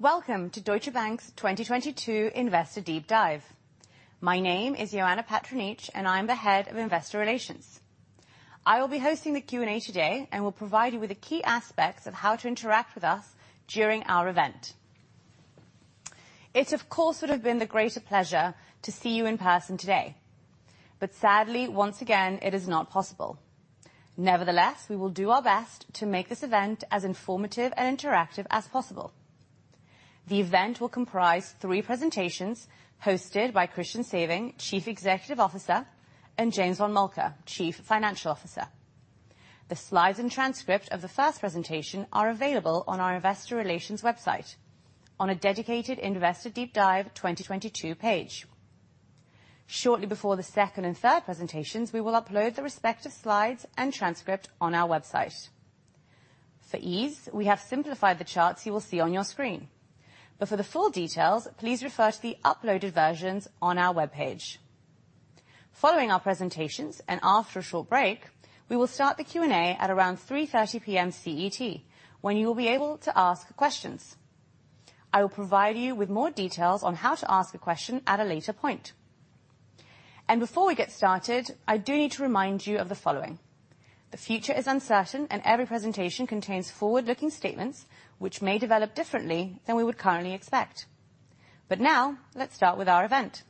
Welcome to Deutsche Bank's 2022 Investor Deep Dive. My name is Ioana Patriniche, and I'm the head of Investor Relations. I will be hosting the Q&A today and will provide you with the key aspects of how to interact with us during our event. It, of course, would have been the greater pleasure to see you in person today but sadly, once again, it is not possible. Nevertheless, we will do our best to make this event as informative and interactive as possible. The event will comprise three presentations hosted by Christian Sewing, Chief Executive Officer, and James von Moltke, Chief Financial Officer. The slides and transcript of the first presentation are available on our investor relations website on a dedicated Investor Deep Dive 2022 page. Shortly before the second and third presentations, we will upload the respective slides and transcript on our website. For ease, we have simplified the charts you will see on your screen. For the full details, please refer to the uploaded versions on our webpage. Following our presentations and after a short break, we will start the Q&A at around 3:30 P.M. CET, when you will be able to ask questions. I will provide you with more details on how to ask a question at a later point. Before we get started, I do need to remind you of the following. The future is uncertain, and every presentation contains forward-looking statements which may develop differently than we would currently expect. Now let's start with our event.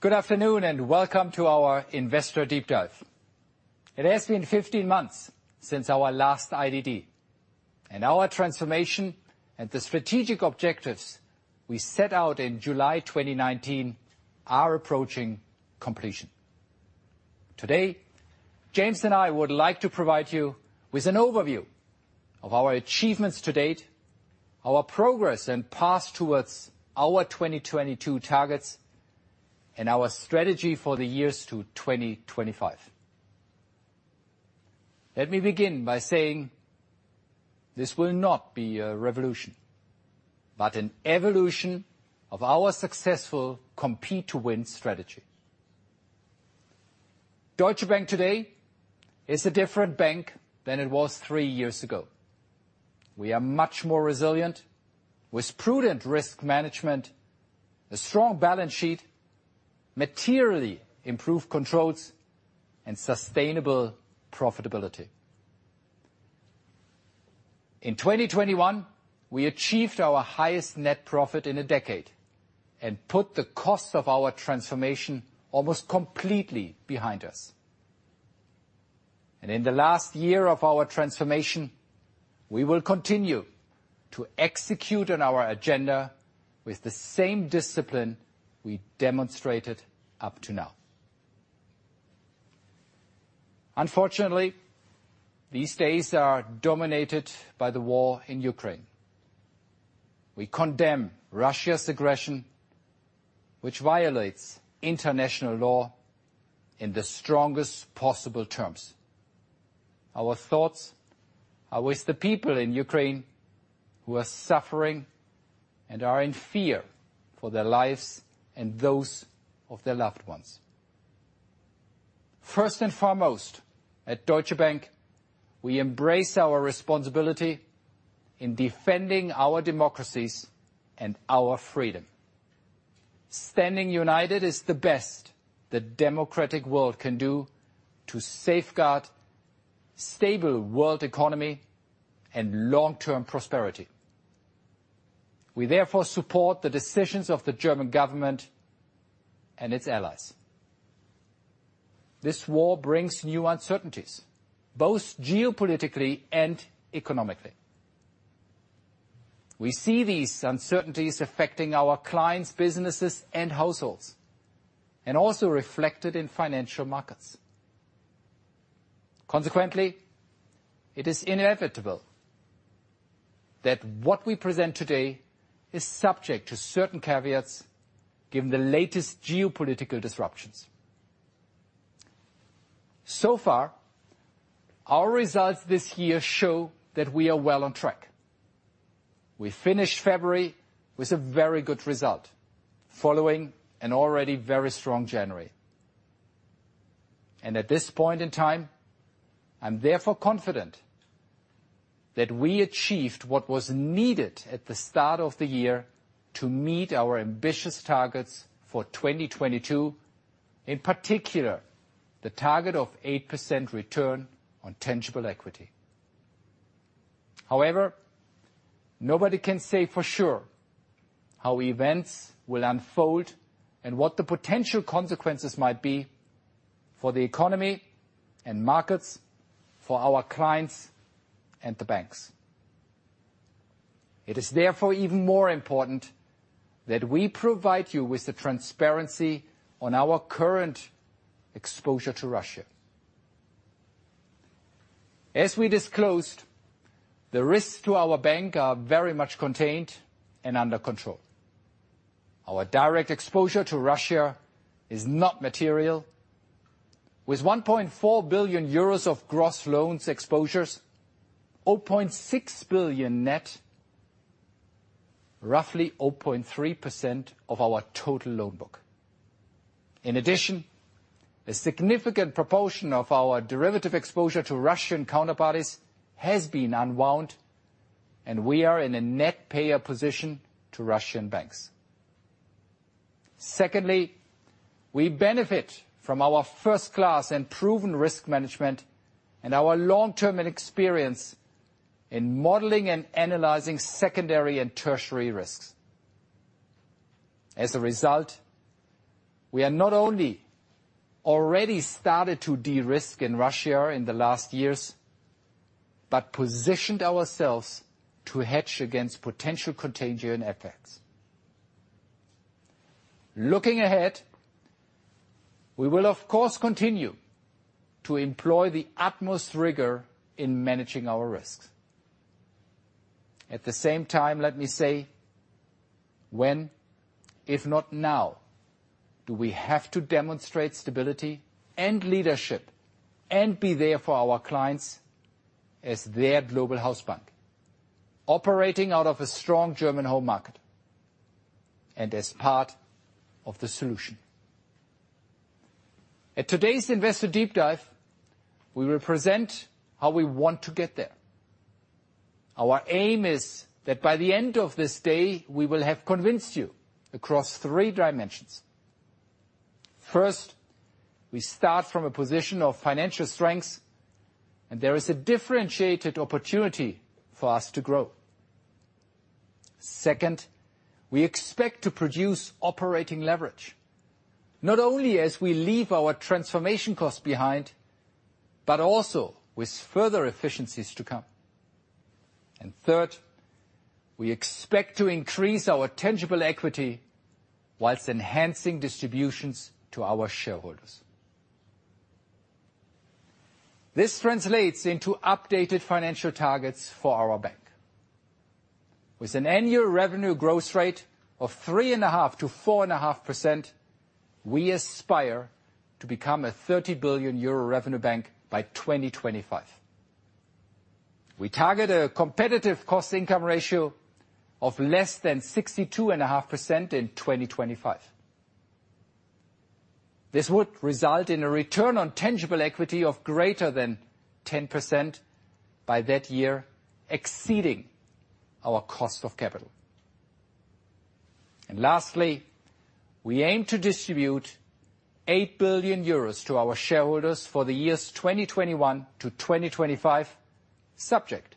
Good afternoon and welcome to our Investor Deep Dive. It has been 15 months since our last IDD. Our transformation and the strategic objectives we set out in July 2019 are approaching completion. Today, James and I would like to provide you with an overview of our achievements to date, our progress and path towards our 2022 targets, and our strategy for the years to 2025. Let me begin by saying this will not be a revolution but an evolution of our successful Compete to Win strategy. Deutsche Bank today is a different bank than it was 3 years ago. We are much more resilient with prudent risk management, a strong balance sheet, materially improved controls, and sustainable profitability. In 2021, we achieved our highest net profit in a decade and put the cost of our transformation almost completely behind us. In the last year of our transformation, we will continue to execute on our agenda with the same discipline we demonstrated up to now. Unfortunately, these days are dominated by the war in Ukraine. We condemn Russia's aggression, which violates international law, in the strongest possible terms. Our thoughts are with the people in Ukraine who are suffering and are in fear for their lives and those of their loved ones. First and foremost, at Deutsche Bank, we embrace our responsibility in defending our democracies and our freedom. Standing united is the best the democratic world can do to safeguard stable world economy and long-term prosperity. We therefore support the decisions of the German government and its allies. This war brings new uncertainties, both geopolitically and economically. We see these uncertainties affecting our clients, businesses and households, and also reflected in financial markets. Consequently, it is inevitable that what we present today is subject to certain caveats given the latest geopolitical disruptions. Our results this year show that we are well on track. We finished February with a very good result, following an already very strong January. At this point in time, I'm therefore confident that we achieved what was needed at the start of the year to meet our ambitious targets for 2022, in particular, the target of 8% return on tangible equity. However, nobody can say for sure how events will unfold and what the potential consequences might be for the economy and markets, for our clients and the banks. It is therefore even more important that we provide you with the transparency on our current exposure to Russia. As we disclosed, the risks to our bank are very much contained and under control. Our direct exposure to Russia is not material. With 1.4 billion euros of gross loans exposures, 0.6 billion net, roughly 0.3% of our total loan book. In addition, a significant proportion of our derivative exposure to Russian counterparties has been unwound, and we are in a net payer position to Russian banks. Secondly, we benefit from our first class and proven risk management and our long-term experience in modeling and analyzing secondary and tertiary risks. As a result, we are not only already started to de-risk in Russia in the last years but positioned ourselves to hedge against potential contagion effects. Looking ahead, we will of course continue to employ the utmost rigor in managing our risks. At the same time, let me say, when, if not now, do we have to demonstrate stability and leadership and be there for our clients as their Global Hausbank? Operating out of a strong German home market and as part of the solution. At today's Investor Deep Dive, we will present how we want to get there. Our aim is that by the end of this day, we will have convinced you across three dimensions. First, we start from a position of financial strength, and there is a differentiated opportunity for us to grow. Second, we expect to produce operating leverage, not only as we leave our transformation costs behind, but also with further efficiencies to come. Third, we expect to increase our tangible equity whilst enhancing distributions to our shareholders. This translates into updated financial targets for our bank. With an annual revenue growth rate of 3.5%-4.5%, we aspire to become a 30 billion euro revenue bank by 2025. We target a competitive cost income ratio of less than 62.5% in 2025. This would result in a return on tangible equity of greater than 10% by that year, exceeding our cost of capital. Lastly, we aim to distribute 8 billion euros to our shareholders for the years 2021-2025, subject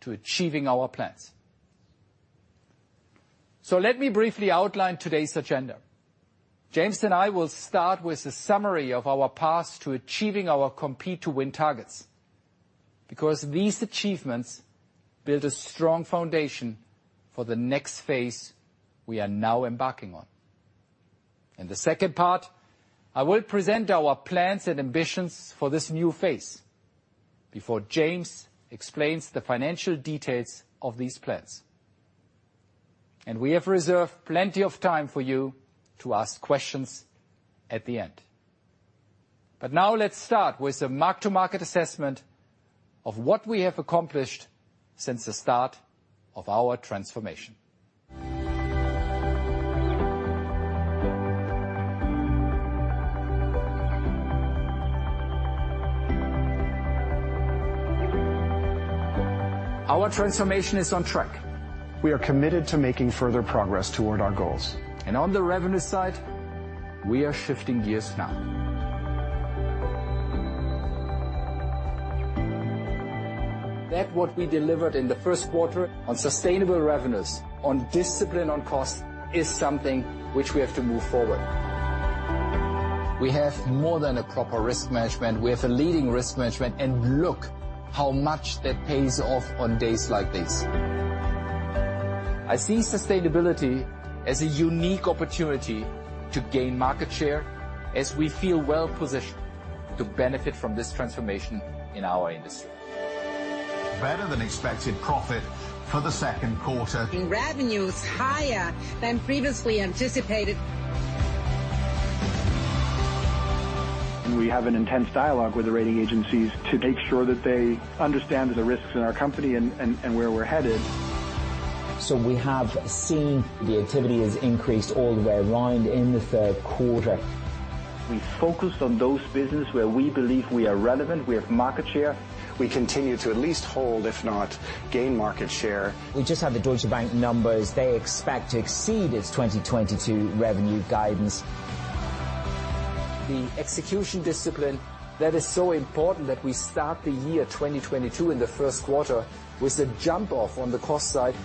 to achieving our plans. Let me briefly outline today's agenda. James and I will start with a summary of our path to achieving our Compete to Win targets because these achievements build a strong foundation for the next phase we are now embarking on. In the second part, I will present our plans and ambitions for this new phase before James explains the financial details of these plans. We have reserved plenty of time for you to ask questions at the end. Now let's start with the mark-to-market assessment of what we have accomplished since the start of our transformation. Our transformation is on track. We are committed to making further progress toward our goals. On the revenue side, we are shifting gears now. That's what we delivered in the Q1 on sustainable revenues, on discipline on costs, is something which we have to move forward. We have more than a proper risk management. We have a leading risk management. Look how much that pays off on days like this. I see sustainability as a unique opportunity to gain market share as we feel well positioned to benefit from this transformation in our industry. Better than expected profit for the second quarter in revenues higher than previously anticipated. We have an intense dialogue with the rating agencies to make sure that they understand the risks in our company and where we're headed. We have seen the activity has increased all the way around in the Q3. We focused on those business where we believe we are relevant, we have market share. We continue to at least hold, if not gain market share. We just had the Deutsche Bank numbers. They expect to exceed its 2022 revenue guidance. The execution discipline that is so important that we start the year 2022 in the Q1 with a jump off on the cost side.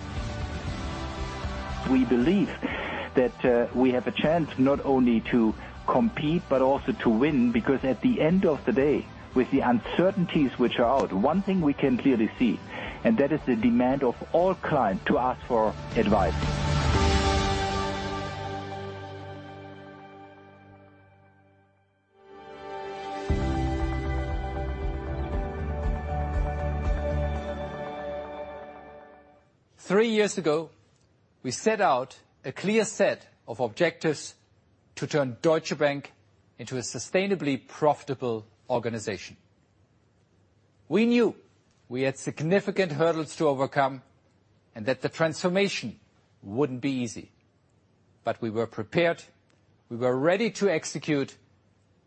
We believe that, we have a chance not only to compete, but also to win. Because at the end of the day, with the uncertainties which are out, one thing we can clearly see, and that is the demand of all client to ask for advice. 3 years ago, we set out a clear set of objectives to turn Deutsche Bank into a sustainably profitable organization. We knew we had significant hurdles to overcome and that the transformation wouldn't be easy. We were prepared, we were ready to execute,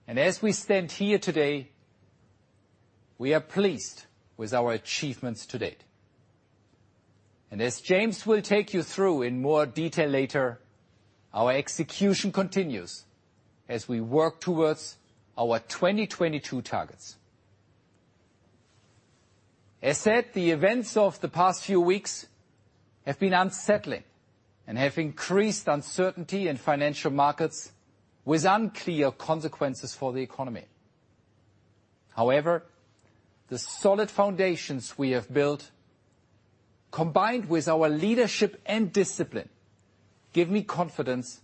and as we stand here today, we are pleased with our achievements to date. As James will take you through in more detail later, our execution continues as we work towards our 2022 targets. As said, the events of the past few weeks have been unsettling and have increased uncertainty in financial markets with unclear consequences for the economy. However, the solid foundations we have built, combined with our leadership and discipline, give me confidence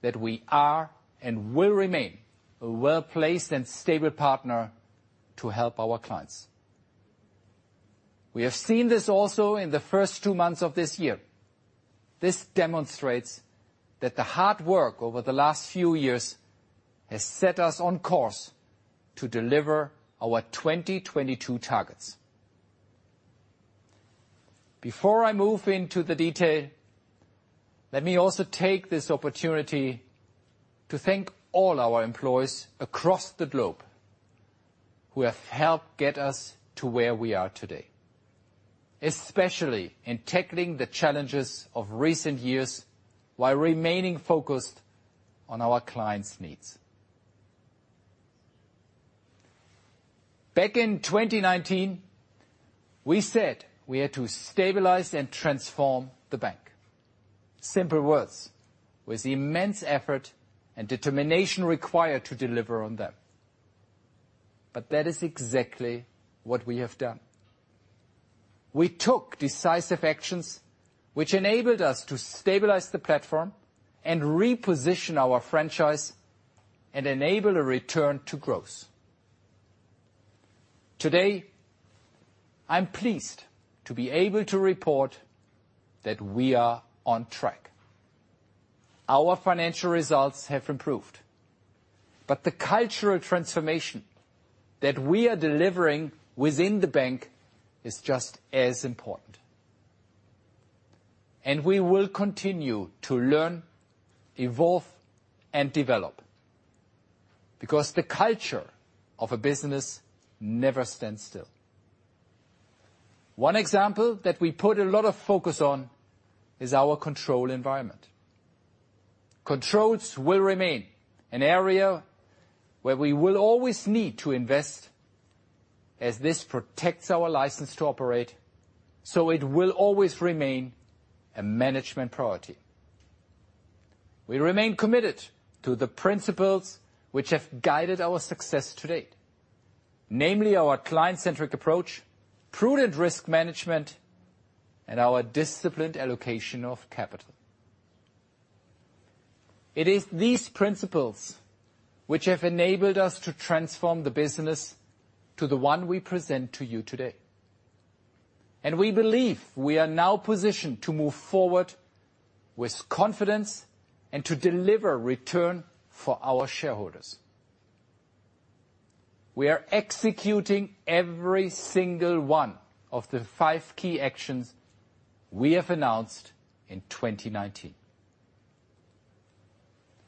that we are and will remain a well-placed and stable partner to help our clients. We have seen this also in the first two months of this year. This demonstrates that the hard work over the last few years has set us on course to deliver our 2022 targets. Before I move into the detail, let me also take this opportunity to thank all our employees across the globe who have helped get us to where we are today, especially in tackling the challenges of recent years while remaining focused on our clients' needs. Back in 2019, we said we had to stabilize and transform the bank. Simple words, with immense effort and determination required to deliver on them. That is exactly what we have done. We took decisive actions which enabled us to stabilize the platform and reposition our franchise and enable a return to growth. Today, I'm pleased to be able to report that we are on track. Our financial results have improved, but the cultural transformation that we are delivering within the bank is just as important. We will continue to learn, evolve, and develop because the culture of a business never stands still. One example that we put a lot of focus on is our control environment. Controls will remain an area where we will always need to invest, as this protects our license to operate, so it will always remain a management priority. We remain committed to the principles which have guided our success to date, namely our client-centric approach, prudent risk management, and our disciplined allocation of capital. It is these principles which have enabled us to transform the business to the one we present to you today. We believe we are now positioned to move forward with confidence and to deliver return for our shareholders. We are executing every single one of the five key actions we have announced in 2019.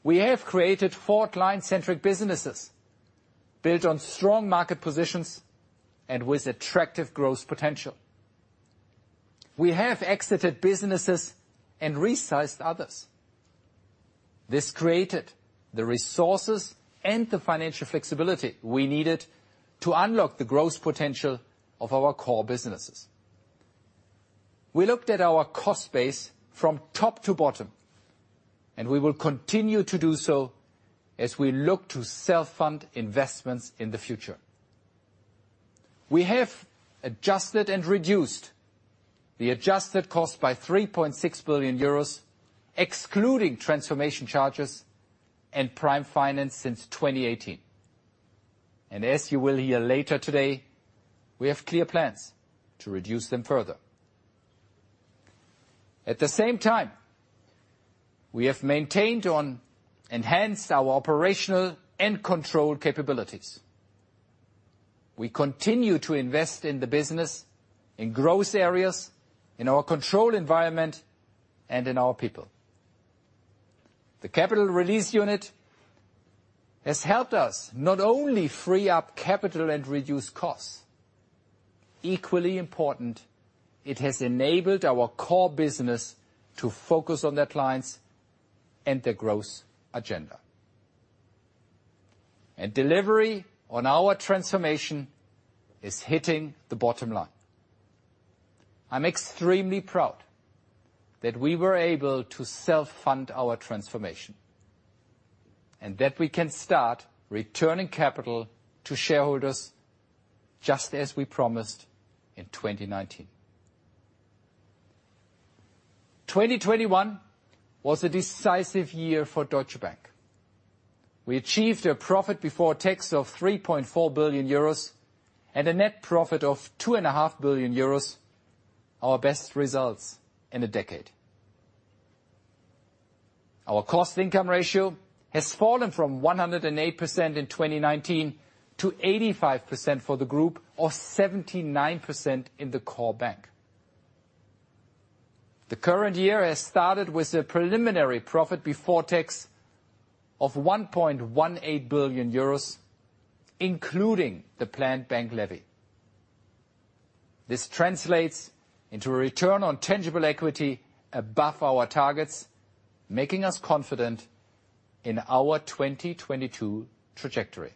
We have created four client-centric businesses built on strong market positions and with attractive growth potential. We have exited businesses and resized others. This created the resources and the financial flexibility we needed to unlock the growth potential of our core businesses. We looked at our cost base from top to bottom, and we will continue to do so as we look to self-fund investments in the future. We have adjusted and reduced the adjusted cost by 3.6 billion euros, excluding transformation charges and prime finance since 2018. As you will hear later today, we have clear plans to reduce them further. At the same time, we have maintained and enhanced our operational and control capabilities. We continue to invest in the business, in growth areas, in our control environment, and in our people. The Capital Release Unit has helped us not only free up capital and reduce costs. Equally important, it has enabled our core business to focus on their clients and their growth agenda. Delivery on our transformation is hitting the bottom line. I'm extremely proud that we were able to self-fund our transformation and that we can start returning capital to shareholders just as we promised in 2019. 2021 was a decisive year for Deutsche Bank. We achieved a profit before tax of 3.4 billion euros and a net profit of two and a half billion euros, our best results in a decade. Our cost income ratio has fallen from 108% in 2019 to 85% for the group, or 79% in the core bank. The current year has started with a preliminary profit before tax of 1.18 billion euros, including the planned bank levy. This translates into a return on tangible equity above our targets, making us confident in our 2022 trajectory.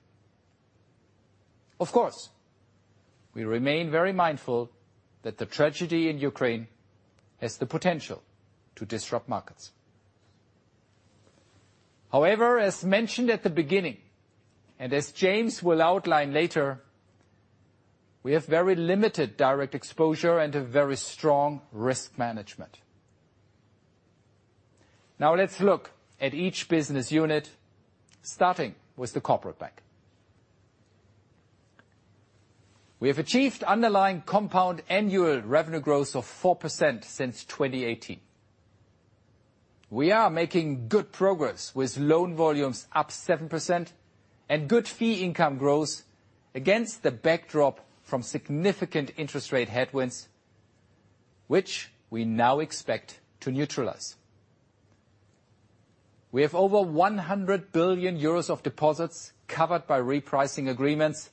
Of course, we remain very mindful that the tragedy in Ukraine has the potential to disrupt markets. However, as mentioned at the beginning, and as James will outline later, we have very limited direct exposure and a very strong risk management. Now let's look at each business unit, starting with the Corporate Bank. We have achieved underlying compound annual revenue growth of 4% since 2018. We are making good progress with loan volumes up 7% and good fee income growth against the backdrop from significant interest rate headwinds, which we now expect to neutralize. We have over 100 billion euros of deposits covered by repricing agreements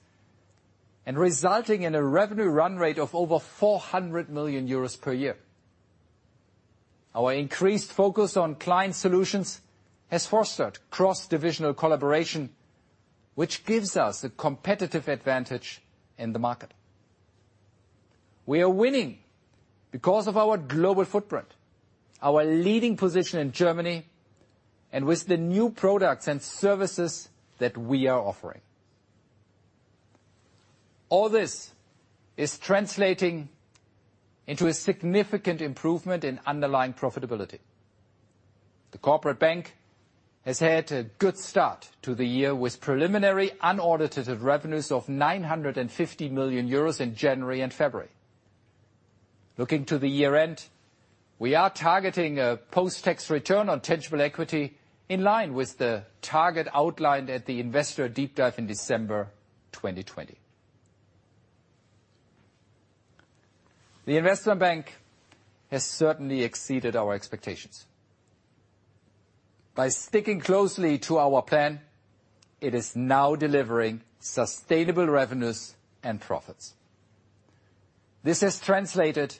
and resulting in a revenue run rate of over 400 million euros per year. Our increased focus on client solutions has fostered cross-divisional collaboration, which gives us a competitive advantage in the market. We are winning because of our global footprint, our leading position in Germany, and with the new products and services that we are offering. All this is translating into a significant improvement in underlying profitability. The Corporate Bank has had a good start to the year with preliminary unaudited revenues of 950 million euros in January and February. Looking to the year-end, we are targeting a post-tax Return on Tangible Equity in line with the target outlined at the Investor Deep Dive in December 2020. The Investment Bank has certainly exceeded our expectations. By sticking closely to our plan, it is now delivering sustainable revenues and profits. This has translated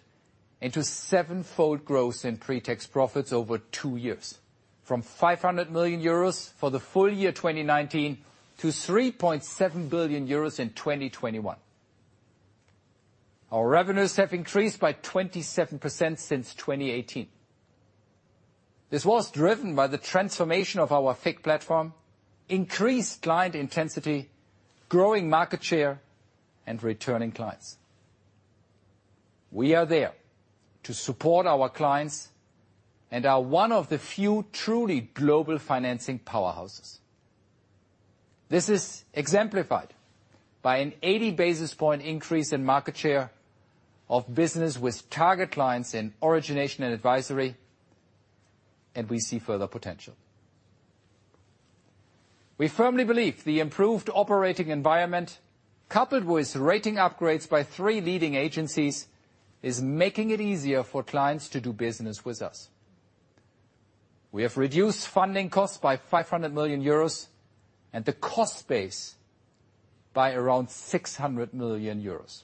into 7-fold growth in pre-tax profits over two years, from 500 million euros for the full year 2019 to 3.7 billion euros in 2021. Our revenues have increased by 27% since 2018. This was driven by the transformation of our FICC platform, increased client intensity, growing market share, and returning clients. We are there to support our clients and are one of the few truly global financing powerhouses. This is exemplified by an 80-basis point increase in market share of business with target clients in Origination and Advisory, and we see further potential. We firmly believe the improved operating environment, coupled with rating upgrades by three leading agencies, is making it easier for clients to do business with us. We have reduced funding costs by 500 million euros and the cost base by around 600 million euros.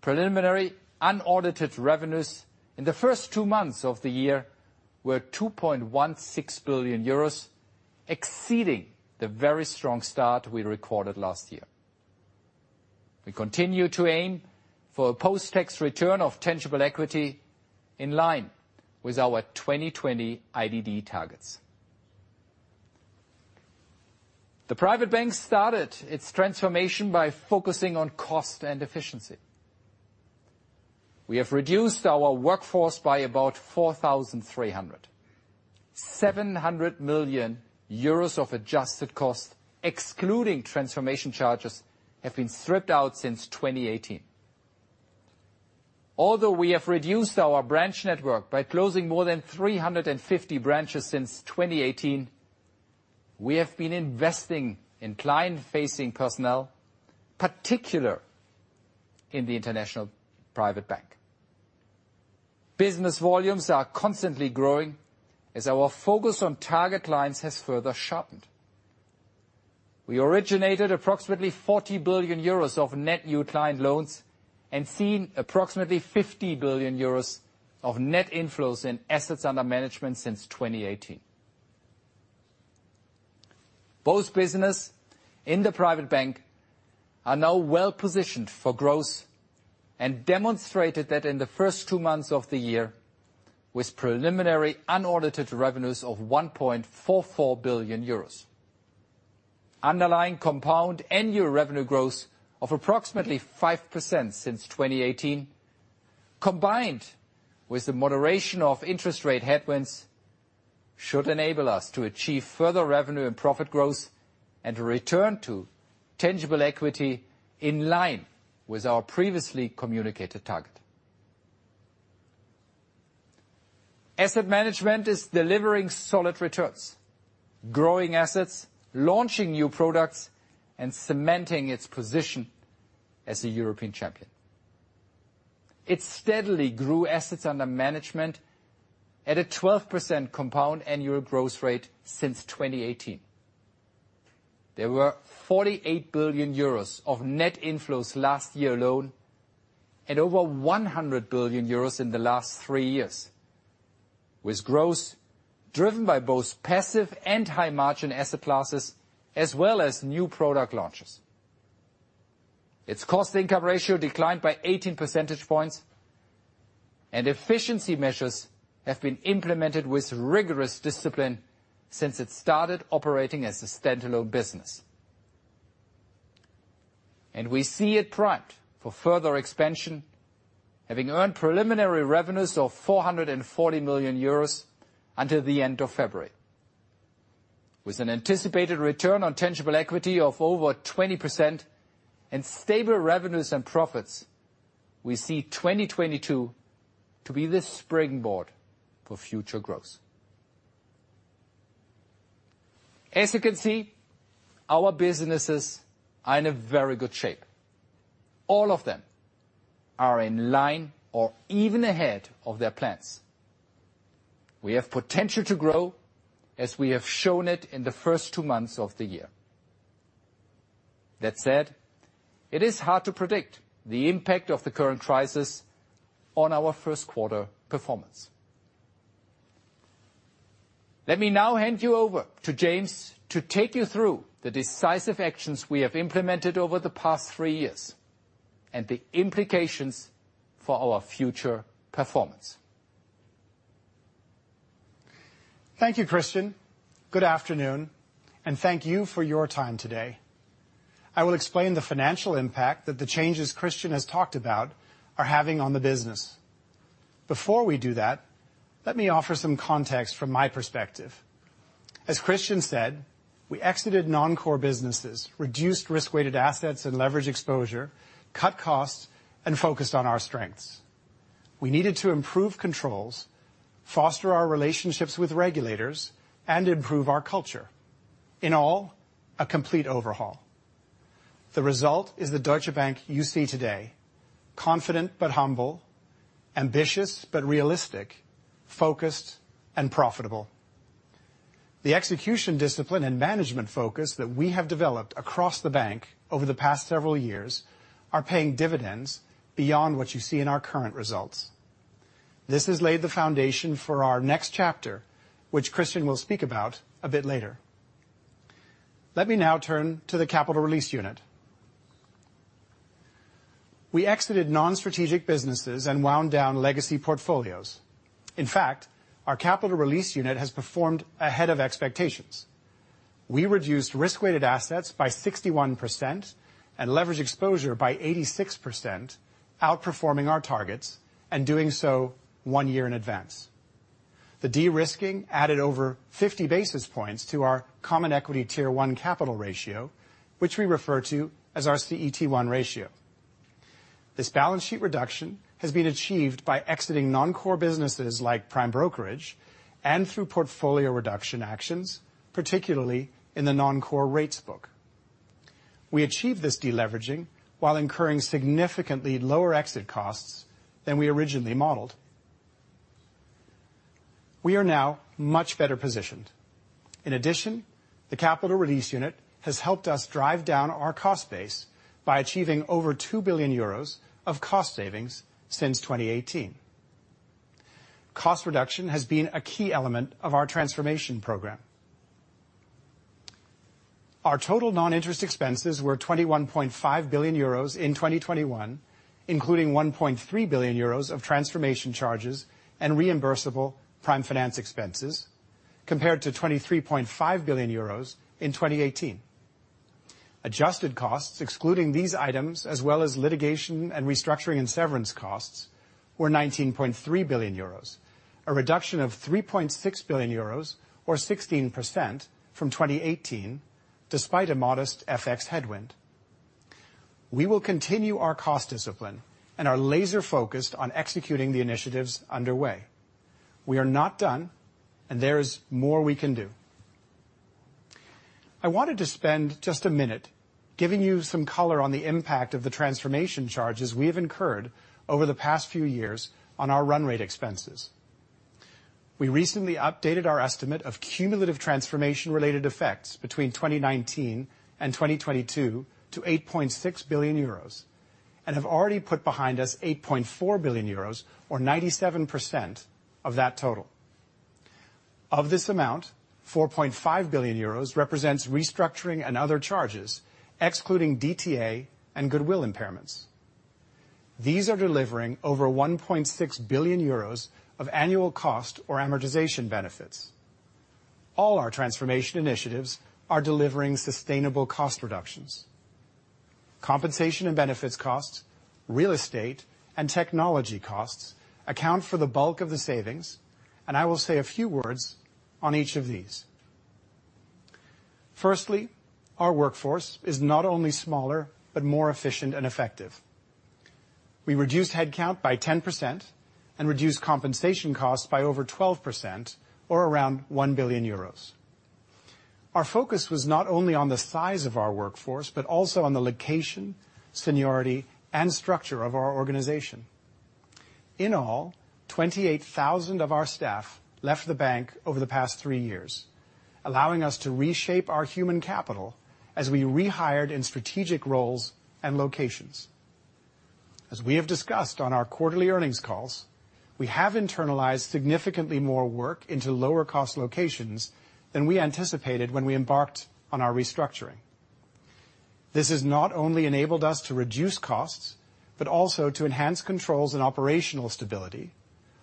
Preliminary unaudited revenues in the first two months of the year were 2.16 billion euros, exceeding the very strong start we recorded last year. We continue to aim for a post-tax return of tangible equity in line with our 2020 IDD targets. The Private Bank started its transformation by focusing on cost and efficiency. We have reduced our workforce by about 4,300. 700 million euros of adjusted cost, excluding transformation charges, have been stripped out since 2018. Although we have reduced our branch network by closing more than 350 branches since 2018, we have been investing in client-facing personnel, particularly in the International Private Bank. Business volumes are constantly growing as our focus on target clients has further sharpened. We originated approximately 40 billion euros of net new client loans and seen approximately 50 billion euros of net inflows in assets under management since 2018. Both business in the Private Bank are now well positioned for growth and demonstrated that in the first two months of the year with preliminary unaudited revenues of 1.44 billion euros. Underlying compound annual revenue growth of approximately 5% since 2018, combined with the moderation of interest rate headwinds, should enable us to achieve further revenue and profit growth and return to tangible equity in line with our previously communicated target. Asset Management is delivering solid returns, growing assets, launching new products, and cementing its position as a European champion. It steadily grew assets under management at a 12% compound annual growth rate since 2018. There were 48 billion euros of net inflows last year alone and over 100 billion euros in the last three years, with growth driven by both passive and high-margin asset classes as well as new product launches. Its cost-to-income ratio declined by 18 percentage points and efficiency measures have been implemented with rigorous discipline since it started operating as a standalone business. We see it primed for further expansion, having earned preliminary revenues of 440 million euros until the end of February. With an anticipated return on tangible equity of over 20% and stable revenues and profits, we see 2022 to be the springboard for future growth. As you can see, our businesses are in a very good shape. All of them are in line or even ahead of their plans. We have potential to grow as we have shown it in the first two months of the year. That said, it is hard to predict the impact of the current crisis on our Q1 performance. Let me now hand you over to James to take you through the decisive actions we have implemented over the past three years and the implications for our future performance. Thank you, Christian. Good afternoon, and thank you for your time today. I will explain the financial impact that the changes Christian has talked about are having on the business. Before we do that, let me offer some context from my perspective. As Christian said, we exited non-core businesses, reduced risk-weighted assets and leverage exposure, cut costs, and focused on our strengths. We needed to improve controls, foster our relationships with regulators, and improve our culture. In all, a complete overhaul. The result is the Deutsche Bank you see today, confident but humble, ambitious but realistic, focused and profitable. The execution discipline and management focus that we have developed across the bank over the past several years are paying dividends beyond what you see in our current results. This has laid the foundation for our next chapter, which Christian will speak about a bit later. Let me now turn to the Capital Release Unit. We exited non-strategic businesses and wound down legacy portfolios. In fact, our Capital Release Unit has performed ahead of expectations. We reduced risk-weighted assets by 61% and leverage exposure by 86%, outperforming our targets and doing so one year in advance. The de-risking added over 50-basis points to our common equity tier one capital ratio, which we refer to as our CET1 ratio. This balance sheet reduction has been achieved by exiting non-core businesses like Prime Brokerage and through portfolio reduction actions, particularly in the non-core rates book. We achieved this de-leveraging while incurring significantly lower exit costs than we originally modeled. We are now much better positioned. In addition, the Capital Release Unit has helped us drive down our cost base by achieving over 2 billion euros of cost savings since 2018. Cost reduction has been a key element of our transformation program. Our total non-interest expenses were 21.5 billion euros in 2021, including 1.3 billion euros of transformation charges and reimbursable prime finance expenses compared to 23.5 billion euros in 2018. Adjusted costs, excluding these items as well as litigation and restructuring and severance costs, were 19.3 billion euros, a reduction of 3.6 billion euros or 16% from 2018, despite a modest FX headwind. We will continue our cost discipline and are laser-focused on executing the initiatives underway. We are not done, and there is more we can do. I wanted to spend just a minute giving you some color on the impact of the transformation charges we have incurred over the past few years on our run rate expenses. We recently updated our estimate of cumulative transformation-related effects between 2019 and 2022 to 8.6 billion euros and have already put behind us 8.4 billion euros or 97% of that total. Of this amount, 4.5 billion euros represents restructuring and other charges, excluding DTA and goodwill impairments. These are delivering over 1.6 billion euros of annual cost or amortization benefits. All our transformation initiatives are delivering sustainable cost reductions. Compensation and benefits costs, real estate, and technology costs account for the bulk of the savings, and I will say a few words on each of these. Firstly, our workforce is not only smaller, but more efficient and effective. We reduced headcount by 10% and reduced compensation costs by over 12% or around 1 billion euros. Our focus was not only on the size of our workforce, but also on the location, seniority, and structure of our organization. In all, 28,000 of our staff left the bank over the past three years, allowing us to reshape our human capital as we rehired in strategic roles and locations. As we have discussed on our quarterly earnings calls, we have internalized significantly more work into lower cost locations than we anticipated when we embarked on our restructuring. This has not only enabled us to reduce costs, but also to enhance controls and operational stability,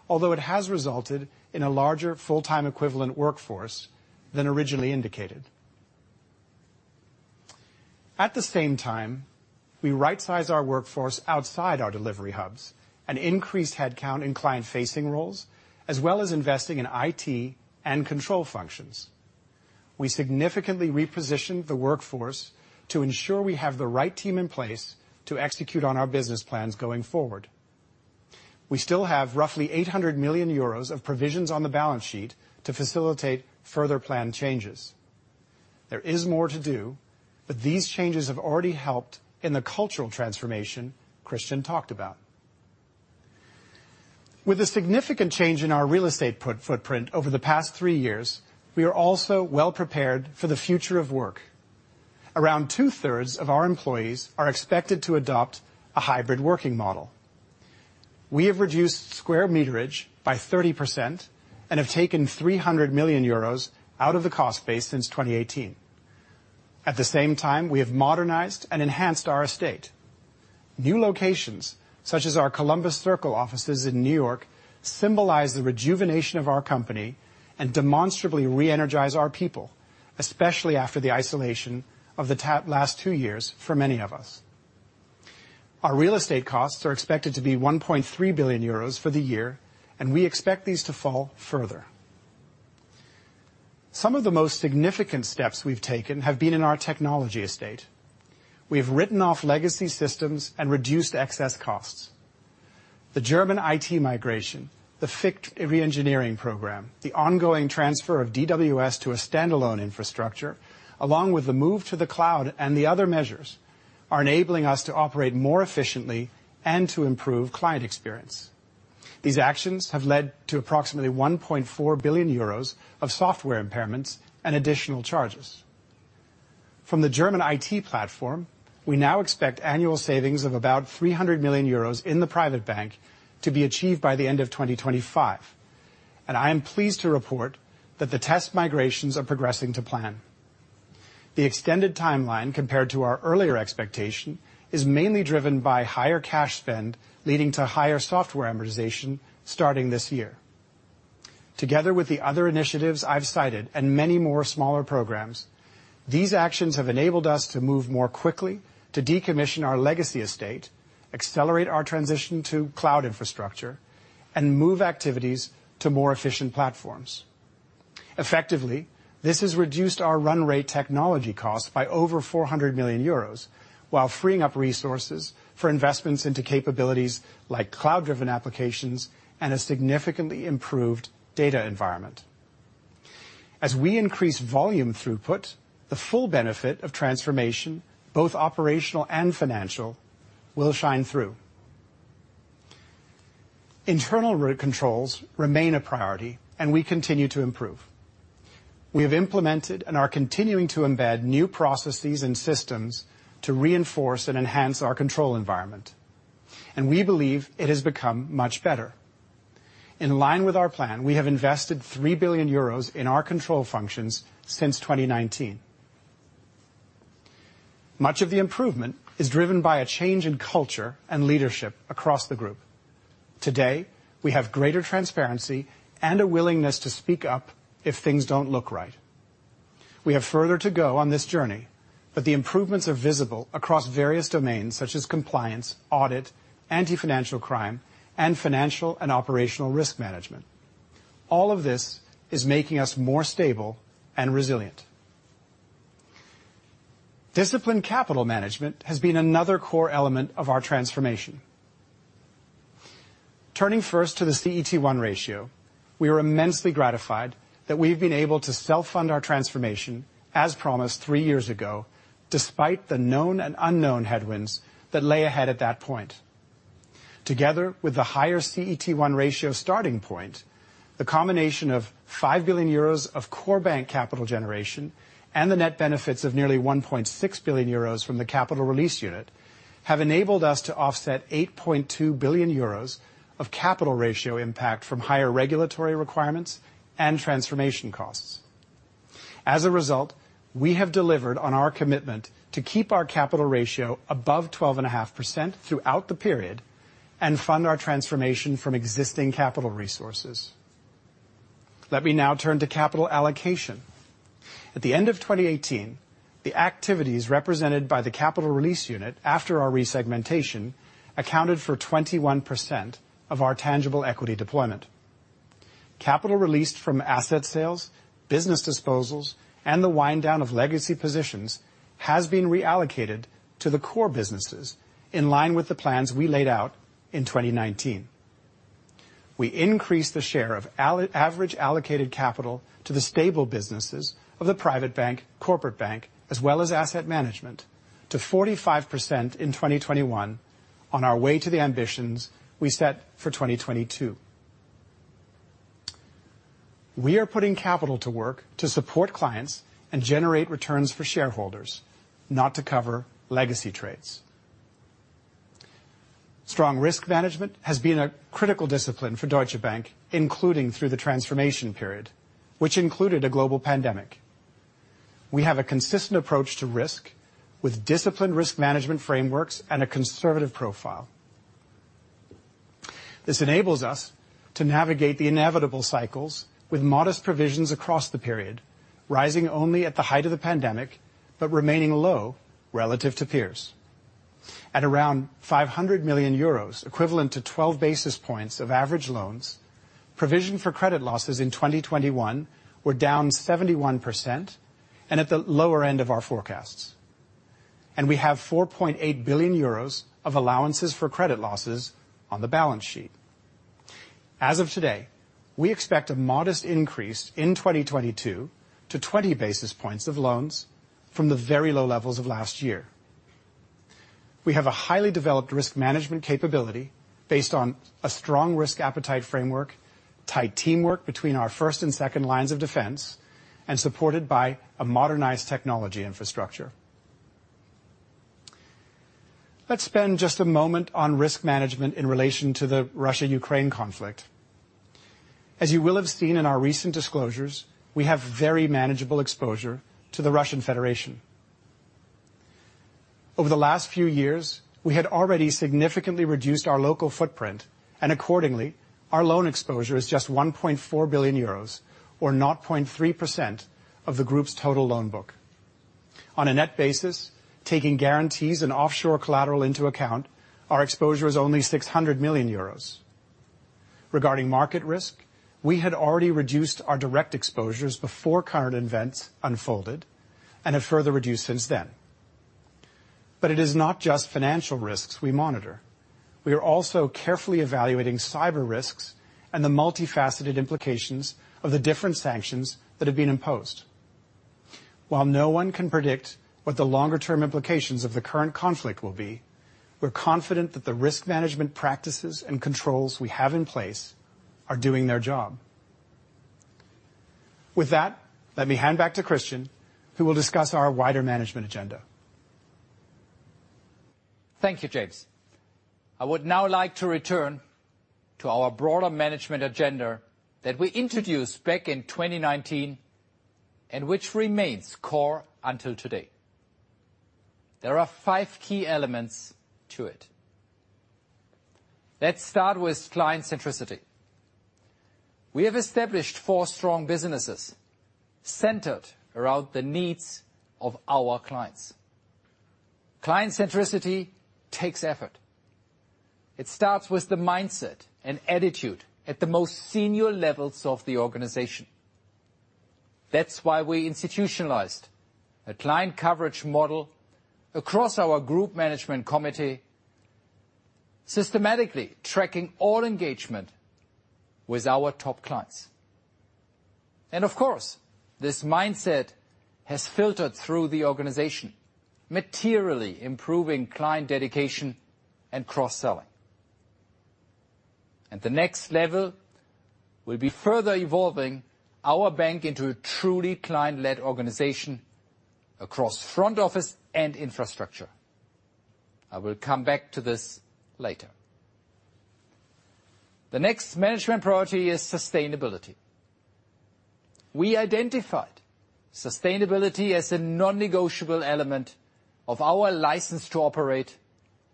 although it has resulted in a larger full-time equivalent workforce than originally indicated. At the same time, we right-size our workforce outside our delivery hubs and increase headcount in client-facing roles, as well as investing in IT and control functions. We significantly reposition the workforce to ensure we have the right team in place to execute on our business plans going forward. We still have roughly 800 millions euros of provisions on the balance sheet to facilitate further plan changes. There is more to do, but these changes have already helped in the cultural transformation Christian talked about. With a significant change in our real estate footprint over the past 3 years, we are also well prepared for the future of work. Around two-thirds of our employees are expected to adopt a hybrid working model. We have reduced square meterage by 30% and have taken 300 million euros out of the cost base since 2018. At the same time, we have modernized and enhanced our estate. New locations, such as our Columbus Circle offices in New York, symbolize the rejuvenation of our company and demonstrably re-energize our people, especially after the isolation of the last two years for many of us. Our real estate costs are expected to be 1.3 billion euros for the year, and we expect these to fall further. Some of the most significant steps we've taken have been in our technology estate. We have written off legacy systems and reduced excess costs. The German IT migration, the fixed reengineering program, the ongoing transfer of DWS to a standalone infrastructure, along with the move to the cloud and the other measures, are enabling us to operate more efficiently and to improve client experience. These actions have led to approximately 1.4 billion euros of software impairments and additional charges. From the German IT platform, we now expect annual savings of about 300 million euros in the Private Bank to be achieved by the end of 2025, and I am pleased to report that the test migrations are progressing to plan. The extended timeline, compared to our earlier expectation, is mainly driven by higher cash spend, leading to higher software amortization starting this year. Together with the other initiatives I've cited and many more smaller programs, these actions have enabled us to move more quickly to decommission our legacy estate, accelerate our transition to cloud infrastructure, and move activities to more efficient platforms. Effectively, this has reduced our run rate technology cost by over 400 million euros while freeing up resources for investments into capabilities like cloud-driven applications and a significantly improved data environment. As we increase volume throughput, the full benefit of transformation, both operational and financial, will shine through. Internal route controls remain a priority, and we continue to improve. We have implemented and are continuing to embed new processes and systems to reinforce and enhance our control environment, and we believe it has become much better. In line with our plan, we have invested 3 billion euros in our control functions since 2019. Much of the improvement is driven by a change in culture and leadership across the group. Today, we have greater transparency and a willingness to speak up if things don't look right. We have further to go on this journey, but the improvements are visible across various domains such as compliance, audit, anti-financial crime, and financial and operational risk management. All of this is making us more stable and resilient. Disciplined capital management has been another core element of our transformation. Turning first to the CET1 ratio, we are immensely gratified that we've been able to self-fund our transformation, as promised three years ago, despite the known and unknown headwinds that lay ahead at that point. Together with the higher CET1 ratio starting point, the combination of 5 billion euros of core bank capital generation and the net benefits of nearly 1.6 billion euros from the Capital Release Unit have enabled us to offset 8.2 billion euros of capital ratio impact from higher regulatory requirements and transformation costs. As a result, we have delivered on our commitment to keep our capital ratio above 12.5% throughout the period and fund our transformation from existing capital resources. Let me now turn to capital allocation. At the end of 2018, the activities represented by the Capital Release Unit after our resegmentation accounted for 21% of our tangible equity deployment. Capital released from asset sales, business disposals, and the wind down of legacy positions has been reallocated to the core businesses in line with the plans we laid out in 2019. We increased the share of average allocated capital to the stable businesses of the Private Bank, Corporate Bank, as well as Asset Management to 45% in 2021 on our way to the ambitions we set for 2022. We are putting capital to work to support clients and generate returns for shareholders, not to cover legacy trades. Strong risk management has been a critical discipline for Deutsche Bank, including through the transformation period, which included a global pandemic. We have a consistent approach to risk with disciplined risk management frameworks and a conservative profile. This enables us to navigate the inevitable cycles with modest provisions across the period, rising only at the height of the pandemic, but remaining low relative to peers. At around 500 million euros, equivalent to 12 basis points of average loans, provision for credit losses in 2021 were down 71% and at the lower end of our forecasts. We have 4.8 billion euros of allowances for credit losses on the balance sheet. As of today, we expect a modest increase in 2022 to 20 basis points of loans from the very low levels of last year. We have a highly developed risk management capability based on a strong risk appetite framework, tight teamwork between our first and second lines of defense, and supported by a modernized technology infrastructure. Let's spend just a moment on risk management in relation to the Russia-Ukraine conflict. As you will have seen in our recent disclosures, we have very manageable exposure to the Russian Federation. Over the last few years, we had already significantly reduced our local footprint, and accordingly, our loan exposure is just 1.4 billion euros or 0.3% of the group's total loan book. On a net basis, taking guarantees and offshore collateral into account, our exposure is only 600 million euros. Regarding market risk, we had already reduced our direct exposures before current events unfolded and have further reduced since then. It is not just financial risks we monitor. We are also carefully evaluating cyber risks and the multifaceted implications of the different sanctions that have been imposed. While no one can predict what the longer-term implications of the current conflict will be, we're confident that the risk management practices and controls we have in place are doing their job. With that, let me hand back to Christian, who will discuss our wider management agenda. Thank you, James. I would now like to return to our broader management agenda that we introduced back in 2019, and which remains core until today. There are five key elements to it. Let's start with client centricity. We have established four strong businesses centered around the needs of our clients. Client centricity takes effort. It starts with the mindset and attitude at the most senior levels of the organization. That's why we institutionalized a client coverage model across our Group Management Committee, systematically tracking all engagement with our top clients. And of course, this mindset has filtered through the organization, materially improving client dedication and cross-selling. At the next level, we'll be further evolving our bank into a truly client-led organization across front office and infrastructure. I will come back to this later. The next management priority is sustainability. We identified sustainability as a non-negotiable element of our license to operate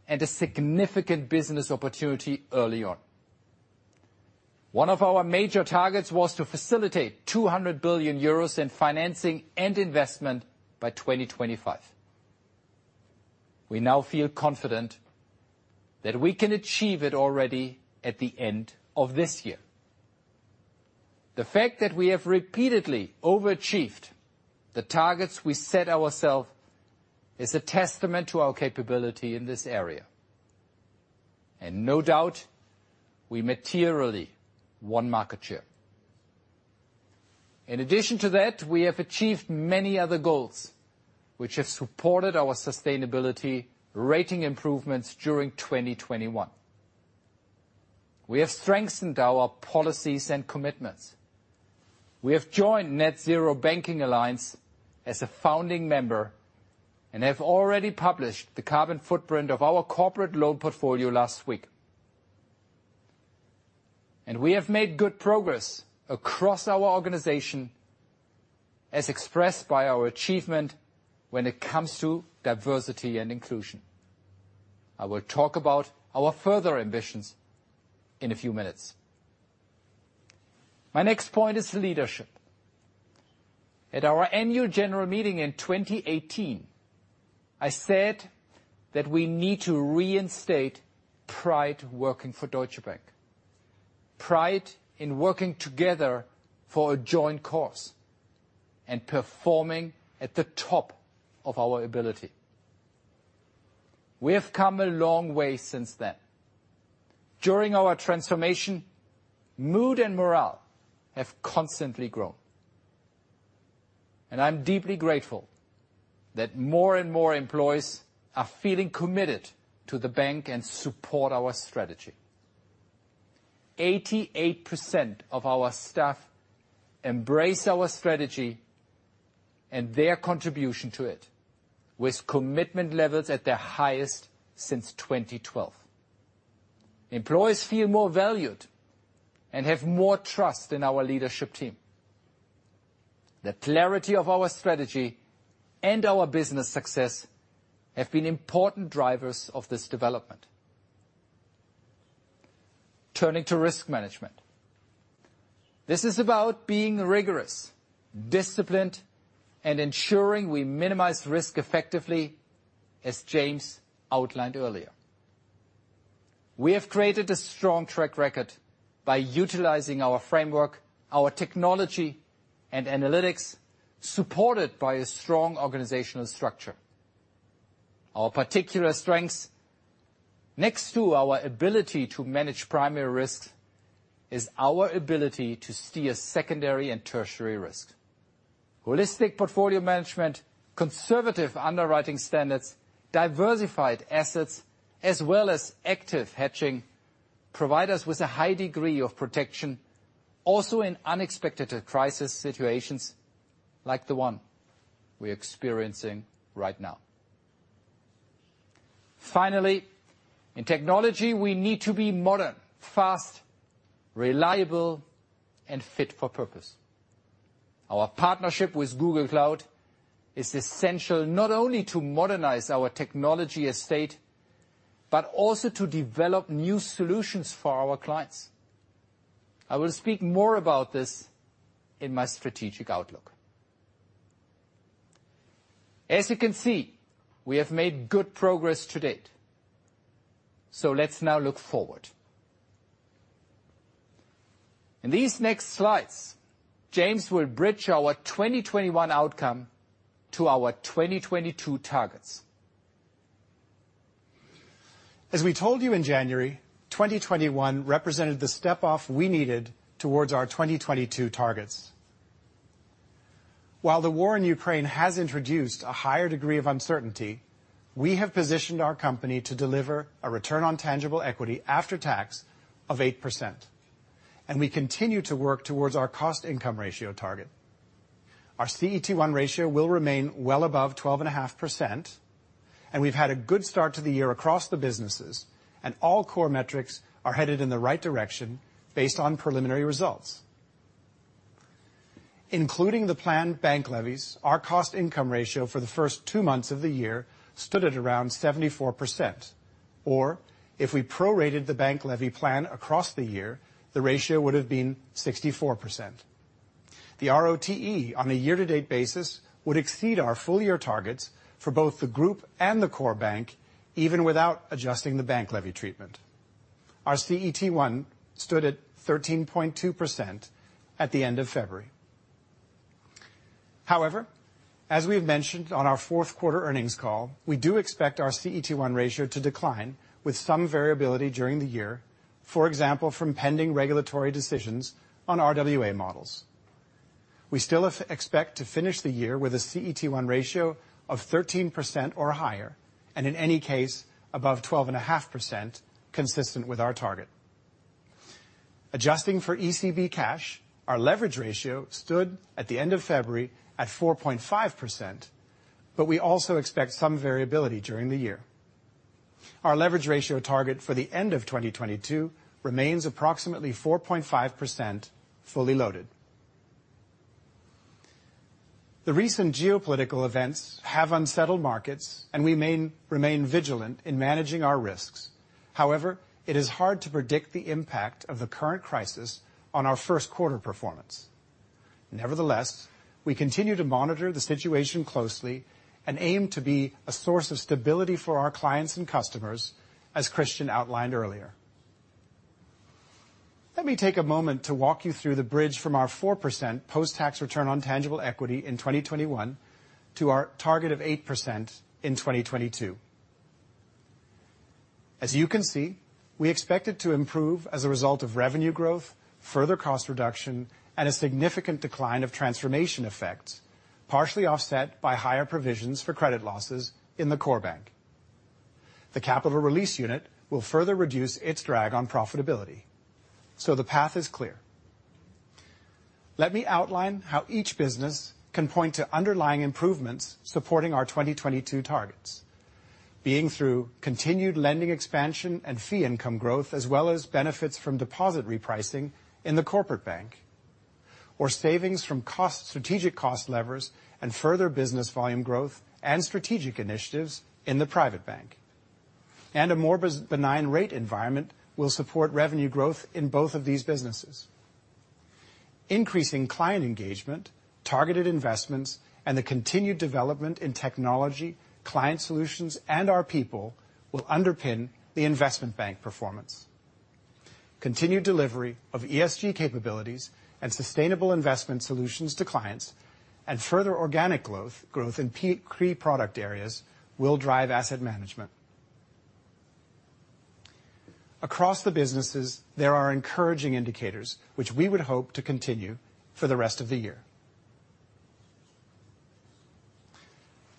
and a significant business opportunity early on. One of our major targets was to facilitate 200 billion euros in financing and investment by 2025. We now feel confident that we can achieve it already at the end of this year. The fact that we have repeatedly overachieved the targets we set ourselves is a testament to our capability in this area. No doubt we materially won market share. In addition to that, we have achieved many other goals which have supported our sustainability rating improvements during 2021. We have strengthened our policies and commitments. We have joined Net-Zero Banking Alliance as a founding member and have already published the carbon footprint of our corporate loan portfolio last week. We have made good progress across our organization as expressed by our achievement when it comes to diversity and inclusion. I will talk about our further ambitions in a few minutes. My next point is leadership. At our annual general meeting in 2018, I said that we need to reinstate pride working for Deutsche Bank. Pride in working together for a joint course and performing at the top of our ability. We have come a long way since then. During our transformation, mood and morale have constantly grown. I'm deeply grateful that more and more employees are feeling committed to the bank and support our strategy. 88% of our staff embrace our strategy and their contribution to it, with commitment levels at their highest since 2012. Employees feel more valued and have more trust in our leadership team. The clarity of our strategy and our business success have been important drivers of this development. Turning to risk management. This is about being rigorous, disciplined, and ensuring we minimize risk effectively, as James outlined earlier. We have created a strong track record by utilizing our framework, our technology and analytics, supported by a strong organizational structure. Our particular strengths, next to our ability to manage primary risk is our ability to steer secondary and tertiary risk. Holistic portfolio management, conservative underwriting standards, diversified assets, as well as active hedging provide us with a high degree of protection, also in unexpected crisis situations like the one we're experiencing right now. Finally, in technology, we need to be modern, fast, reliable, and fit for purpose. Our partnership with Google Cloud is essential not only to modernize our technology estate, but also to develop new solutions for our clients. I will speak more about this in my strategic outlook. As you can see, we have made good progress to date. Let's now look forward. In these next slides, James will bridge our 2021 outcome to our 2022 targets. As we told you in January, 2021 represented the step-off we needed towards our 2022 targets. While the war in Ukraine has introduced a higher degree of uncertainty, we have positioned our company to deliver a return on tangible equity after tax of 8%. We continue to work towards our cost income ratio target. Our CET1 ratio will remain well above 12.5%, and we've had a good start to the year across the businesses and all core metrics are headed in the right direction based on preliminary results. Including the planned bank levies, our cost income ratio for the first two months of the year stood at around 74%. If we prorated the bank levy plan across the year, the ratio would have been 64%. The RoTE on a year-to-date basis would exceed our full year targets for both the group and the core bank, even without adjusting the bank levy treatment. Our CET1 stood at 13.2% at the end of February. However, as we have mentioned on our fourth quarter earnings call, we do expect our CET1 ratio to decline with some variability during the year, for example, from pending regulatory decisions on RWA models. We still expect to finish the year with a CET1 ratio of 13% or higher, and in any case, above 12.5%, consistent with our target. Adjusting for ECB cash, our leverage ratio stood at the end of February at 4.5%, but we also expect some variability during the year. Our leverage ratio target for the end of 2022 remains approximately 4.5% fully loaded. The recent geopolitical events have unsettled markets, and we remain vigilant in managing our risks. However, it is hard to predict the impact of the current crisis on our first quarter performance. Nevertheless, we continue to monitor the situation closely and aim to be a source of stability for our clients and customers, as Christian outlined earlier. Let me take a moment to walk you through the bridge from our 4% post-tax return on tangible equity in 2021 to our target of 8% in 2022. As you can see, we expect it to improve as a result of revenue growth, further cost reduction, and a significant decline of transformation effects, partially offset by higher provisions for credit losses in the core bank. The Capital Release Unit will further reduce its drag on profitability. The path is clear. Let me outline how each business can point to underlying improvements supporting our 2022 targets, beginning through continued lending expansion and fee income growth, as well as benefits from deposit repricing in the Corporate Bank, our savings from cost, strategic cost levers and further business volume growth and strategic initiatives in the Private Bank. A more benign rate environment will support revenue growth in both of these businesses. Increasing client engagement, targeted investments, and the continued development in technology, client solutions, and our people will underpin the Investment Bank performance. Continued delivery of ESG capabilities and sustainable investment solutions to clients and further organic growth in pre-product areas will drive Asset Management. Across the businesses, there are encouraging indicators which we would hope to continue for the rest of the year.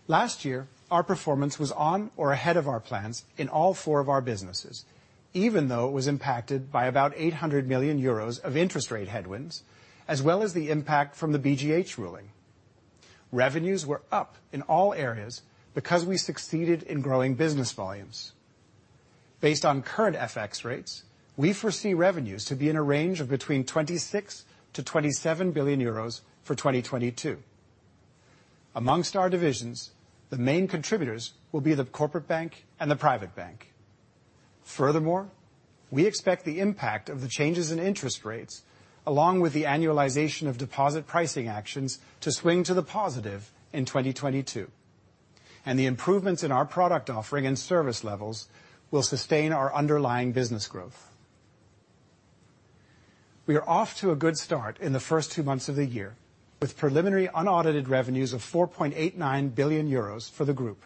Last year, our performance was on or ahead of our plans in all four of our businesses, even though it was impacted by about 800 million euros of interest rate headwinds, as well as the impact from the BGH ruling. Revenues were up in all areas because we succeeded in growing business volumes. Based on current FX rates, we foresee revenues to be in a range of between 26 to 27 billion for 2022. Amongst our divisions, the main contributors will be the Corporate Bank and the Private Bank. Furthermore, we expect the impact of the changes in interest rates, along with the annualization of deposit pricing actions to swing to the positive in 2022. The improvements in our product offering and service levels will sustain our underlying business growth. We are off to a good start in the first two months of the year with preliminary unaudited revenues of 4.89 billion euros for the group.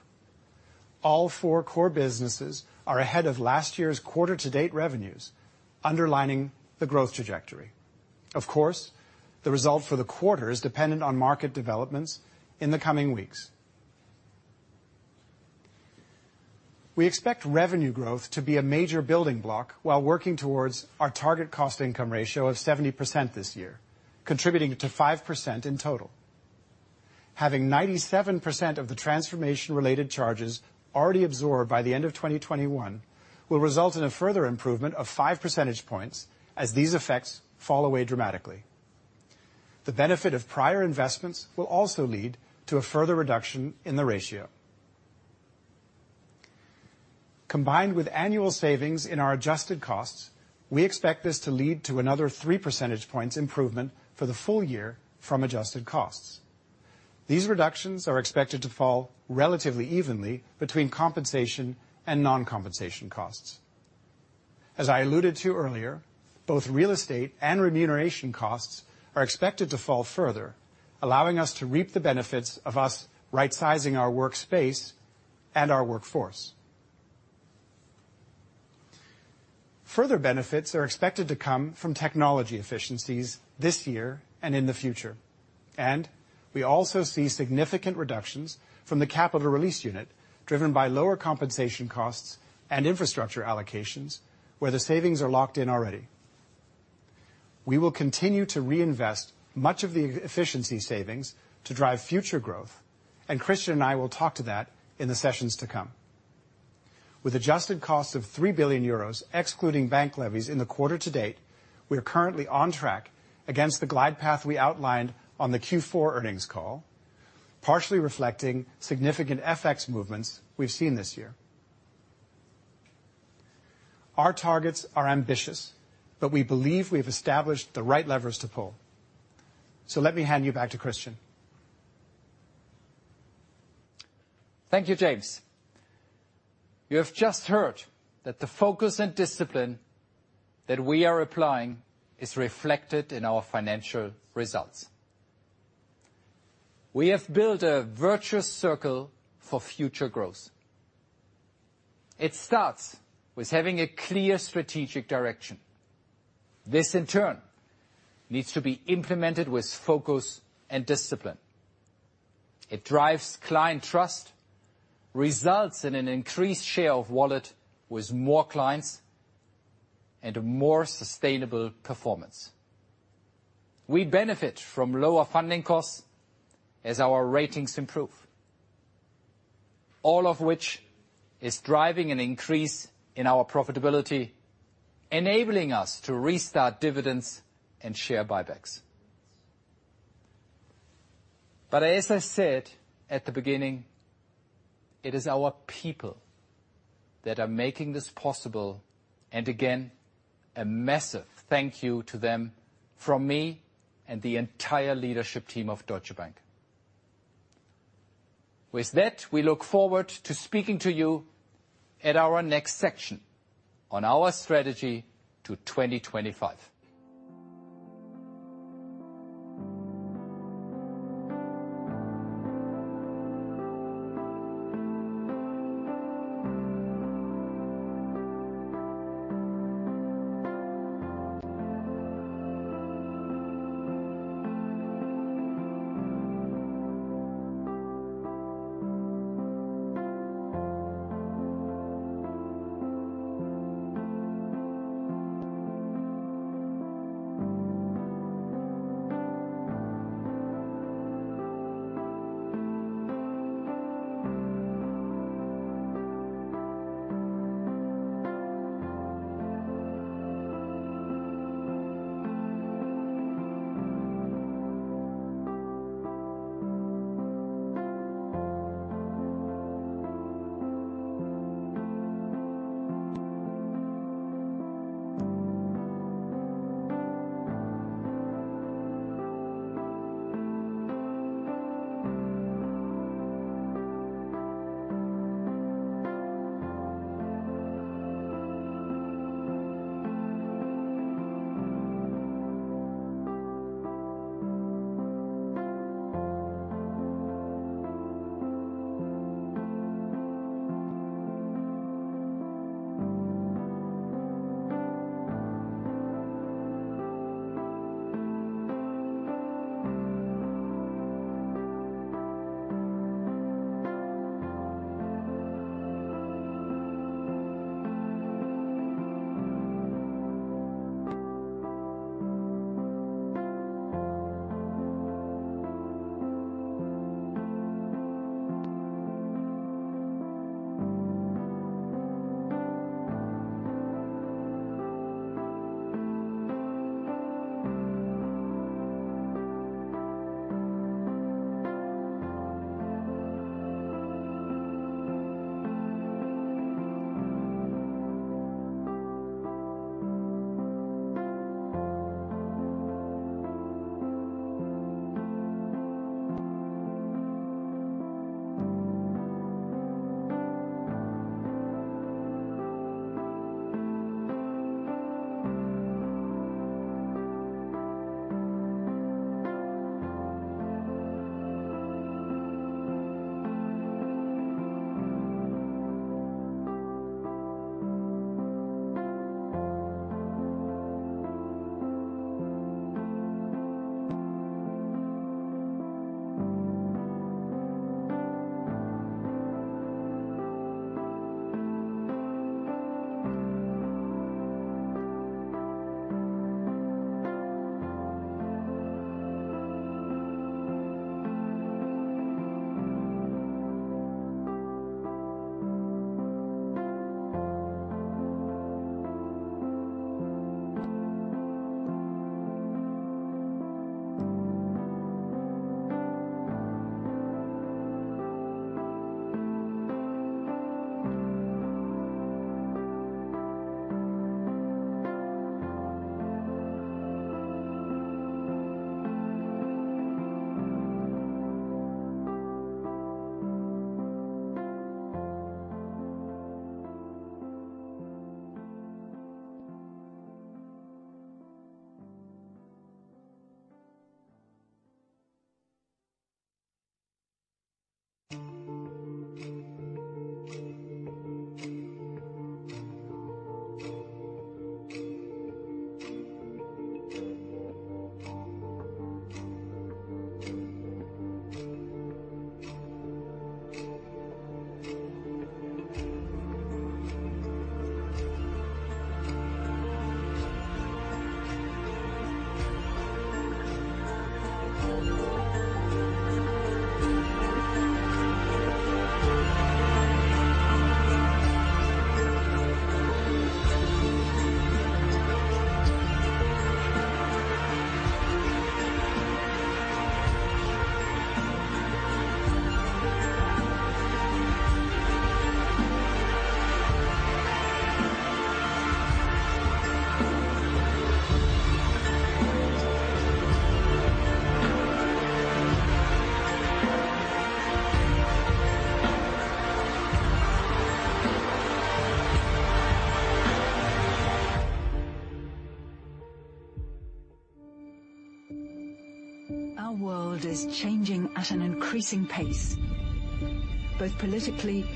All four core businesses are ahead of last year's quarter to date revenues, underlining the growth trajectory. Of course, the result for the quarter is dependent on market developments in the coming weeks. We expect revenue growth to be a major building block while working towards our target cost income ratio of 70% this year, contributing to 5% in total. Having 97% of the transformation related charges already absorbed by the end of 2021, will result in a further improvement of 5% points as these effects fall away dramatically. The benefit of prior investments will also lead to a further reduction in the ratio. Combined with annual savings in our adjusted costs, we expect this to lead to another three percentage points improvement for the full year from adjusted costs. These reductions are expected to fall relatively evenly between compensation and non-compensation costs. As I alluded to earlier, both real estate and remuneration costs are expected to fall further, allowing us to reap the benefits of our rightsizing our workspace and our workforce. Further benefits are expected to come from technology efficiencies this year and in the future. We also see significant reductions from the Capital Release Unit driven by lower compensation costs and infrastructure allocations where the savings are locked in already. We will continue to reinvest much of the efficiency savings to drive future growth, and Christian and I will talk to that in the sessions to come. With adjusted costs of 3 billion euros, excluding bank levies in the quarter to date, we are currently on track against the glide path we outlined on the Q4 earnings call, partially reflecting significant FX movements we've seen this year. Our targets are ambitious, but we believe we've established the right levers to pull. Let me hand you back to Christian. Thank you, James. You have just heard that the focus and discipline that we are applying is reflected in our financial results. We have built a virtuous circle for future growth. It starts with having a clear strategic direction. This in turn needs to be implemented with focus and discipline. It drives client trust, results in an increased share of wallet with more clients and a more sustainable performance. We benefit from lower funding costs as our ratings improve. All of which is driving an increase in our profitability, enabling us to restart dividends and share buybacks. As I said at the beginning, it is our people that are making this possible, and again, a massive thank you to them from me and the entire leadership team of Deutsche Bank. With that, we look forward to speaking to you at our next section on our strategy to 2025. Our world is changing at an increasing pace, both politically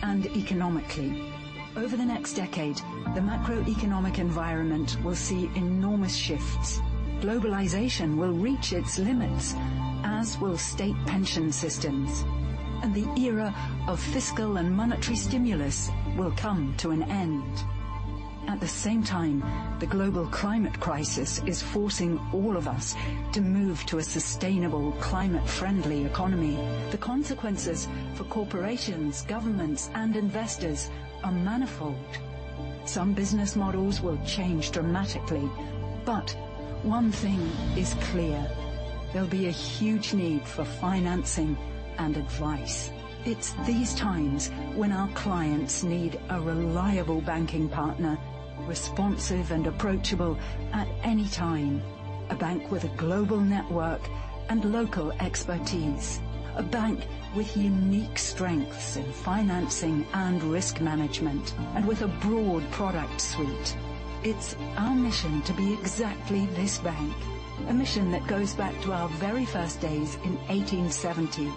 and economically. Over the next decade, the macroeconomic environment will see enormous shifts. Globalization will reach its limits, as will state pension systems, and the era of fiscal and monetary stimulus will come to an end. At the same time, the global climate crisis is forcing all of us to move to a sustainable, climate-friendly economy. The consequences for corporations, governments, and investors are manifold. Some business models will change dramatically. One thing is clear: there'll be a huge need for financing and advice. It's these times when our clients need a reliable banking partner, responsive and approachable at any time. A bank with a global network and local expertise. A bank with unique strengths in financing and risk management, and with a broad product suite. It's our mission to be exactly this bank. A mission that goes back to our very first days in 1870.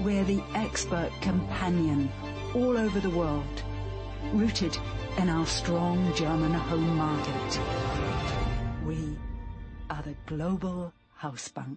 We're the expert companion all over the world, rooted in our strong German home market. We are the Global Hausbank.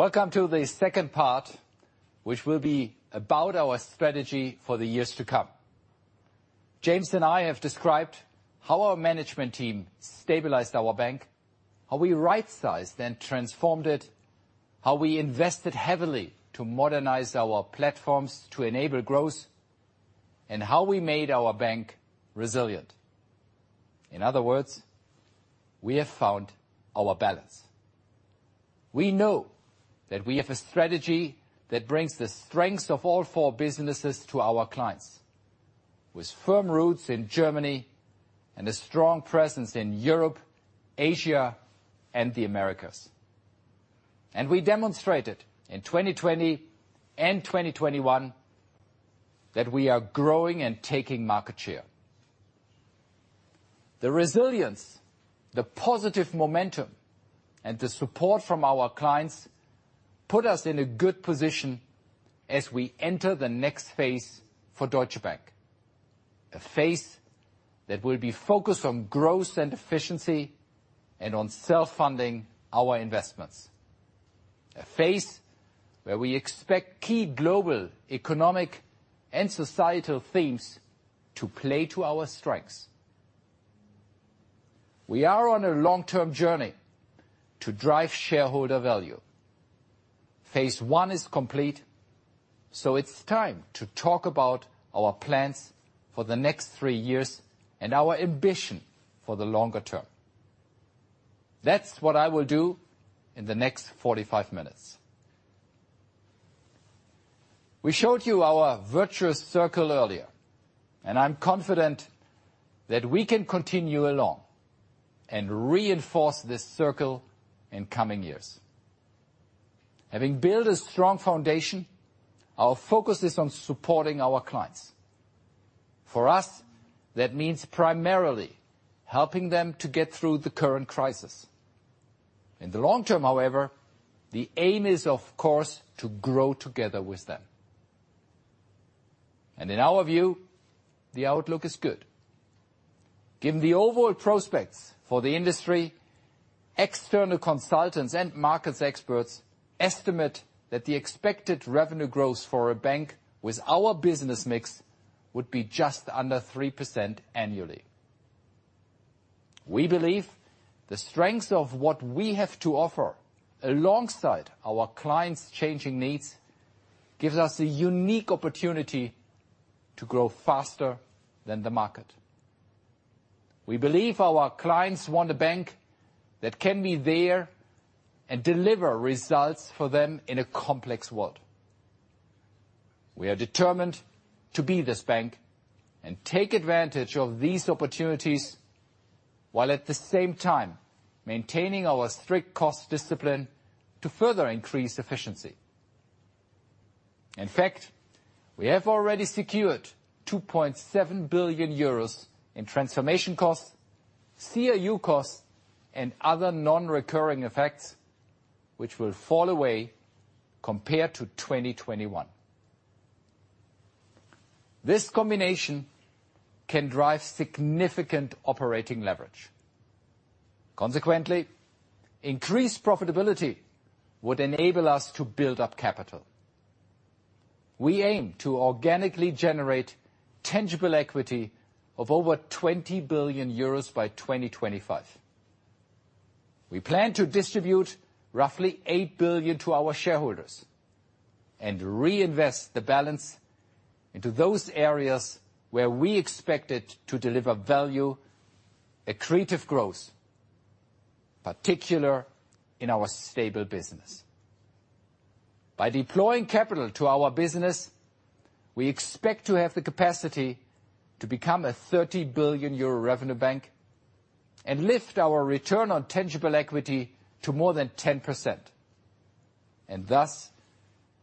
Welcome to the second part, which will be about our strategy for the years to come. James and I have described how our management team stabilized our bank, how we right-sized, then transformed it, how we invested heavily to modernize our platforms to enable growth, and how we made our bank resilient. In other words, we have found our balance. We know that we have a strategy that brings the strengths of all four businesses to our clients, with firm roots in Germany and a strong presence in Europe, Asia, and the Americas. We demonstrated in 2020 and 2021 that we are growing and taking market share. The resilience, the positive momentum, and the support from our clients put us in a good position as we enter the next phase for Deutsche Bank. A phase that will be focused on growth and efficiency and on self-funding our investments. A phase where we expect key global economic and societal themes to play to our strengths. We are on a long-term journey to drive shareholder value. Phase one is complete, so it's time to talk about our plans for the next three years and our ambition for the longer term. That's what I will do in the next 45 minutes. We showed you our virtuous circle earlier, and I'm confident that we can continue along and reinforce this circle in coming years. Having built a strong foundation, our focus is on supporting our clients. For us, that means primarily helping them to get through the current crisis. In the long term, however, the aim is, of course, to grow together with them. In our view, the outlook is good. Given the overall prospects for the industry, external consultants and market experts estimate that the expected revenue growth for a bank with our business mix would be just under 3% annually. We believe the strength of what we have to offer alongside our clients' changing needs gives us a unique opportunity to grow faster than the market. We believe our clients want a bank that can be there and deliver results for them in a complex world. We are determined to be this bank and take advantage of these opportunities, while at the same time maintaining our strict cost discipline to further increase efficiency. In fact, we have already secured 2.7 billion euros in transformation costs, CRU costs, and other non-recurring effects, which will fall away compared to 2021. This combination can drive significant operating leverage. Consequently, increased profitability would enable us to build up capital. We aim to organically generate tangible equity of over 20 billion euros by 2025. We plan to distribute roughly 8 billion to our shareholders and reinvest the balance into those areas where we expect it to deliver value, accretive growth, particular in our stable business. By deploying capital to our business, we expect to have the capacity to become a 30 billion euro revenue bank and lift our return on tangible equity to more than 10%, and thus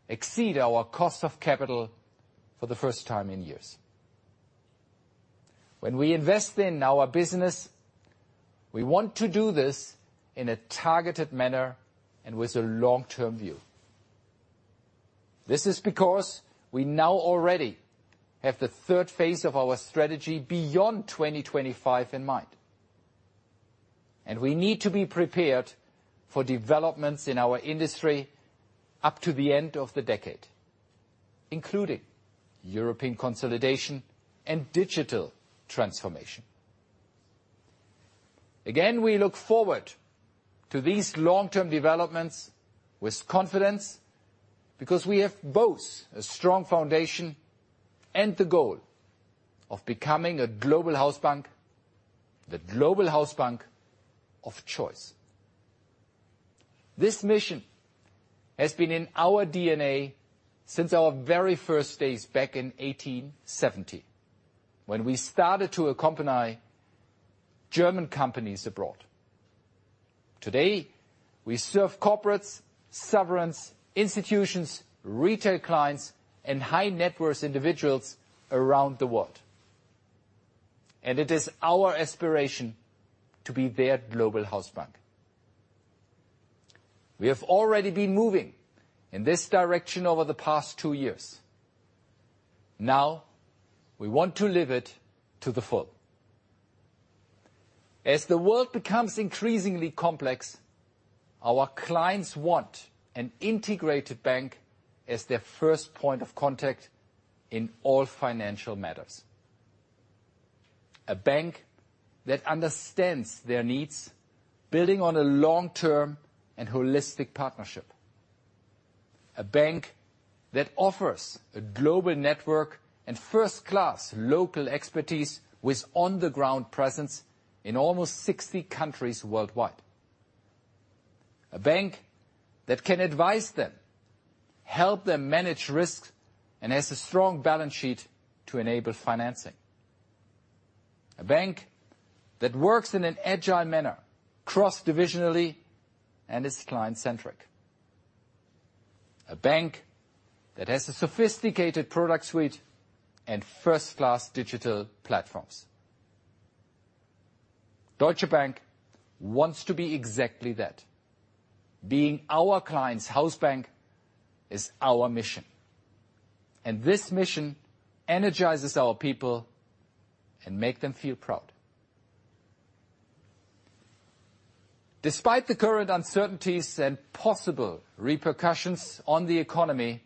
exceed our cost of capital for the first time in years. When we invest in our business, we want to do this in a targeted manner and with a long-term view. This is because we now already have the third phase of our strategy beyond 2025 in mind. We need to be prepared for developments in our industry up to the end of the decade, including European consolidation and digital transformation. Again, we look forward to these long-term developments with confidence because we have both a strong foundation and the goal of becoming a Global Hausbank, the Global Hausbank of choice. This mission has been in our DNA since our very first days back in 1870 when we started to accompany German companies abroad. Today, we serve corporates, sovereigns, institutions, retail clients, and high-net-worth individuals around the world. It is our aspiration to be their Global Hausbank. We have already been moving in this direction over the past two years. Now, we want to live it to the full. As the world becomes increasingly complex, our clients want an integrated bank as their first point of contact in all financial matters. A bank that understands their needs, building on a long-term and holistic partnership. A bank that offers a global network and first-class local expertise with on-the-ground presence in almost 60 countries worldwide. A bank that can advise them, help them manage risk, and has a strong balance sheet to enable financing. A bank that works in an agile manner, cross-divisionally and is client-centric. A bank that has a sophisticated product suite and first-class digital platforms. Deutsche Bank wants to be exactly that. Being our clients' house bank is our mission, and this mission energizes our people and make them feel proud. Despite the current uncertainties and possible repercussions on the economy,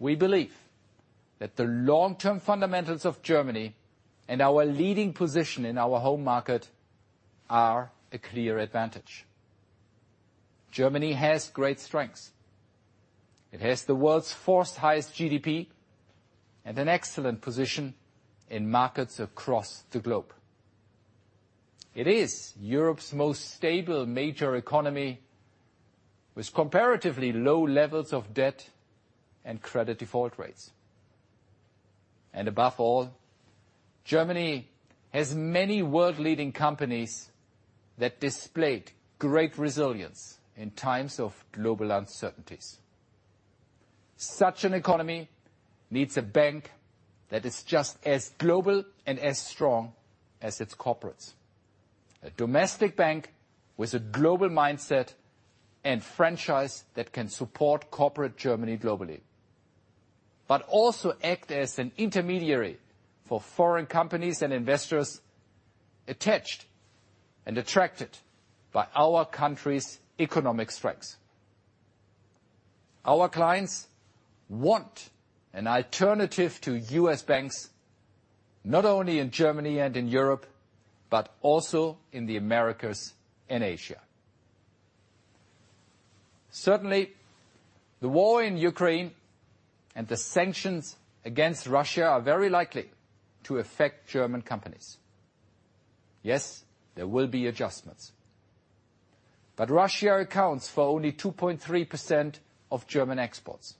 we believe that the long-term fundamentals of Germany and our leading position in our home market are a clear advantage. Germany has great strengths. It has the world's fourth highest GDP and an excellent position in markets across the globe. It is Europe's most stable major economy with comparatively low levels of debt and credit default rates. Above all, Germany has many world-leading companies that displayed great resilience in times of global uncertainties. Such an economy needs a bank that is just as global and as strong as its corporates. A domestic bank with a global mindset and franchise that can support corporate Germany globally, but also act as an intermediary for foreign companies and investors attached and attracted by our country's economic strengths. Our clients want an alternative to U.S. banks, not only in Germany and in Europe, but also in the Americas and Asia. Certainly, the war in Ukraine and the sanctions against Russia are very likely to affect German companies. Yes, there will be adjustments, but Russia accounts for only 2.3% of German exports.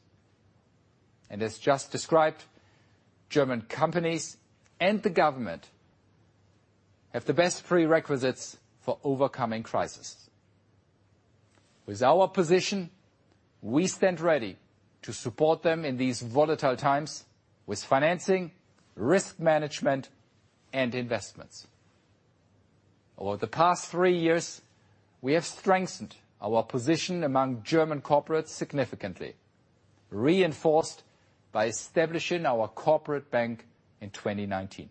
As just described, German companies and the government have the best prerequisites for overcoming crisis. With our position, we stand ready to support them in these volatile times with financing, risk management, and investments. Over the past three years, we have strengthened our position among German corporates significantly, reinforced by establishing our Corporate Bank in 2019.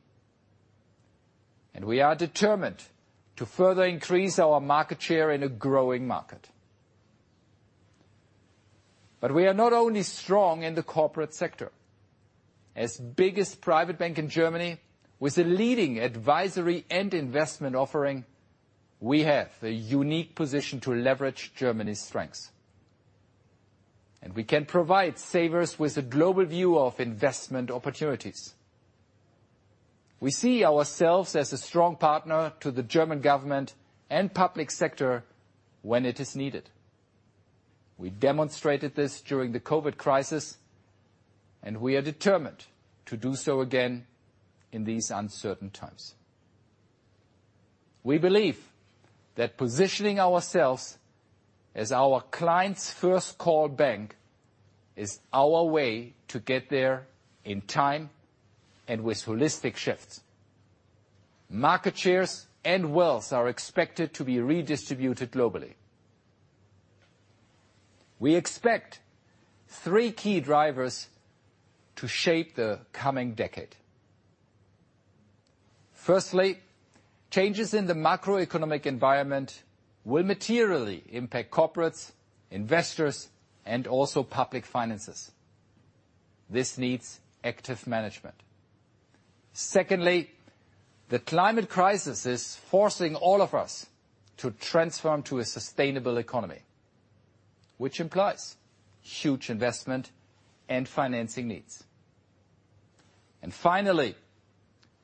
We are determined to further increase our market share in a growing market. We are not only strong in the corporate sector. As the biggest Private Bank in Germany with a leading advisory and investment offering, we have a unique position to leverage Germany's strengths. We can provide savers with a global view of investment opportunities. We see ourselves as a strong partner to the German government and public sector when it is needed. We demonstrated this during the COVID crisis, and we are determined to do so again in these uncertain times. We believe that positioning ourselves as our clients' first-call bank is our way to get there in time and with holistic shifts. Market shares and wealth are expected to be redistributed globally. We expect three key drivers to shape the coming decade. Firstly, changes in the macroeconomic environment will materially impact corporates, investors, and also public finances. This needs active management. Secondly, the climate crisis is forcing all of us to transform to a sustainable economy, which implies huge investment and financing needs. Finally,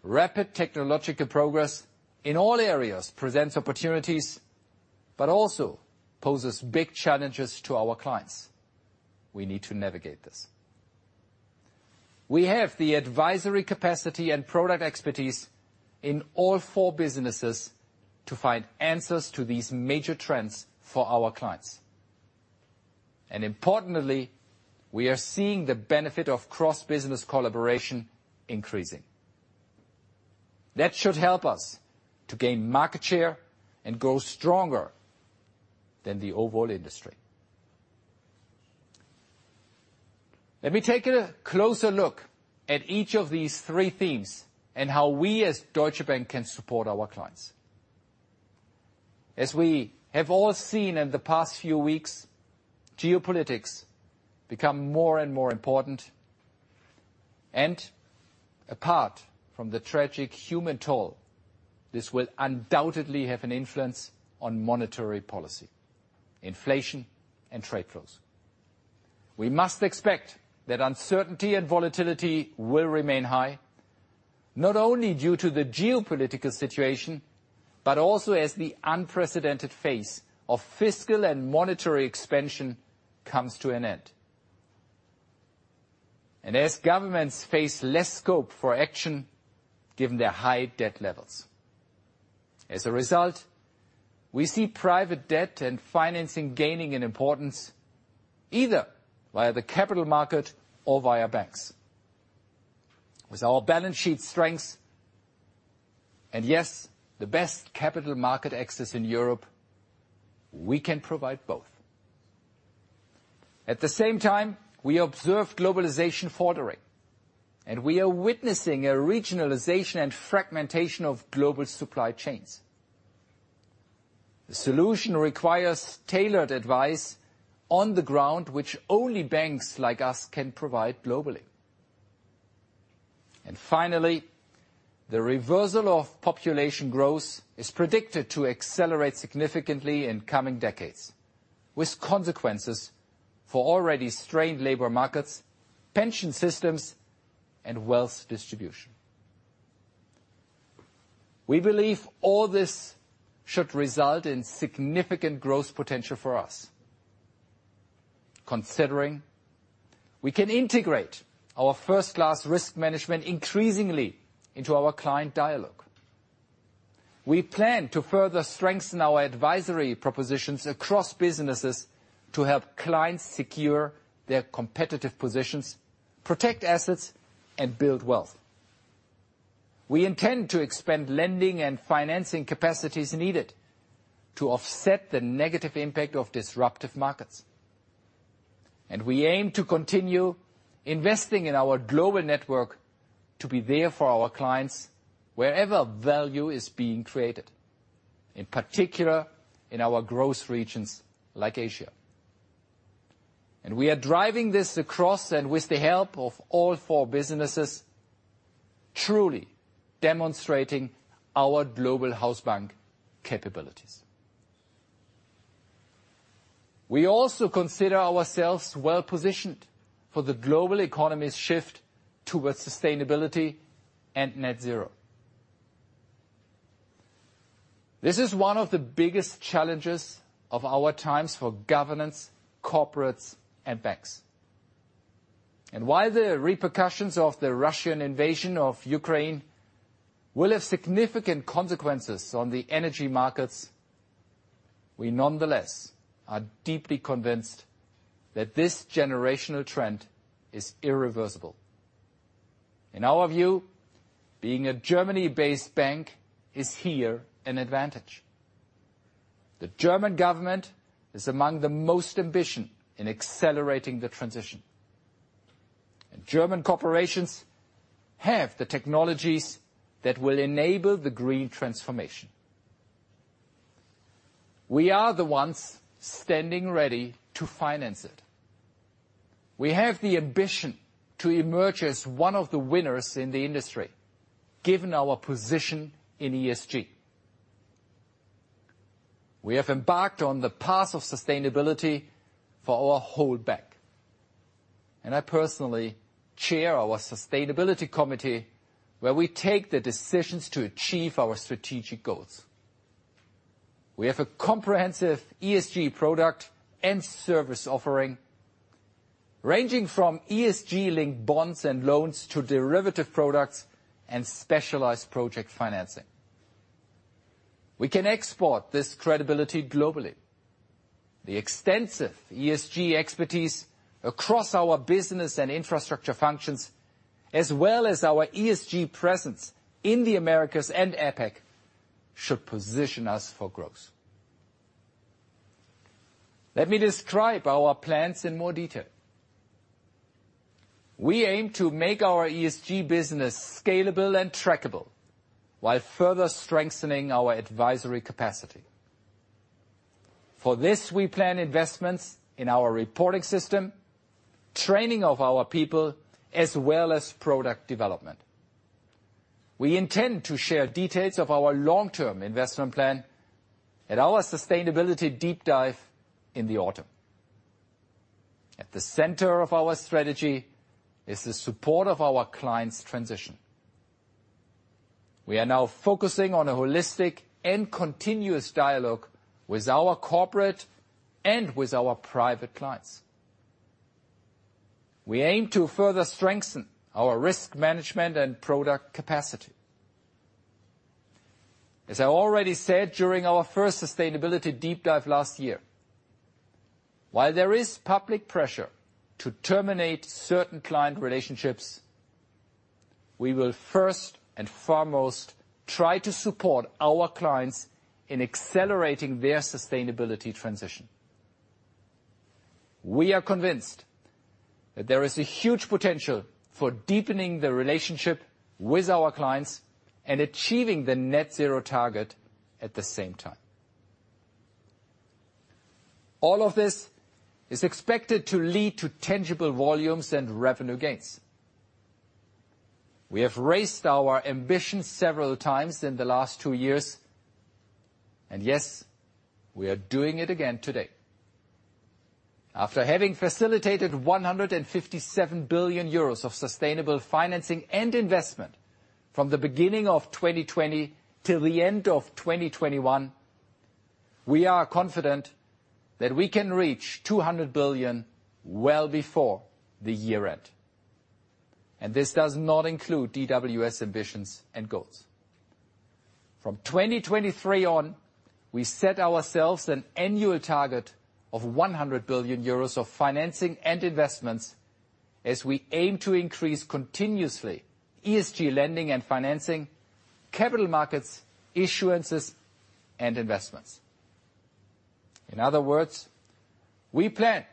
rapid technological progress in all areas presents opportunities, but also poses big challenges to our clients. We need to navigate this. We have the advisory capacity and product expertise in all four businesses to find answers to these major trends for our clients. Importantly, we are seeing the benefit of cross-business collaboration increasing. That should help us to gain market share and grow stronger than the overall industry. Let me take a closer look at each of these three themes and how we as Deutsche Bank can support our clients. As we have all seen in the past few weeks, geopolitics become more and more important, and apart from the tragic human toll, this will undoubtedly have an influence on monetary policy, inflation, and trade flows. We must expect that uncertainty and volatility will remain high, not only due to the geopolitical situation, but also as the unprecedented phase of fiscal and monetary expansion comes to an end. As governments face less scope for action given their high debt levels. As a result, we see private debt and financing gaining in importance, either via the capital market or via banks. With our balance sheet strengths, and yes, the best capital market access in Europe, we can provide both. At the same time, we observe globalization faltering, and we are witnessing a regionalization and fragmentation of global supply chains. The solution requires tailored advice on the ground which only banks like us can provide globally. Finally, the reversal of population growth is predicted to accelerate significantly in coming decades, with consequences for already strained labor markets, pension systems, and wealth distribution. We believe all this should result in significant growth potential for us, considering we can integrate our first-class risk management increasingly into our client dialogue. We plan to further strengthen our advisory propositions across businesses to help clients secure their competitive positions, protect assets, and build wealth. We intend to expand lending and financing capacities needed to offset the negative impact of disruptive markets. We aim to continue investing in our global network to be there for our clients wherever value is being created, in particular in our growth regions like Asia. We are driving this across, and with the help of all four businesses, truly demonstrating our global house bank capabilities. We also consider ourselves well-positioned for the global economy's shift towards sustainability and net zero. This is one of the biggest challenges of our times for governance, corporates, and banks. While the repercussions of the Russian invasion of Ukraine will have significant consequences on the energy markets, we nonetheless are deeply convinced that this generational trend is irreversible. In our view, being a Germany-based bank is here an advantage. The German government is among the most ambitious in accelerating the transition. German corporations have the technologies that will enable the green transformation. We are the ones standing ready to finance it. We have the ambition to emerge as one of the winners in the industry, given our position in ESG. We have embarked on the path of sustainability for our whole bank. I personally chair our sustainability committee, where we take the decisions to achieve our strategic goals. We have a comprehensive ESG product and service offering, ranging from ESG-linked bonds and loans to derivative products and specialized project financing. We can export this credibility globally. The extensive ESG expertise across our business and infrastructure functions, as well as our ESG presence in the Americas and APAC, should position us for growth. Let me describe our plans in more detail. We aim to make our ESG business scalable and trackable while further strengthening our advisory capacity. For this, we plan investments in our reporting system training of our people as well as product development. We intend to share details of our long-term investment plan at our sustainability deep dive in the autumn. At the center of our strategy is the support of our clients' transition. We are now focusing on a holistic and continuous dialogue with our corporate and with our private clients. We aim to further strengthen our risk management and product capacity. As I already said during our first sustainability deep dive last year, while there is public pressure to terminate certain client relationships, we will first and foremost try to support our clients in accelerating their sustainability transition. We are convinced that there is a huge potential for deepening the relationship with our clients and achieving the net zero target at the same time. All of this is expected to lead to tangible volumes and revenue gains. We have raised our ambitions several times in the last two years and, yes, we are doing it again today. After having facilitated 157 billion euros of sustainable financing and investment from the beginning of 2020 till the end of 2021, we are confident that we can reach 200 billion well before the year end. This does not include DWS ambitions and goals. From 2023 on, we set ourselves an annual target of 100 billion euros of financing and investments as we aim to increase continuously ESG lending and financing, capital markets, issuances, and investments. In other words, we plan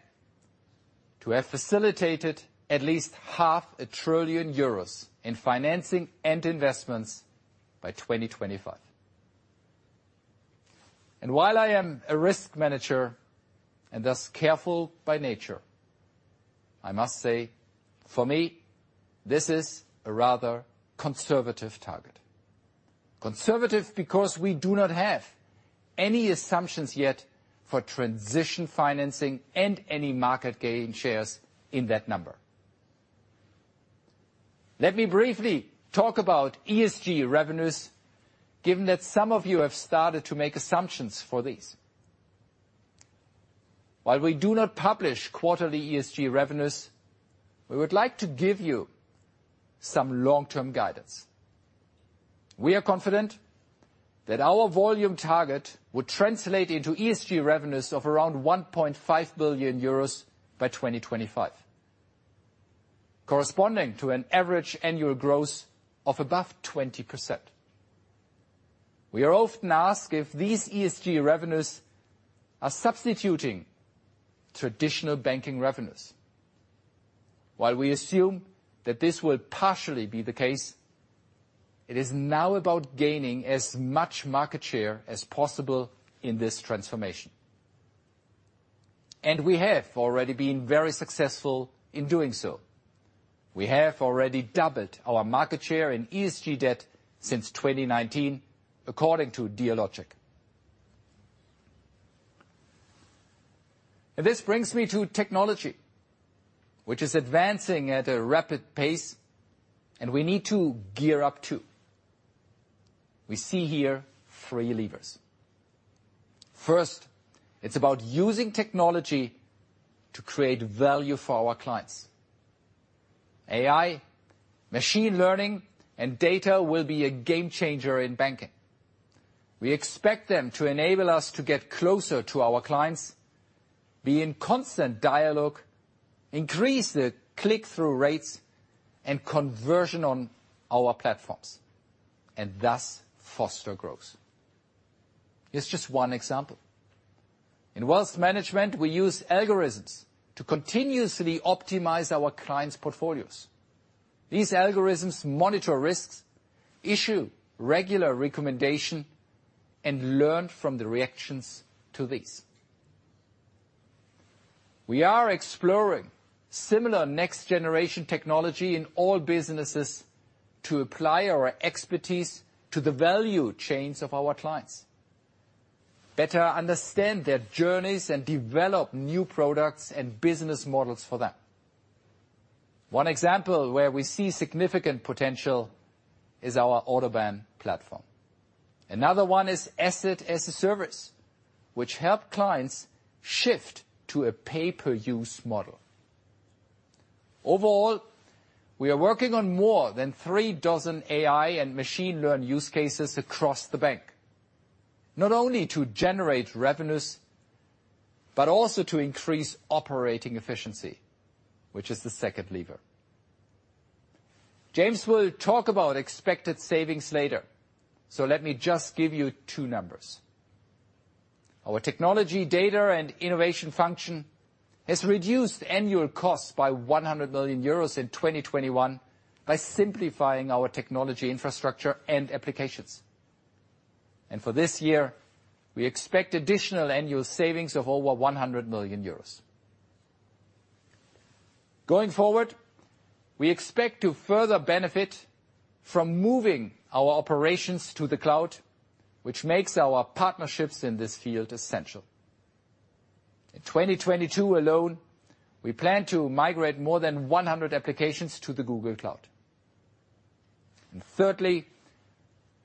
to have facilitated at least half a trillion euros in financing and investments by 2025. While I am a risk manager, and thus careful by nature, I must say for me this is a rather conservative target. Conservative because we do not have any assumptions yet for transition financing and any market gain shares in that number. Let me briefly talk about ESG revenues, given that some of you have started to make assumptions for these. While we do not publish quarterly ESG revenues, we would like to give you some long-term guidance. We are confident that our volume target would translate into ESG revenues of around 1.5 billion euros by 2025, corresponding to an average annual growth of above 20%. We are often asked if these ESG revenues are substituting traditional banking revenues. While we assume that this will partially be the case, it is now about gaining as much market share as possible in this transformation. We have already been very successful in doing so. We have already doubled our market share in ESG debt since 2019 according to Dealogic. This brings me to technology, which is advancing at a rapid pace and we need to gear up too. We see here three levers. First, it's about using technology to create value for our clients. AI, machine learning, and data will be a game changer in banking. We expect them to enable us to get closer to our clients, be in constant dialogue, increase the click-through rates and conversion on our platforms, and thus foster growth. It's just one example. In wealth management, we use algorithms to continuously optimize our clients' portfolios. These algorithms monitor risks, issue regular recommendation, and learn from the reactions to these. We are exploring similar next-generation technology in all businesses to apply our expertise to the value chains of our clients, better understand their journeys, and develop new products and business models for them. One example where we see significant potential is our Autobahn platform. Another one is Asset as a Service, which help clients shift to a pay-per-use model. Overall, we are working on more than 36 AI and machine learning use cases across the bank, not only to generate revenues, but also to increase operating efficiency, which is the second lever. James will talk about expected savings later, so let me just give you two numbers. Our technology data and innovation function has reduced annual costs by 100 million euros in 2021 by simplifying our technology infrastructure and applications. For this year, we expect additional annual savings of over 100 million euros. Going forward, we expect to further benefit from moving our operations to the cloud, which makes our partnerships in this field essential. In 2022 alone, we plan to migrate more than 100 applications to the Google Cloud. Thirdly,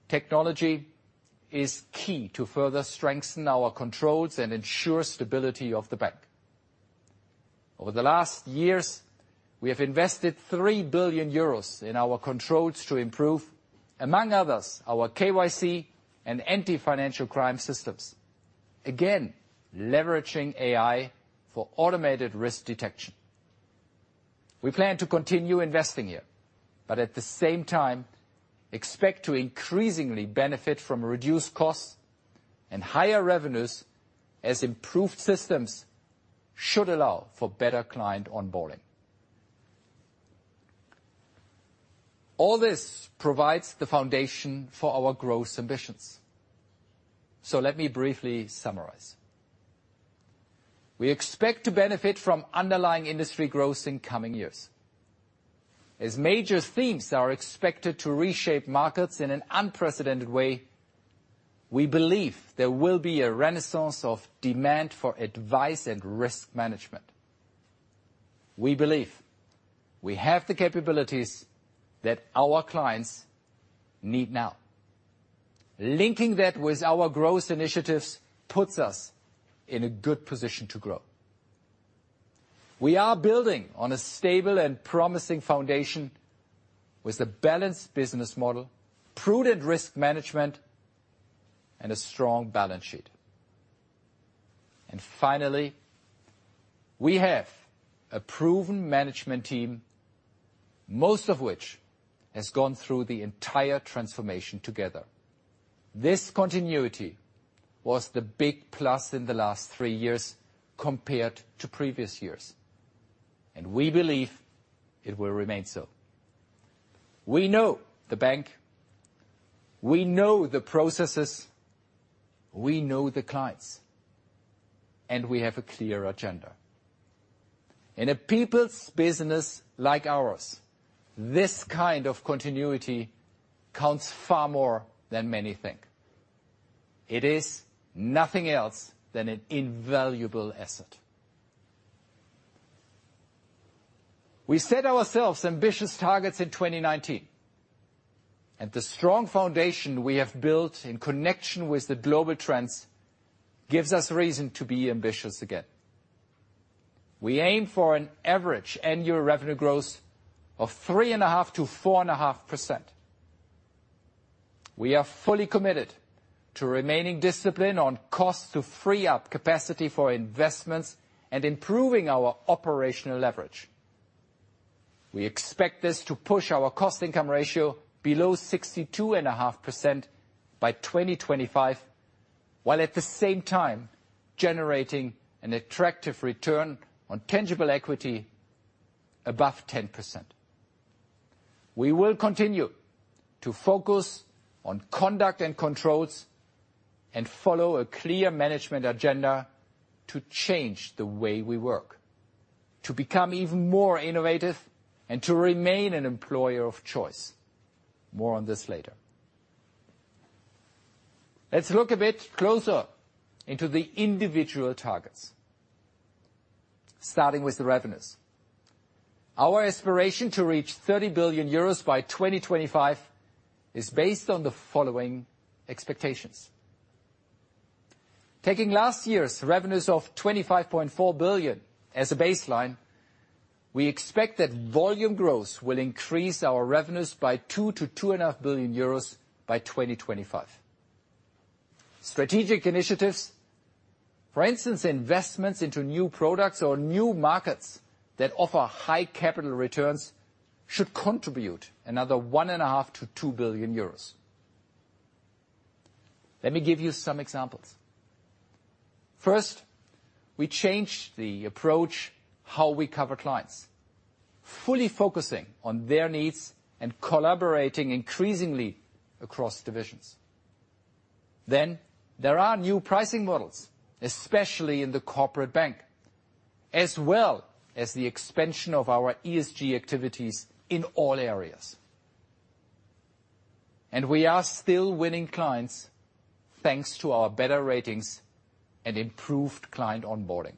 technology is key to further strengthen our controls and ensure stability of the bank. Over the last years, we have invested 3 billion euros in our controls to improve, among others, our KYC and anti-financial crime systems. Again, leveraging AI for automated risk detection. We plan to continue investing here, but at the same time expect to increasingly benefit from reduced costs and higher revenues as improved systems should allow for better client onboarding. All this provides the foundation for our growth ambitions. Let me briefly summarize. We expect to benefit from underlying industry growth in coming years. As major themes are expected to reshape markets in an unprecedented way, we believe there will be a renaissance of demand for advice and risk management. We believe we have the capabilities that our clients need now. Linking that with our growth initiatives puts us in a good position to grow. We are building on a stable and promising foundation with a balanced business model, prudent risk management, and a strong balance sheet. Finally, we have a proven management team, most of which has gone through the entire transformation together. This continuity was the big plus in the last three years compared to previous years, and we believe it will remain so. We know the bank, we know the processes, we know the clients, and we have a clear agenda. In a people's business like ours, this kind of continuity counts far more than many think. It is nothing else than an invaluable asset. We set ourselves ambitious targets in 2019, and the strong foundation we have built in connection with the global trends gives us reason to be ambitious again. We aim for an average annual revenue growth of 3.5%-4.5%. We are fully committed to remaining disciplined on costs to free up capacity for investments and improving our operational leverage. We expect this to push our cost-income ratio below 62.5% by 2025, while at the same time generating an attractive return on tangible equity above 10%. We will continue to focus on conduct and controls and follow a clear management agenda to change the way we work, to become even more innovative, and to remain an employer of choice. More on this later. Let's look a bit closer into the individual targets, starting with the revenues. Our aspiration to reach 30 billion euros by 2025 is based on the following expectations. Taking last year's revenues of 25.4 billion as a baseline, we expect that volume growth will increase our revenues by 2 to 2.5 billion by 2025. Strategic initiatives, for instance, investments into new products or new markets that offer high capital returns should contribute another 1.5 to 2 billion. Let me give you some examples. First, we change the approach how we cover clients, fully focusing on their needs and collaborating increasingly across divisions. Then there are new pricing models, especially in the Corporate Bank, as well as the expansion of our ESG activities in all areas. We are still winning clients thanks to our better ratings and improved client onboarding.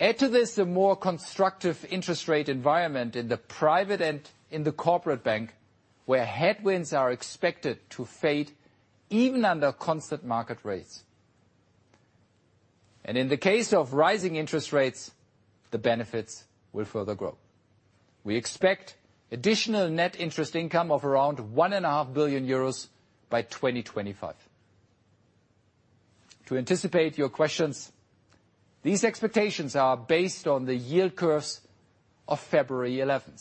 Add to this a more constructive interest rate environment in the Private Bank and in the Corporate Bank, where headwinds are expected to fade even under constant market rates. In the case of rising interest rates, the benefits will further grow. We expect additional net interest income of around 1.5 billion euros by 2025. To anticipate your questions, these expectations are based on the yield curves of February 11.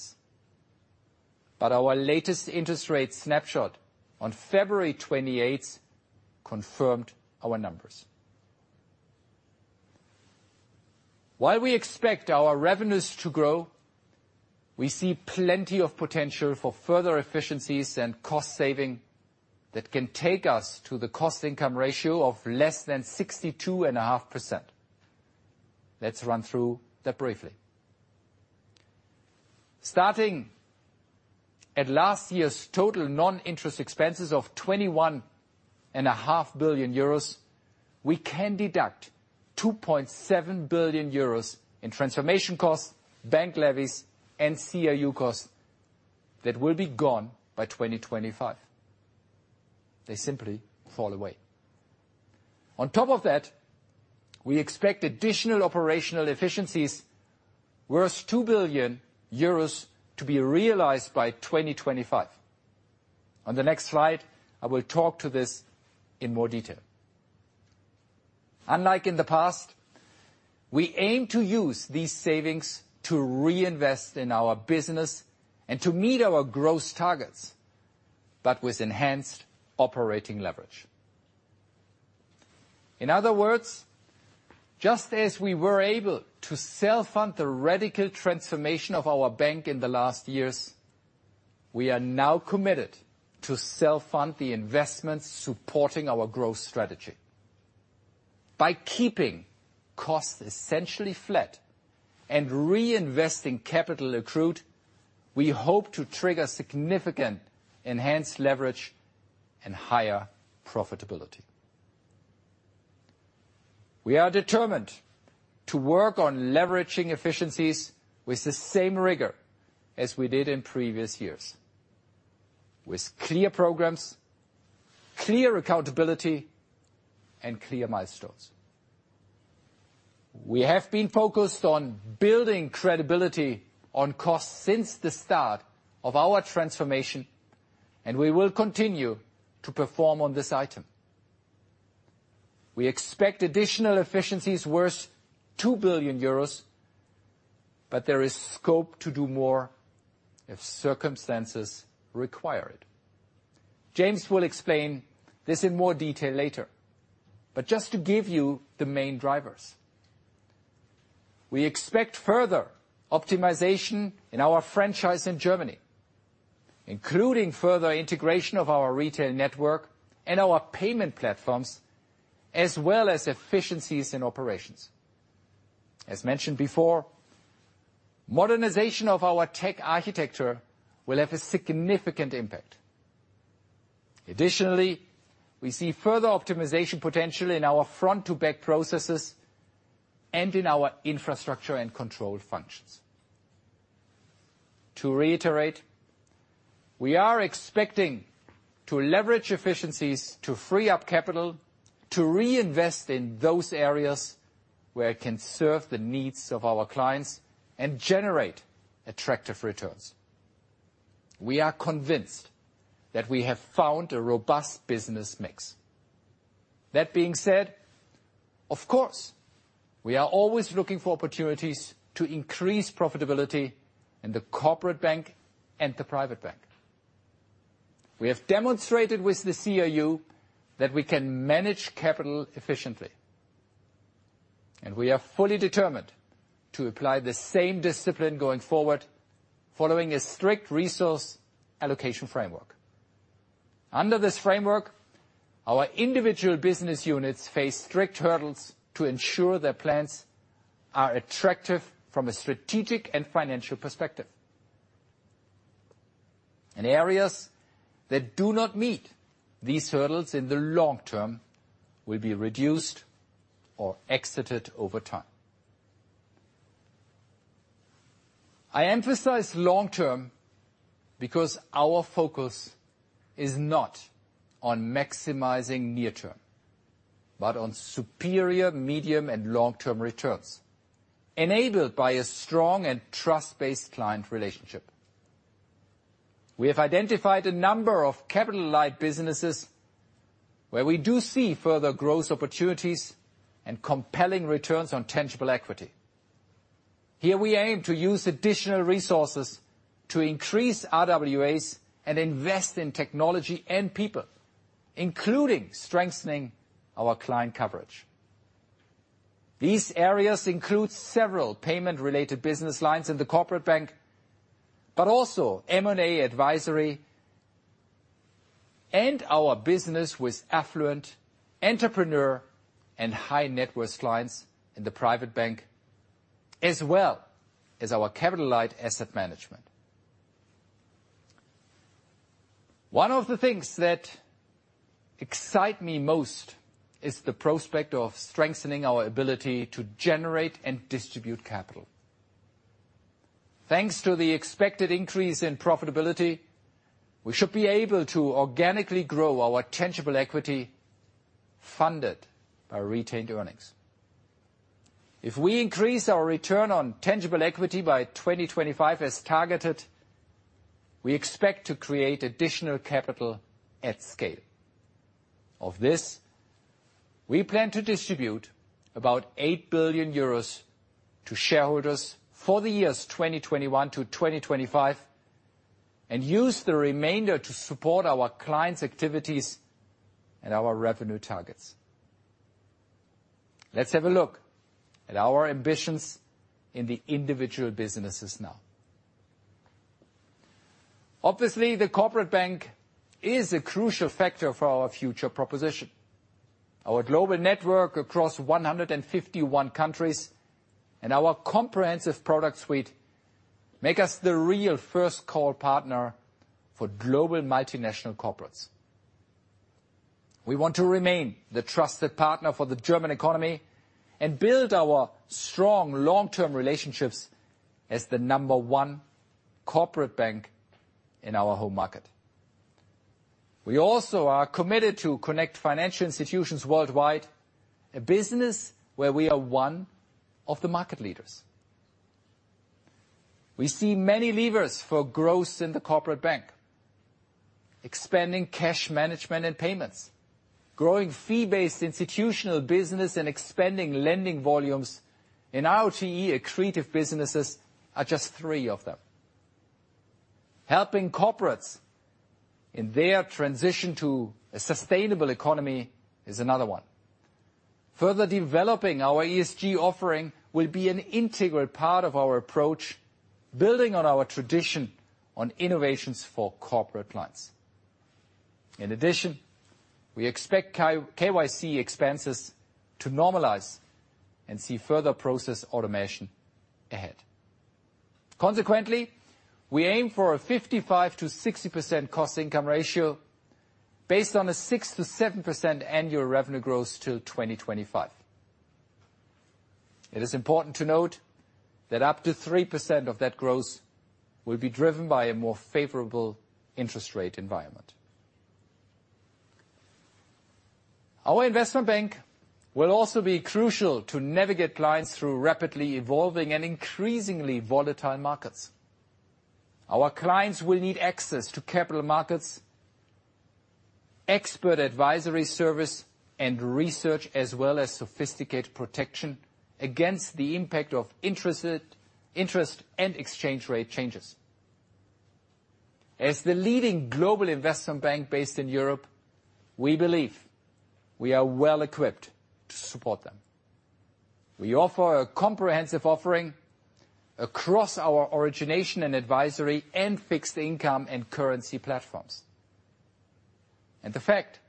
Our latest interest rate snapshot on February 28 confirmed our numbers. While we expect our revenues to grow, we see plenty of potential for further efficiencies and cost saving that can take us to the cost income ratio of less than 62.5%. Let's run through that briefly. Starting at last year's total non-interest expenses of 21 and a half billion, we can deduct 2.7 billion euros in transformation costs, bank levies, and CRU costs that will be gone by 2025. They simply fall away. On top of that, we expect additional operational efficiencies worth 2 billion euros to be realized by 2025. On the next slide, I will talk to this in more detail. Unlike in the past, we aim to use these savings to reinvest in our business and to meet our growth targets, but with enhanced operating leverage. In other words, just as we were able to self-fund the radical transformation of our bank in the last years, we are now committed to self-fund the investments supporting our growth strategy. By keeping costs essentially flat and reinvesting capital accrued, we hope to trigger significant enhanced leverage and higher profitability. We are determined to work on leveraging efficiencies with the same rigor as we did in previous years, with clear programs, clear accountability, and clear milestones. We have been focused on building credibility on costs since the start of our transformation, and we will continue to perform on this item. We expect additional efficiencies worth 2 billion euros, but there is scope to do more if circumstances require it. James will explain this in more detail later, but just to give you the main drivers. We expect further optimization in our franchise in Germany, including further integration of our retail network and our payment platforms, as well as efficiencies in operations. As mentioned before, modernization of our tech architecture will have a significant impact. Additionally, we see further optimization potential in our front-to-back processes and in our infrastructure and control functions. To reiterate, we are expecting to leverage efficiencies to free up capital to reinvest in those areas where it can serve the needs of our clients and generate attractive returns. We are convinced that we have found a robust business mix. That being said, of course, we are always looking for opportunities to increase profitability in the Corporate Bank and the Private Bank. We have demonstrated with the CRU that we can manage capital efficiently, and we are fully determined to apply the same discipline going forward following a strict resource allocation framework. Under this framework, our individual business units face strict hurdles to ensure their plans are attractive from a strategic and financial perspective. In areas that do not meet these hurdles in the long term will be reduced or exited over time. I emphasize long term because our focus is not on maximizing near term, but on superior medium and long-term returns, enabled by a strong and trust-based client relationship. We have identified a number of capital-light businesses where we do see further growth opportunities and compelling returns on tangible equity. Here we aim to use additional resources to increase RWAs and invest in technology and people, including strengthening our client coverage. These areas include several payment-related business lines in the Corporate Bank, but also M&A advisory and our business with affluent entrepreneur and high-net worth clients in the Private Bank, as well as our capital-light Asset Management. One of the things that excite me most is the prospect of strengthening our ability to generate and distribute capital. Thanks to the expected increase in profitability, we should be able to organically grow our tangible equity funded by retained earnings. If we increase our return on tangible equity by 2025 as targeted, we expect to create additional capital at scale. Of this, we plan to distribute about 8 billion euros to shareholders for the years 2021 to 2025 and use the remainder to support our clients' activities and our revenue targets. Let's have a look at our ambitions in the individual businesses now. Obviously, the Corporate Bank is a crucial factor for our future proposition. Our global network across 151 countries and our comprehensive product suite make us the real first call partner for global multinational corporates. We want to remain the trusted partner for the German economy and build our strong long-term relationships as the number one Corporate Bank in our home market. We also are committed to connect financial institutions worldwide, a business where we are one of the market leaders. We see many levers for growth in the Corporate Bank. Expanding cash management and payments, growing fee-based institutional business, and expanding lending volumes in IOT accretive businesses are just three of them. Helping corporates in their transition to a sustainable economy is another one. Further developing our ESG offering will be an integral part of our approach, building on our tradition on innovations for corporate clients. In addition, we expect KYC expenses to normalize and see further process automation ahead. Consequently, we aim for a 55%-60% cost income ratio based on a 6%-7% annual revenue growth till 2025. It is important to note that up to 3% of that growth will be driven by a more favorable interest rate environment. Our Investment Bank will also be crucial to navigate clients through rapidly evolving and increasingly volatile markets. Our clients will need access to capital markets, expert advisory service and research, as well as sophisticated protection against the impact of interest and exchange rate changes. As the leading global investment bank based in Europe, we believe we are well-equipped to support them. We offer a comprehensive offering across our Origination and Advisory and Fixed Income and Currency platforms. The fact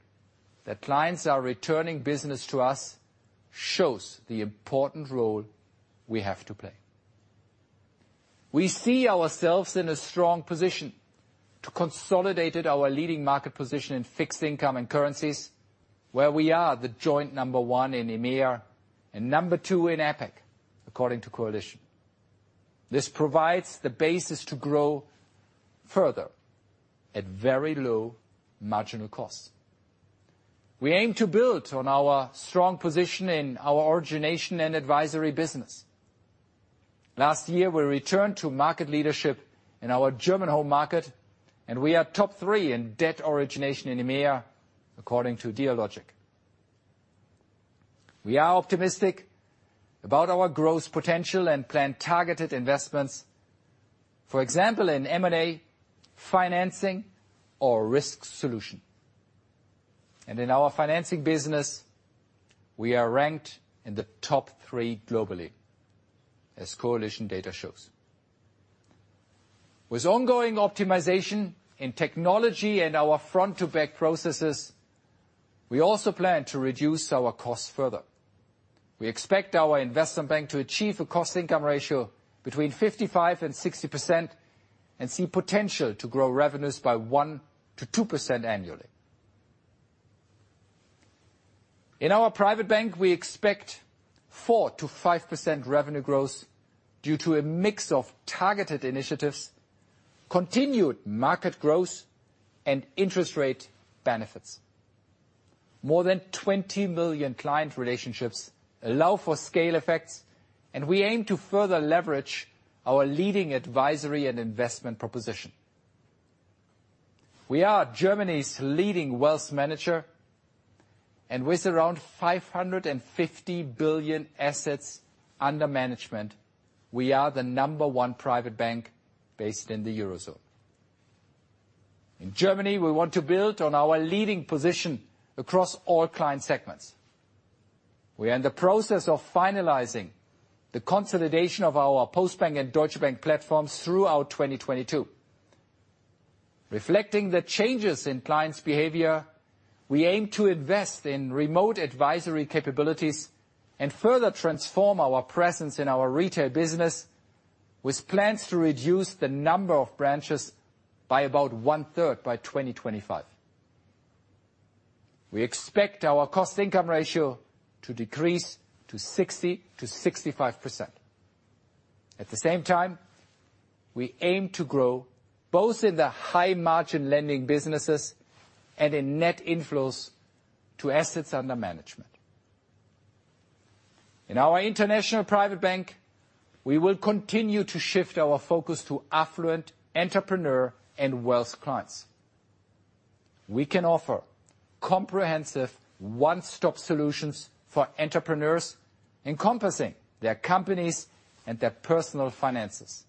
that clients are returning business to us shows the important role we have to play. We see ourselves in a strong position to consolidate our leading market position in Fixed Income and Currencies, where we are the joint number 1 in EMEA and number 2 in APAC, according to Coalition. This provides the basis to grow further at very low marginal costs. We aim to build on our strong position in our Origination and Advisory business. Last year, we returned to market leadership in our German home market, and we are top three in debt origination in EMEA, according to Dealogic. We are optimistic about our growth potential and plan targeted investments, for example, in M&A financing or risk solution. In our financing business, we are ranked in the top three globally, as Coalition data shows. With ongoing optimization in technology and our front to back processes, we also plan to reduce our costs further. We expect our Investment Bank to achieve a cost income ratio between 55% and 60% and see potential to grow revenues by 1%-2% annually. In our Private Bank, we expect 4%-5% revenue growth due to a mix of targeted initiatives, continued market growth, and interest rate benefits. More than 20 million client relationships allow for scale effects, and we aim to further leverage our leading advisory and investment proposition. We are Germany's leading wealth manager, and with around 550 billion assets under management, we are the number one private bank based in the Eurozone. In Germany, we want to build on our leading position across all client segments. We are in the process of finalizing the consolidation of our Postbank and Deutsche Bank platforms throughout 2022. Reflecting the changes in clients' behavior, we aim to invest in remote advisory capabilities and further transform our presence in our retail business with plans to reduce the number of branches by about one-third by 2025. We expect our cost income ratio to decrease to 60%-65%. At the same time, we aim to grow both in the high margin lending businesses and in net inflows to assets under management. In our International Private Bank, we will continue to shift our focus to affluent entrepreneur and wealth clients. We can offer comprehensive one-stop solutions for entrepreneurs encompassing their companies and their personal finances.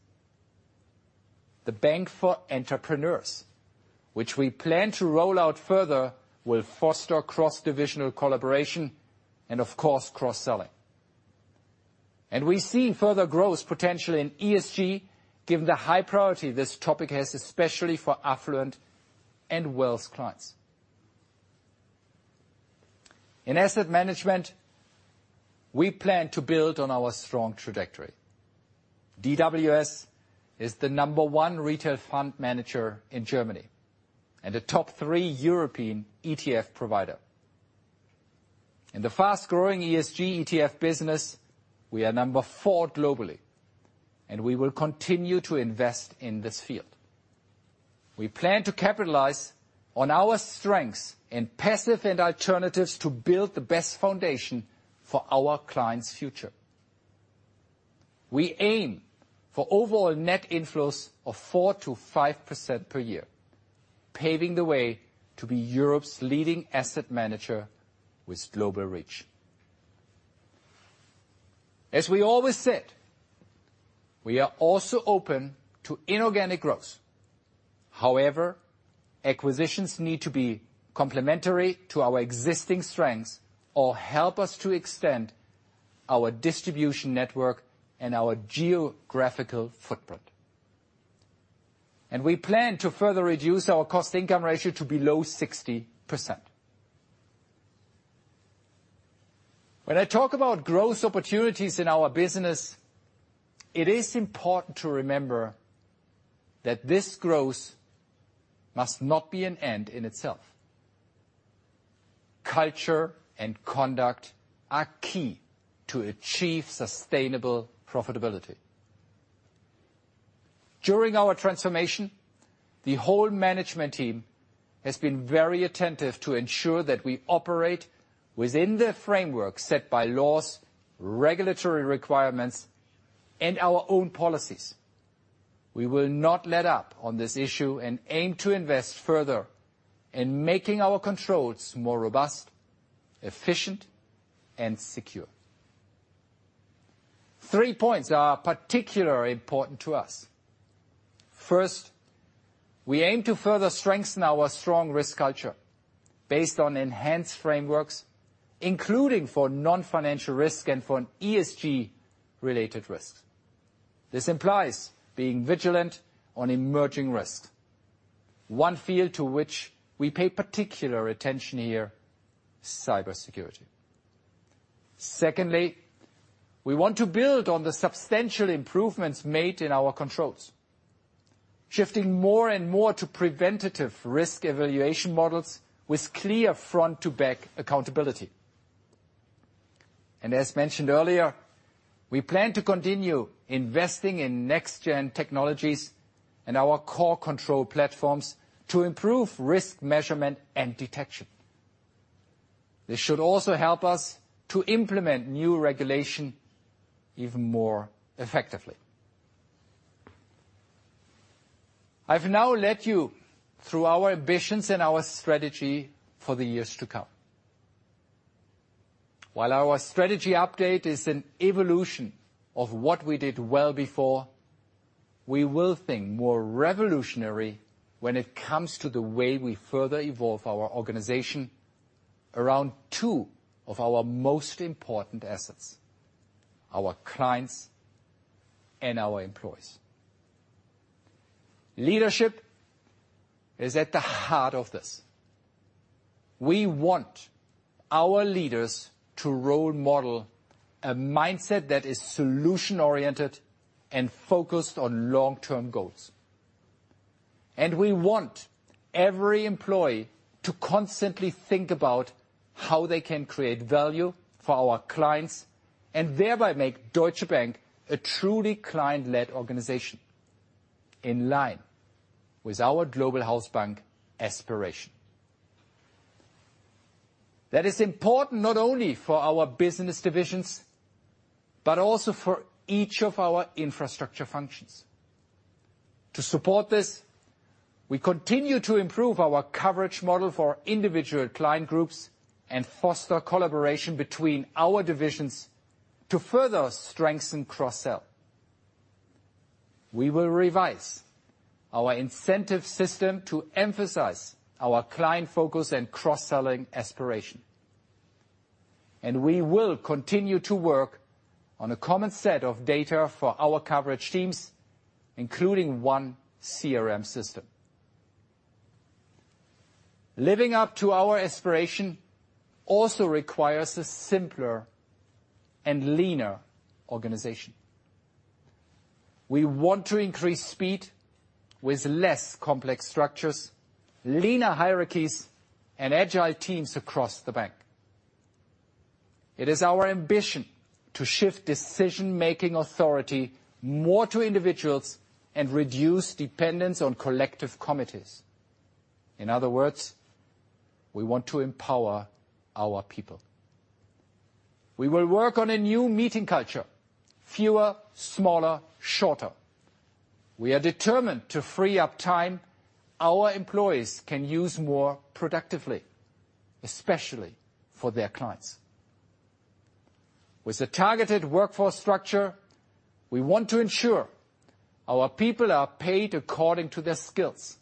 The Bank for Entrepreneurs, which we plan to roll out further, will foster cross-divisional collaboration and of course, cross-selling. We see further growth potential in ESG given the high priority this topic has, especially for affluent and wealth clients. In Asset Management, we plan to build on our strong trajectory. DWS is the number one retail fund manager in Germany and a top three European ETF provider. In the fast-growing ESG ETF business, we are number four globally, and we will continue to invest in this field. We plan to capitalize on our strengths in passive and alternatives to build the best foundation for our clients' future. We aim for overall net inflows of 4%-5% per year, paving the way to be Europe's leading asset manager with global reach. As we always said, we are also open to inorganic growth. However, acquisitions need to be complementary to our existing strengths or help us to extend our distribution network and our geographical footprint. We plan to further reduce our cost-income ratio to below 60%. When I talk about growth opportunities in our business, it is important to remember that this growth must not be an end in itself. Culture and conduct are key to achieve sustainable profitability. During our transformation, the whole management team has been very attentive to ensure that we operate within the framework set by laws, regulatory requirements, and our own policies. We will not let up on this issue and aim to invest further in making our controls more robust, efficient, and secure. Three points are particularly important to us. First, we aim to further strengthen our strong risk culture based on enhanced frameworks, including for non-financial risk and for an ESG-related risk. This implies being vigilant on emerging risk. One field to which we pay particular attention here, cybersecurity. Secondly, we want to build on the substantial improvements made in our controls, shifting more and more to preventative risk evaluation models with clear front to back accountability. As mentioned earlier, we plan to continue investing in next gen technologies and our core control platforms to improve risk measurement and detection. This should also help us to implement new regulation even more effectively. I've now led you through our ambitions and our strategy for the years to come. While our strategy update is an evolution of what we did well before, we will think more revolutionary when it comes to the way we further evolve our organization around two of our most important assets, our clients and our employees. Leadership is at the heart of this. We want our leaders to role model a mindset that is solution-oriented and focused on long-term goals. We want every employee to constantly think about how they can create value for our clients and thereby make Deutsche Bank a truly client-led organization in line with our Global Hausbank aspiration. That is important not only for our business divisions, but also for each of our infrastructure functions. To support this, we continue to improve our coverage model for individual client groups and foster collaboration between our divisions to further strengthen cross-sell. We will revise our incentive system to emphasize our client focus and cross-selling aspiration. We will continue to work on a common set of data for our coverage teams, including one CRM system. Living up to our aspiration also requires a simpler and leaner organization. We want to increase speed with less complex structures, leaner hierarchies, and agile teams across the bank. It is our ambition to shift decision-making authority more to individuals and reduce dependence on collective committees. In other words, we want to empower our people. We will work on a new meeting culture. Fewer, smaller, shorter. We are determined to free up time our employees can use more productively, especially for their clients. With a targeted workforce structure, we want to ensure our people are paid according to their skills.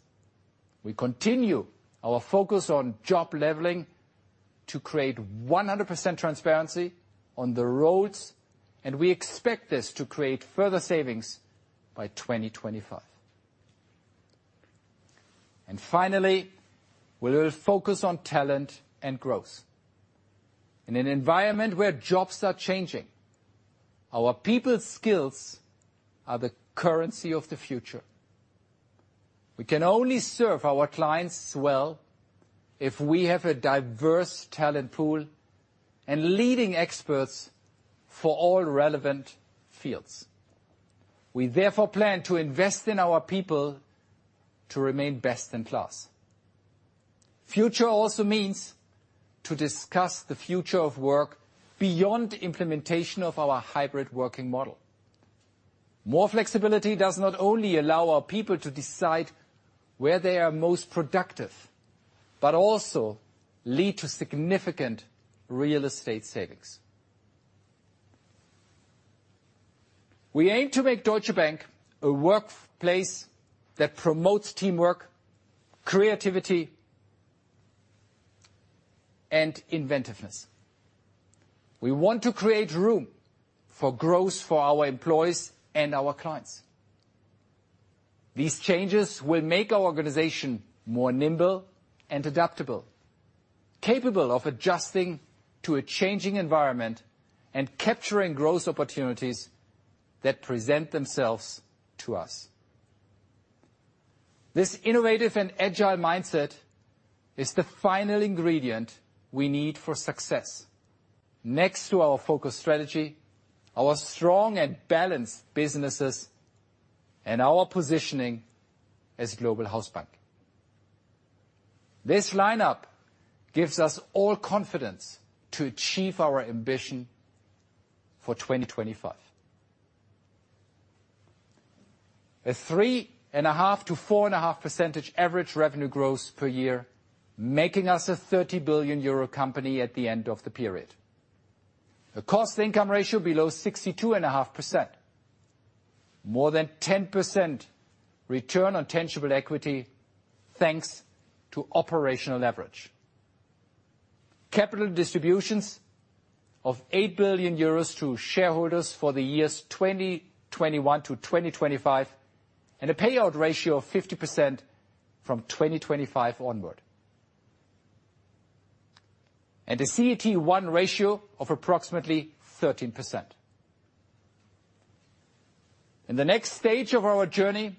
We continue our focus on job leveling to create 100% transparency on the roads, and we expect this to create further savings by 2025. Finally, we will focus on talent and growth. In an environment where jobs are changing, our people skills are the currency of the future. We can only serve our clients well if we have a diverse talent pool and leading experts for all relevant fields. We therefore plan to invest in our people to remain best in class. Future also means to discuss the future of work beyond implementation of our hybrid working model. More flexibility does not only allow our people to decide where they are most productive, but also lead to significant real estate savings. We aim to make Deutsche Bank a workplace that promotes teamwork, creativity, and inventiveness. We want to create room for growth for our employees and our clients. These changes will make our organization more nimble and adaptable, capable of adjusting to a changing environment and capturing growth opportunities that present themselves to us. This innovative and agile mindset is the final ingredient we need for success next to our focused strategy, our strong and balanced businesses, and our positioning as global house bank. This lineup gives us all confidence to achieve our ambition for 2025. 3.5%-4.5% average revenue growth per year, making us a 30 billion euro company at the end of the period. A cost income ratio below 62.5%. More than 10% return on tangible equity thanks to operational leverage. Capital distributions of 8 billion euros to shareholders for the years 2021 to 2025, and a payout ratio of 50% from 2025 onward. A CET1 ratio of approximately 13%. In the next stage of our journey,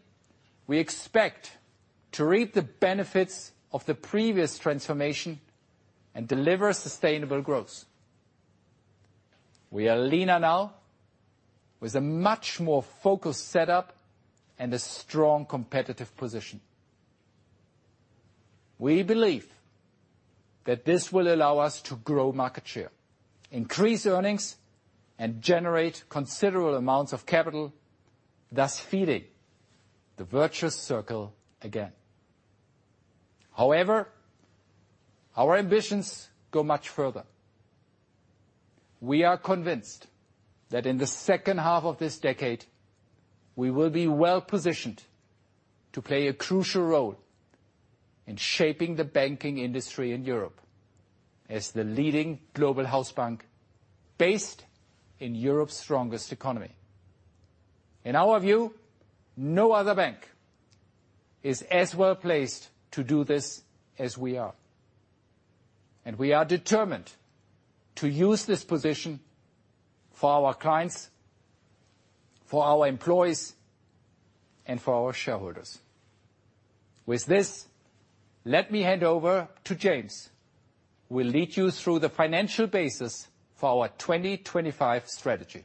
we expect to reap the benefits of the previous transformation and deliver sustainable growth. We are leaner now with a much more focused setup and a strong competitive position. We believe that this will allow us to grow market share, increase earnings, and generate considerable amounts of capital, thus feeding the virtuous circle again. However, our ambitions go much further. We are convinced that in the second half of this decade, we will be well-positioned to play a crucial role in shaping the banking industry in Europe as the leading global house bank based in Europe's strongest economy. In our view, no other bank is as well-placed to do this as we are. We are determined to use this position for our clients, for our employees, and for our shareholders. With this, let me hand over to James, who will lead you through the financial basis for our 2025 strategy.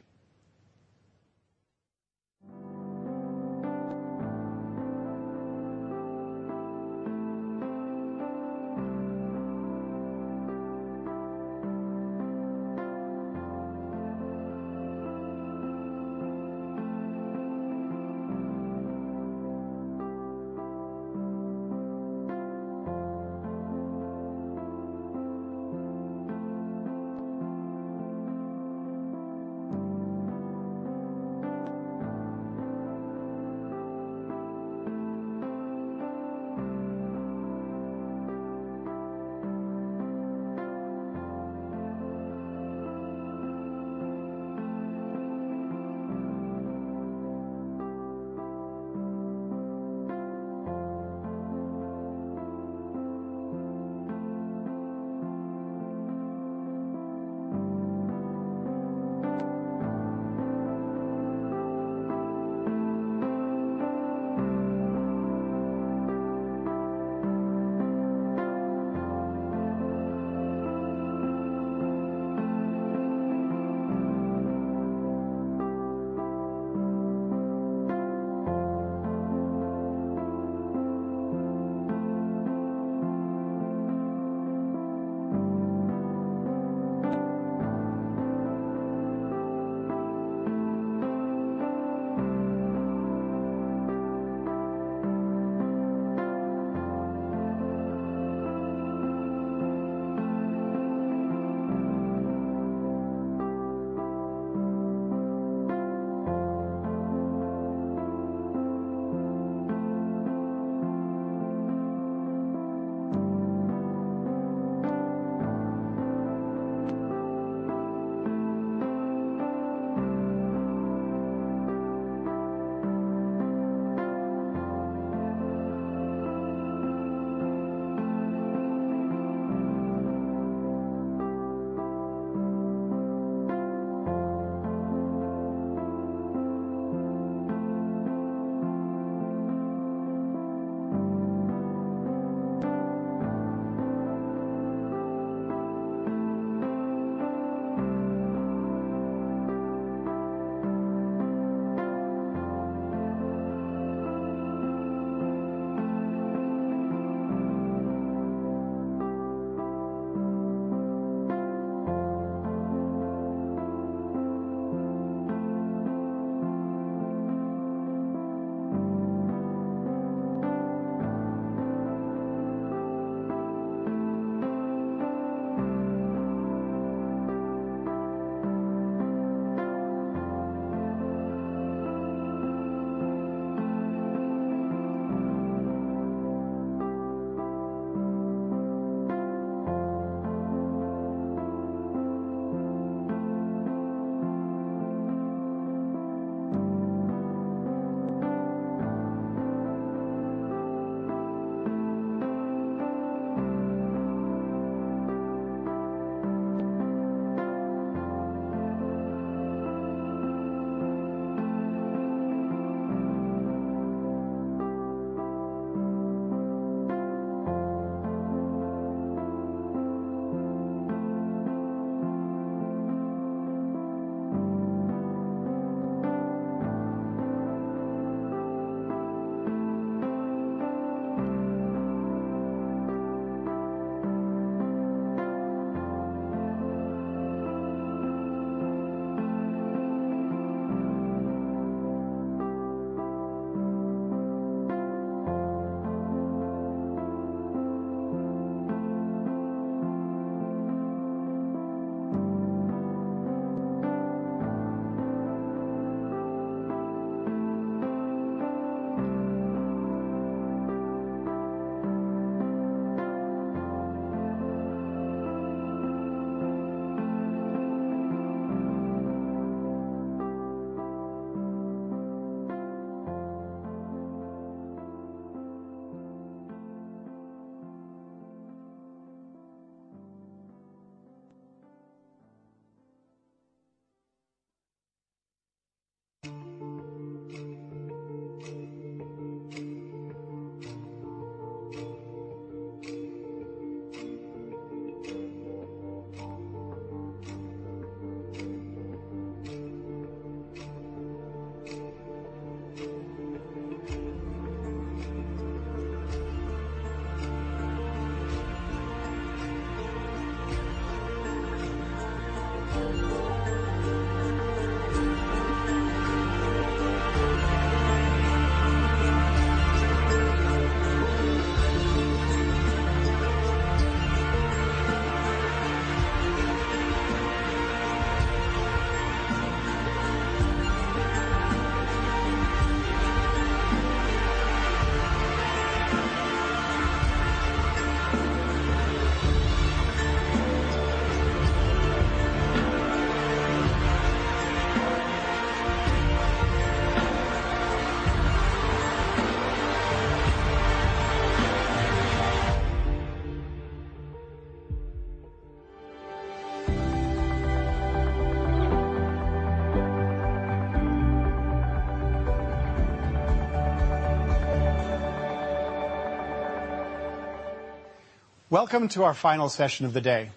Welcome to our final session of the day.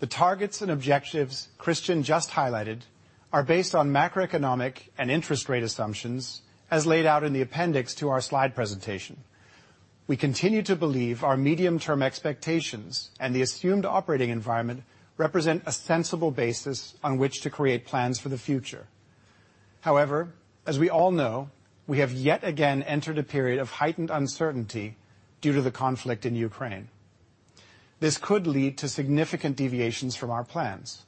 The targets and objectives Christian just highlighted are based on macroeconomic and interest rate assumptions, as laid out in the appendix to our slide presentation. We continue to believe our medium-term expectations and the assumed operating environment represent a sensible basis on which to create plans for the future. However, as we all know, we have yet again entered a period of heightened uncertainty due to the conflict in Ukraine. This could lead to significant deviations from our plans.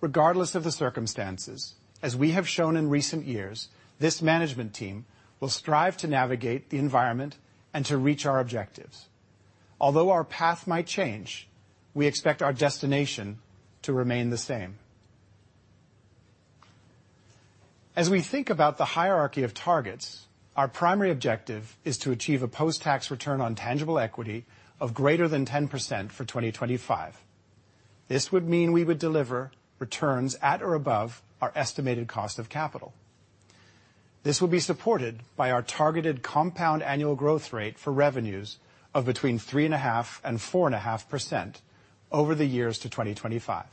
Regardless of the circumstances, as we have shown in recent years, this management team will strive to navigate the environment and to reach our objectives. Although our path might change, we expect our destination to remain the same. As we think about the hierarchy of targets, our primary objective is to achieve a post-tax return on tangible equity of greater than 10% for 2025. This would mean we would deliver returns at or above our estimated cost of capital. This will be supported by our targeted compound annual growth rate for revenues of between 3.5% and 4.5% over the years to 2025.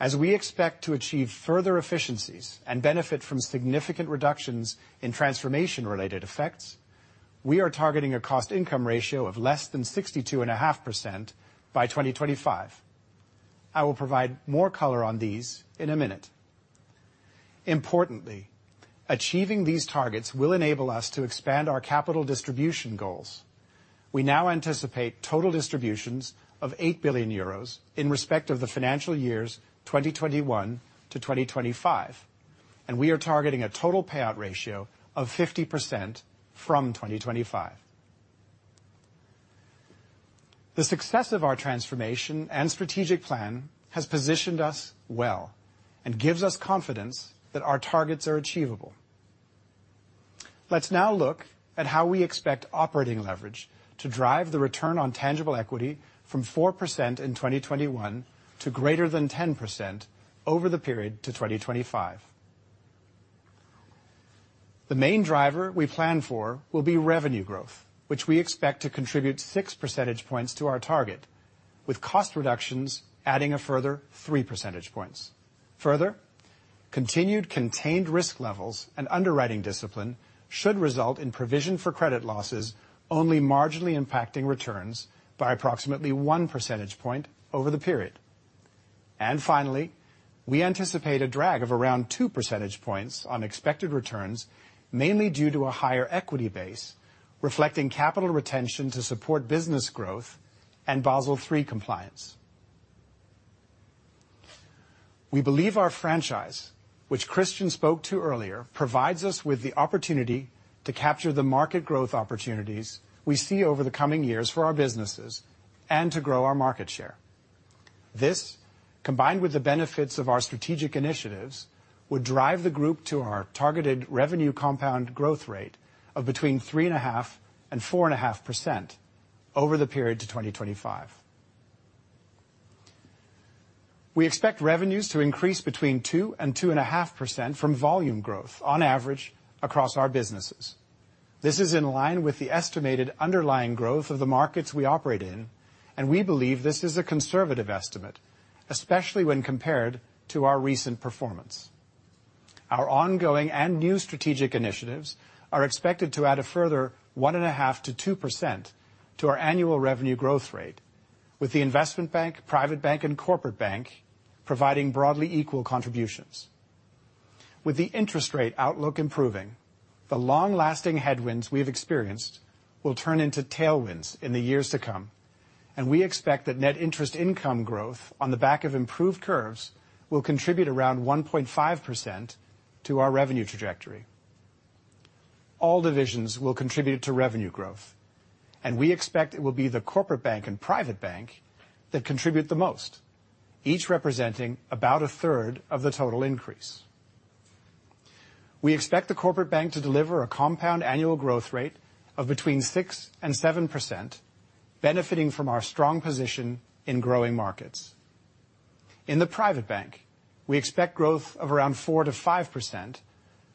As we expect to achieve further efficiencies and benefit from significant reductions in transformation-related effects, we are targeting a cost income ratio of less than 62.5% by 2025. I will provide more color on these in a minute. Importantly, achieving these targets will enable us to expand our capital distribution goals. We now anticipate total distributions of 8 billion euros in respect of the financial years 2021 to 2025, and we are targeting a total payout ratio of 50% from 2025. The success of our transformation and strategic plan has positioned us well and gives us confidence that our targets are achievable. Let's now look at how we expect operating leverage to drive the return on tangible equity from 4% in 2021 to greater than 10% over the period to 2025. The main driver we plan for will be revenue growth, which we expect to contribute 6 percentage points to our target, with cost reductions adding a further 3 percentage points. Further, continued contained risk levels and underwriting discipline should result in provision for credit losses, only marginally impacting returns by approximately 1 percentage point over the period. Finally, we anticipate a drag of around 2 percentage points on expected returns, mainly due to a higher equity base, reflecting capital retention to support business growth and Basel III compliance. We believe our franchise, which Christian spoke to earlier, provides us with the opportunity to capture the market growth opportunities we see over the coming years for our businesses and to grow our market share. This, combined with the benefits of our strategic initiatives, would drive the group to our targeted revenue compound growth rate of between 3.5% and 4.5% over the period to 2025. We expect revenues to increase between 2% and 2.5% from volume growth on average across our businesses. This is in line with the estimated underlying growth of the markets we operate in, and we believe this is a conservative estimate, especially when compared to our recent performance. Our ongoing and new strategic initiatives are expected to add a further 1.5%-2% to our annual revenue growth rate, with the Investment Bank, Private Bank, and Corporate Bank providing broadly equal contributions. With the interest rate outlook improving, the long-lasting headwinds we have experienced will turn into tailwinds in the years to come, and we expect that net interest income growth on the back of improved curves will contribute around 1.5% to our revenue trajectory. All divisions will contribute to revenue growth, and we expect it will be the Corporate Bank and Private Bank that contribute the most, each representing about 1/3 of the total increase. We expect the Corporate Bank to deliver a compound annual growth rate of between 6%-7%, benefiting from our strong position in growing markets. In the Private Bank, we expect growth of around 4%-5%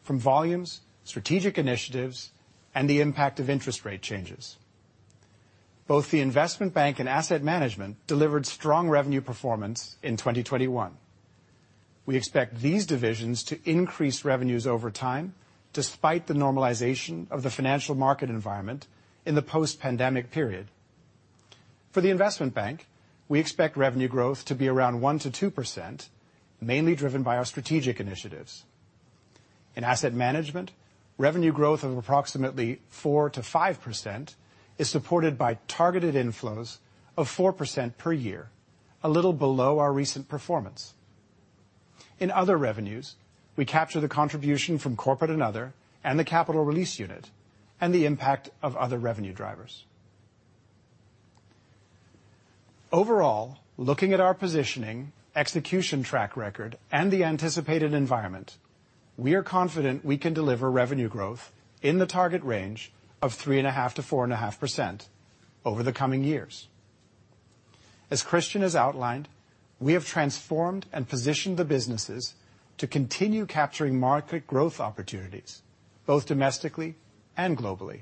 from volumes, strategic initiatives, and the impact of interest rate changes. Both the Investment Bank and Asset Management delivered strong revenue performance in 2021. We expect these divisions to increase revenues over time despite the normalization of the financial market environment in the post-pandemic period. For the Investment Bank, we expect revenue growth to be around 1%-2%, mainly driven by our strategic initiatives. In Asset Management, revenue growth of approximately 4%-5% is supported by targeted inflows of 4% per year, a little below our recent performance. In other revenues, we capture the contribution from corporate and other, and the Capital Release Unit, and the impact of other revenue drivers. Overall, looking at our positioning, execution track record, and the anticipated environment, we are confident we can deliver revenue growth in the target range of 3.5%-4.5% over the coming years. As Christian has outlined, we have transformed and positioned the businesses to continue capturing market growth opportunities, both domestically and globally.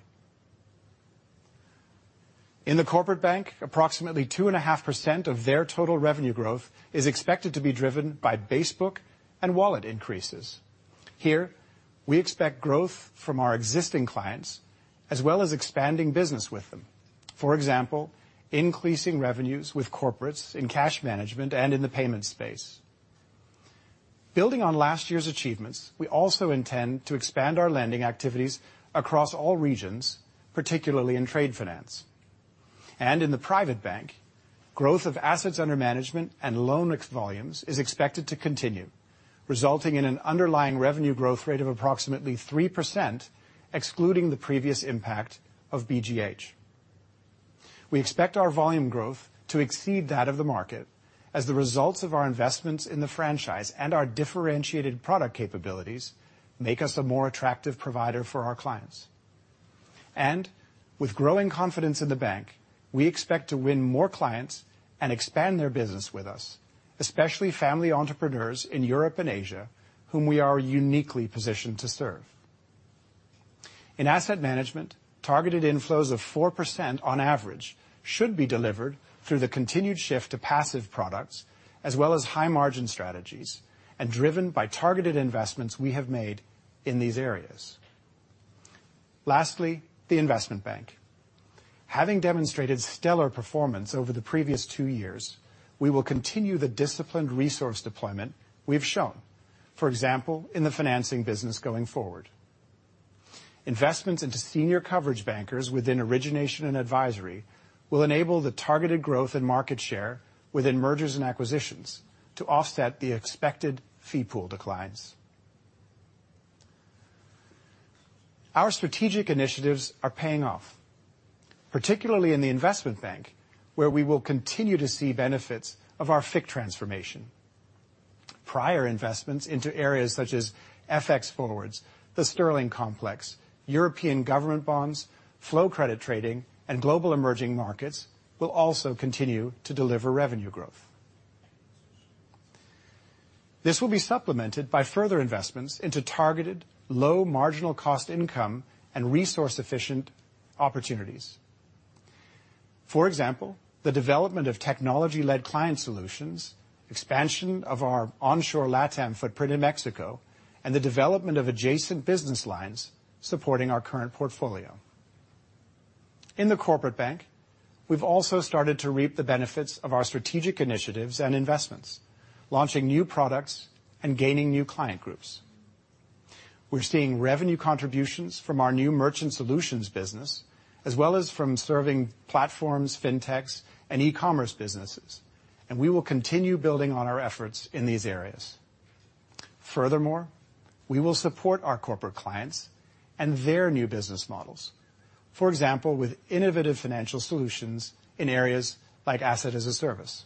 In the Corporate Bank, approximately 2.5% of their total revenue growth is expected to be driven by basebook and wallet increases. Here, we expect growth from our existing clients, as well as expanding business with them. For example, increasing revenues with corporates in cash management and in the payment space. Building on last year's achievements, we also intend to expand our lending activities across all regions, particularly in trade finance. In the Private Bank, growth of assets under management and loan mix volumes is expected to continue, resulting in an underlying revenue growth rate of approximately 3%, excluding the previous impact of BGH. We expect our volume growth to exceed that of the market, as the results of our investments in the franchise and our differentiated product capabilities make us a more attractive provider for our clients. With growing confidence in the bank, we expect to win more clients and expand their business with us, especially family entrepreneurs in Europe and Asia, whom we are uniquely positioned to serve. In Asset Management, targeted inflows of 4% on average should be delivered through the continued shift to passive products as well as high-margin strategies and driven by targeted investments we have made in these areas. Lastly, the Investment Bank. Having demonstrated stellar performance over the previous two years, we will continue the disciplined resource deployment we've shown, for example, in the financing business going forward. Investments into senior coverage bankers within Origination and Advisory will enable the targeted growth in market share within mergers and acquisitions to offset the expected fee pool declines. Our strategic initiatives are paying off, particularly in the Investment Bank, where we will continue to see benefits of our FICC transformation. Prior investments into areas such as FX forwards, the gilt complex, European government bonds, flow credit trading, and global emerging markets will also continue to deliver revenue growth. This will be supplemented by further investments into targeted low marginal cost income and resource-efficient opportunities. For example, the development of technology-led client solutions, expansion of our onshore LatAm footprint in Mexico, and the development of adjacent business lines supporting our current portfolio. In the Corporate Bank, we've also started to reap the benefits of our strategic initiatives and investments, launching new products and gaining new client groups. We're seeing revenue contributions from our new Merchant Solutions business, as well as from serving platforms, fintechs, and e-commerce businesses, and we will continue building on our efforts in these areas. Furthermore, we will support our corporate clients and their new business models. For example, with innovative financial solutions in areas like Asset as a Service.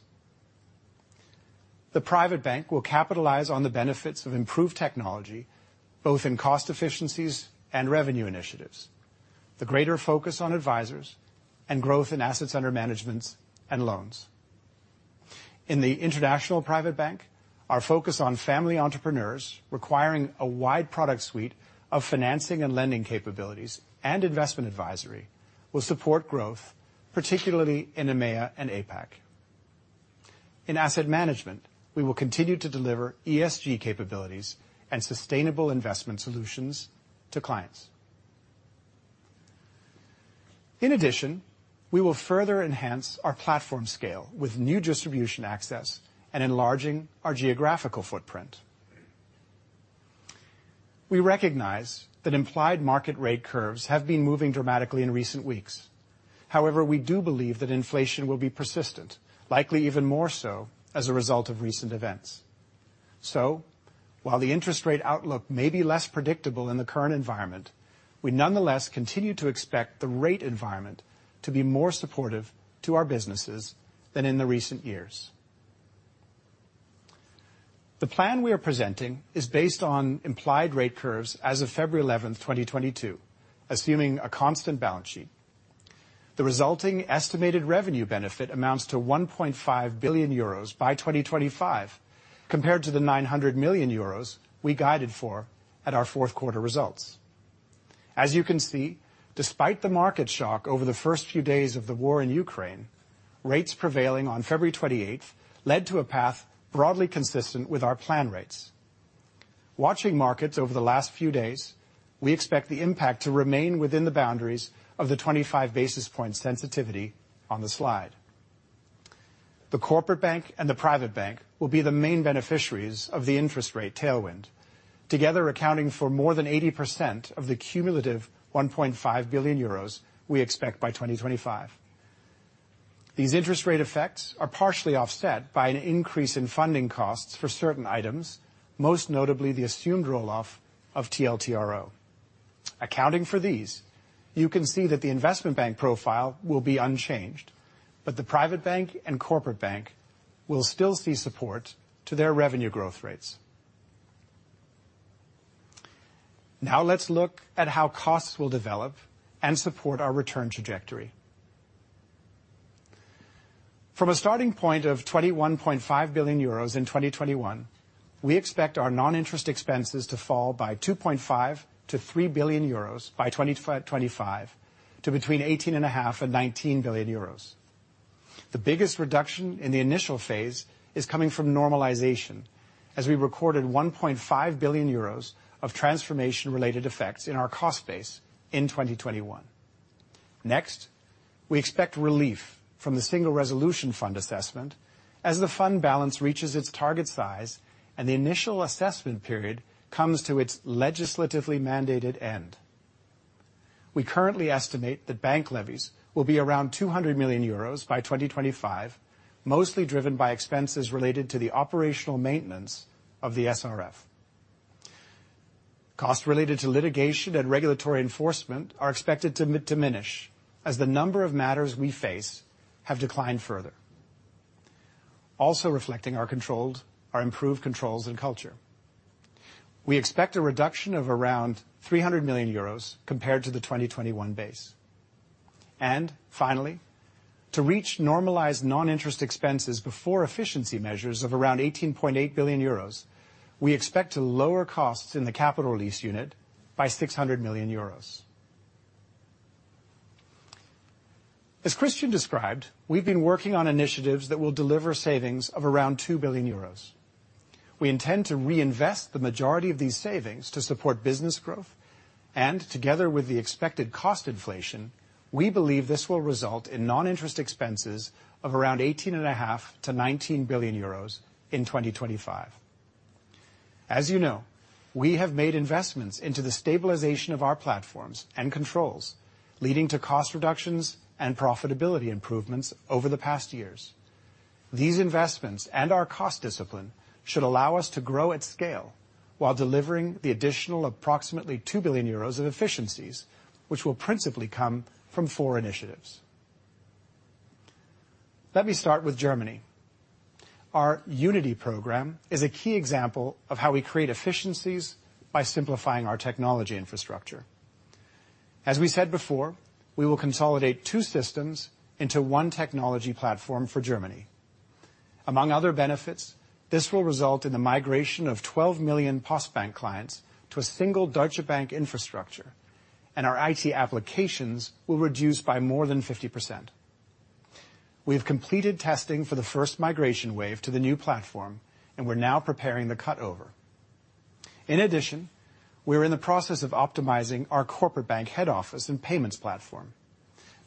The Private Bank will capitalize on the benefits of improved technology, both in cost efficiencies and revenue initiatives, the greater focus on advisors, and growth in assets under management and loans. In the International Private Bank, our focus on family entrepreneurs requiring a wide product suite of financing and lending capabilities and investment advisory will support growth, particularly in EMEA and APAC. In Asset Management, we will continue to deliver ESG capabilities and sustainable investment solutions to clients. In addition, we will further enhance our platform scale with new distribution access and enlarging our geographical footprint. We recognize that implied market rate curves have been moving dramatically in recent weeks. However, we do believe that inflation will be persistent, likely even more so as a result of recent events. While the interest rate outlook may be less predictable in the current environment, we nonetheless continue to expect the rate environment to be more supportive to our businesses than in the recent years. The plan we are presenting is based on implied rate curves as of February 11, 2022, assuming a constant balance sheet. The resulting estimated revenue benefit amounts to 1.5 billion euros by 2025, compared to the 900 million euros we guided for at our fourth quarter results. As you can see, despite the market shock over the first few days of the war in Ukraine, rates prevailing on February 28 led to a path broadly consistent with our plan rates. Watching markets over the last few days, we expect the impact to remain within the boundaries of the 25 basis point sensitivity on the slide. The Corporate Bank and the Private Bank will be the main beneficiaries of the interest rate tailwind, together accounting for more than 80% of the cumulative 1.5 billion euros we expect by 2025. These interest rate effects are partially offset by an increase in funding costs for certain items, most notably the assumed roll off of TLTRO. Accounting for these, you can see that the Investment Bank profile will be unchanged, but the Private Bank and Corporate Bank will still see support to their revenue growth rates. Now let's look at how costs will develop and support our return trajectory. From a starting point of 21.5 billion euros in 2021, we expect our non-interest expenses to fall by 2.5 billion-3 billion euros by 2025 to between 18.5 billion and 19 billion euros. The biggest reduction in the initial phase is coming from normalization, as we recorded 1.5 billion euros of transformation-related effects in our cost base in 2021. Next, we expect relief from the Single Resolution Fund assessment as the fund balance reaches its target size and the initial assessment period comes to its legislatively mandated end. We currently estimate that bank levies will be around 200 million euros by 2025, mostly driven by expenses related to the operational maintenance of the SRF. Costs related to litigation and regulatory enforcement are expected to diminish as the number of matters we face have declined further, also reflecting our improved controls and culture. We expect a reduction of around 300 million euros compared to the 2021 base. Finally, to reach normalized noninterest expenses before efficiency measures of around 18.8 billion euros, we expect to lower costs in the Capital Release Unit by 600 million euros. As Christian described, we've been working on initiatives that will deliver savings of around 2 billion euros. We intend to reinvest the majority of these savings to support business growth and, together with the expected cost inflation, we believe this will result in noninterest expenses of around 18.5 billion-19 billion euros in 2025. As you know, we have made investments into the stabilization of our platforms and controls, leading to cost reductions and profitability improvements over the past years. These investments and our cost discipline should allow us to grow at scale while delivering the additional approximately 2 billion euros of efficiencies, which will principally come from 4 initiatives. Let me start with Germany. Our Unity program is a key example of how we create efficiencies by simplifying our technology infrastructure. As we said before, we will consolidate two systems into one technology platform for Germany. Among other benefits, this will result in the migration of 12 million Postbank clients to a single Deutsche Bank infrastructure, and our IT applications will reduce by more than 50%. We have completed testing for the first migration wave to the new platform, and we're now preparing the cutover. In addition, we're in the process of optimizing our corporate bank head office and payments platform.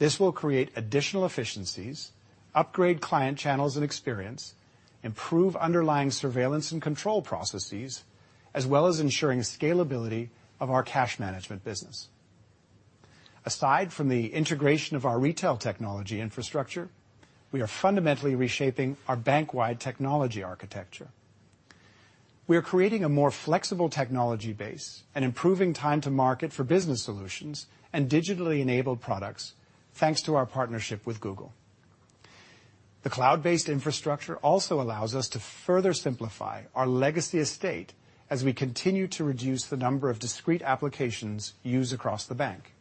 This will create additional efficiencies, upgrade client channels and experience, improve underlying surveillance and control processes, as well as ensuring scalability of our cash management business. Aside from the integration of our retail technology infrastructure, we are fundamentally reshaping our bank-wide technology architecture. We are creating a more flexible technology base and improving time to market for business solutions and digitally enabled products thanks to our partnership with Google. The cloud-based infrastructure also allows us to further simplify our legacy estate as we continue to reduce the number of discrete applications used across the bank.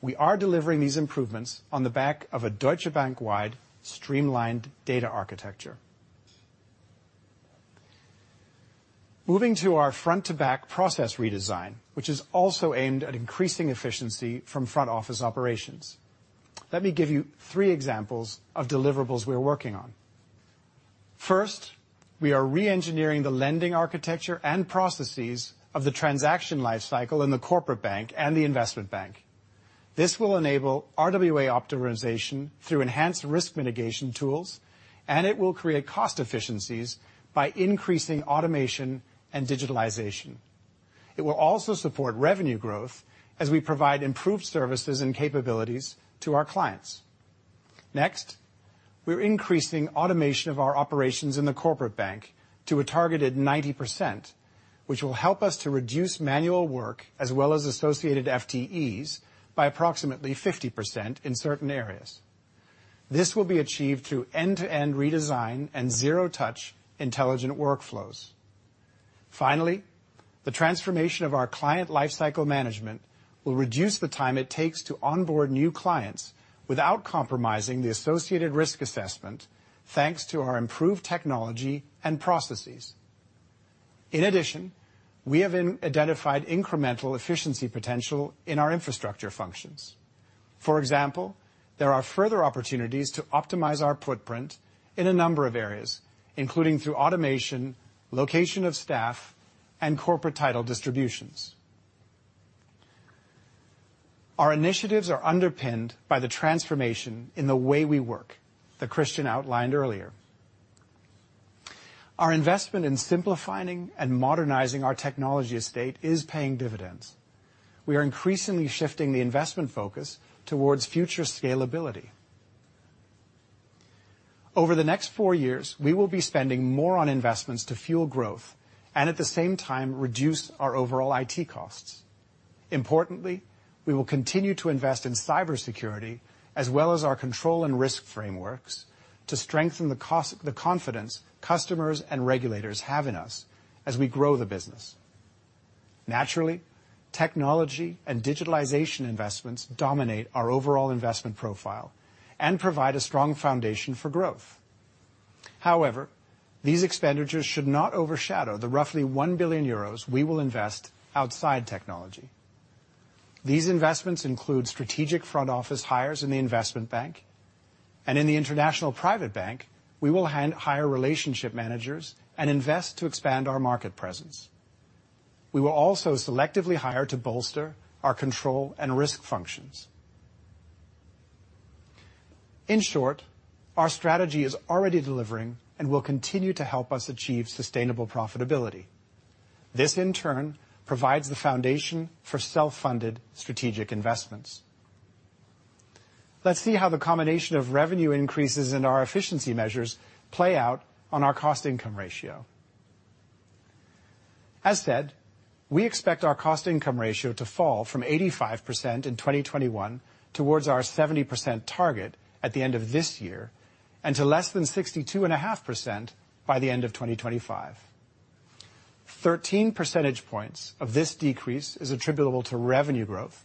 We are delivering these improvements on the back of a Deutsche Bank-wide streamlined data architecture. Moving to our front-to-back process redesign, which is also aimed at increasing efficiency from front office operations. Let me give you three examples of deliverables we are working on. First, we are re-engineering the lending architecture and processes of the transaction lifecycle in the Corporate Bank and the Investment Bank. This will enable RWA optimization through enhanced risk mitigation tools, and it will create cost efficiencies by increasing automation and digitalization. It will also support revenue growth as we provide improved services and capabilities to our clients. Next, we are increasing automation of our operations in the Corporate Bank to a targeted 90%, which will help us to reduce manual work as well as associated FTEs by approximately 50% in certain areas. This will be achieved through end-to-end redesign and zero touch intelligent workflows. Finally, the transformation of our client lifecycle management will reduce the time it takes to onboard new clients without compromising the associated risk assessment, thanks to our improved technology and processes. In addition, we have identified incremental efficiency potential in our infrastructure functions. For example, there are further opportunities to optimize our footprint in a number of areas, including through automation, location of staff, and corporate title distributions. Our initiatives are underpinned by the transformation in the way we work that Christian outlined earlier. Our investment in simplifying and modernizing our technology estate is paying dividends. We are increasingly shifting the investment focus towards future scalability. Over the next four years, we will be spending more on investments to fuel growth and at the same time reduce our overall IT costs. Importantly, we will continue to invest in cybersecurity as well as our control and risk frameworks to strengthen the confidence customers and regulators have in us as we grow the business. Naturally, technology and digitalization investments dominate our overall investment profile and provide a strong foundation for growth. However, these expenditures should not overshadow the roughly 1 billion euros we will invest outside technology. These investments include strategic front office hires in the Investment Bank. In the International Private Bank, we will and hire relationship managers and invest to expand our market presence. We will also selectively hire to bolster our control and risk functions. In short, our strategy is already delivering and will continue to help us achieve sustainable profitability. This in turn provides the foundation for self-funded strategic investments. Let's see how the combination of revenue increases and our efficiency measures play out on our cost income ratio. As said, we expect our cost income ratio to fall from 85% in 2021 towards our 70% target at the end of this year, and to less than 62.5% by the end of 2025. 13 percentage points of this decrease is attributable to revenue growth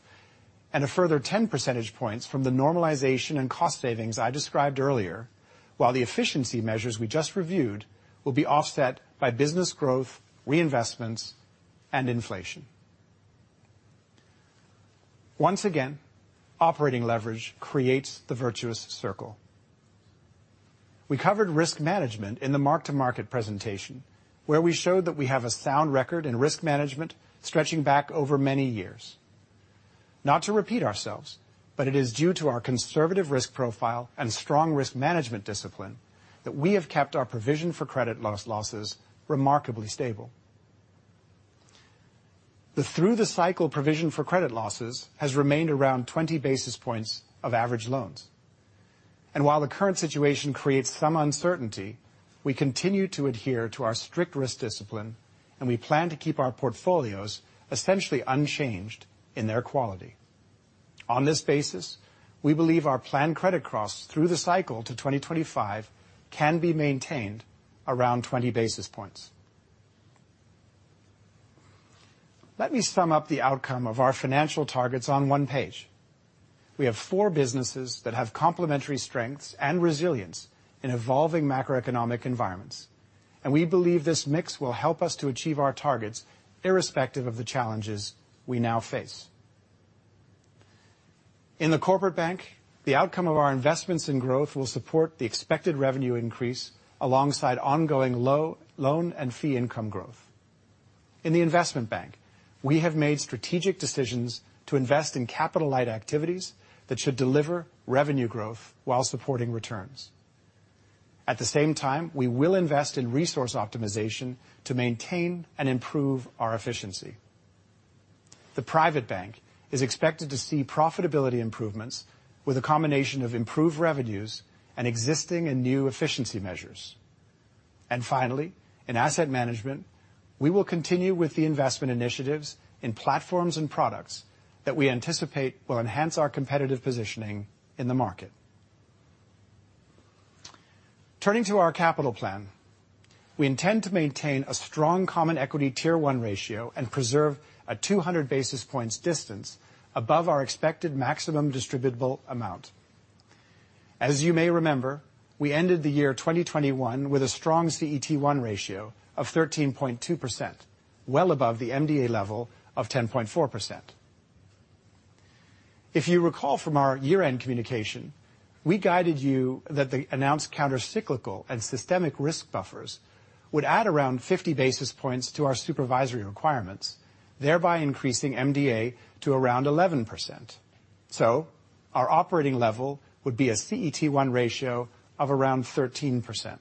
and a further 10 percentage points from the normalization and cost savings I described earlier. While the efficiency measures we just reviewed will be offset by business growth, reinvestments, and inflation. Once again, operating leverage creates the virtuous circle. We covered risk management in the mark-to-market presentation, where we showed that we have a sound record in risk management stretching back over many years. Not to repeat ourselves, but it is due to our conservative risk profile and strong risk management discipline that we have kept our provision for credit losses remarkably stable. The through the cycle provision for credit losses has remained around 20 basis points of average loans. While the current situation creates some uncertainty, we continue to adhere to our strict risk discipline, and we plan to keep our portfolios essentially unchanged in their quality. On this basis, we believe our planned credit costs through the cycle to 2025 can be maintained around 20 basis points. Let me sum up the outcome of our financial targets on one page. We have four businesses that have complementary strengths and resilience in evolving macroeconomic environments, and we believe this mix will help us to achieve our targets irrespective of the challenges we now face. In the Corporate Bank, the outcome of our investments in growth will support the expected revenue increase alongside ongoing loan and fee income growth. In the Investment Bank, we have made strategic decisions to invest in capital light activities that should deliver revenue growth while supporting returns. At the same time, we will invest in resource optimization to maintain and improve our efficiency. The Private Bank is expected to see profitability improvements with a combination of improved revenues and existing and new efficiency measures. Finally, in Asset Management, we will continue with the investment initiatives in platforms and products that we anticipate will enhance our competitive positioning in the market. Turning to our capital plan, we intend to maintain a strong Common Equity Tier 1 ratio and preserve a 200 basis points distance above our expected maximum distributable amount. As you may remember, we ended the year 2021 with a strong CET1 ratio of 13.2%, well above the MDA level of 10.4%. If you recall from our year-end communication, we guided you that the announced counter cyclical and systemic risk buffers would add around 50 basis points to our supervisory requirements, thereby increasing MDA to around 11%. Our operating level would be a CET1 ratio of around 13%.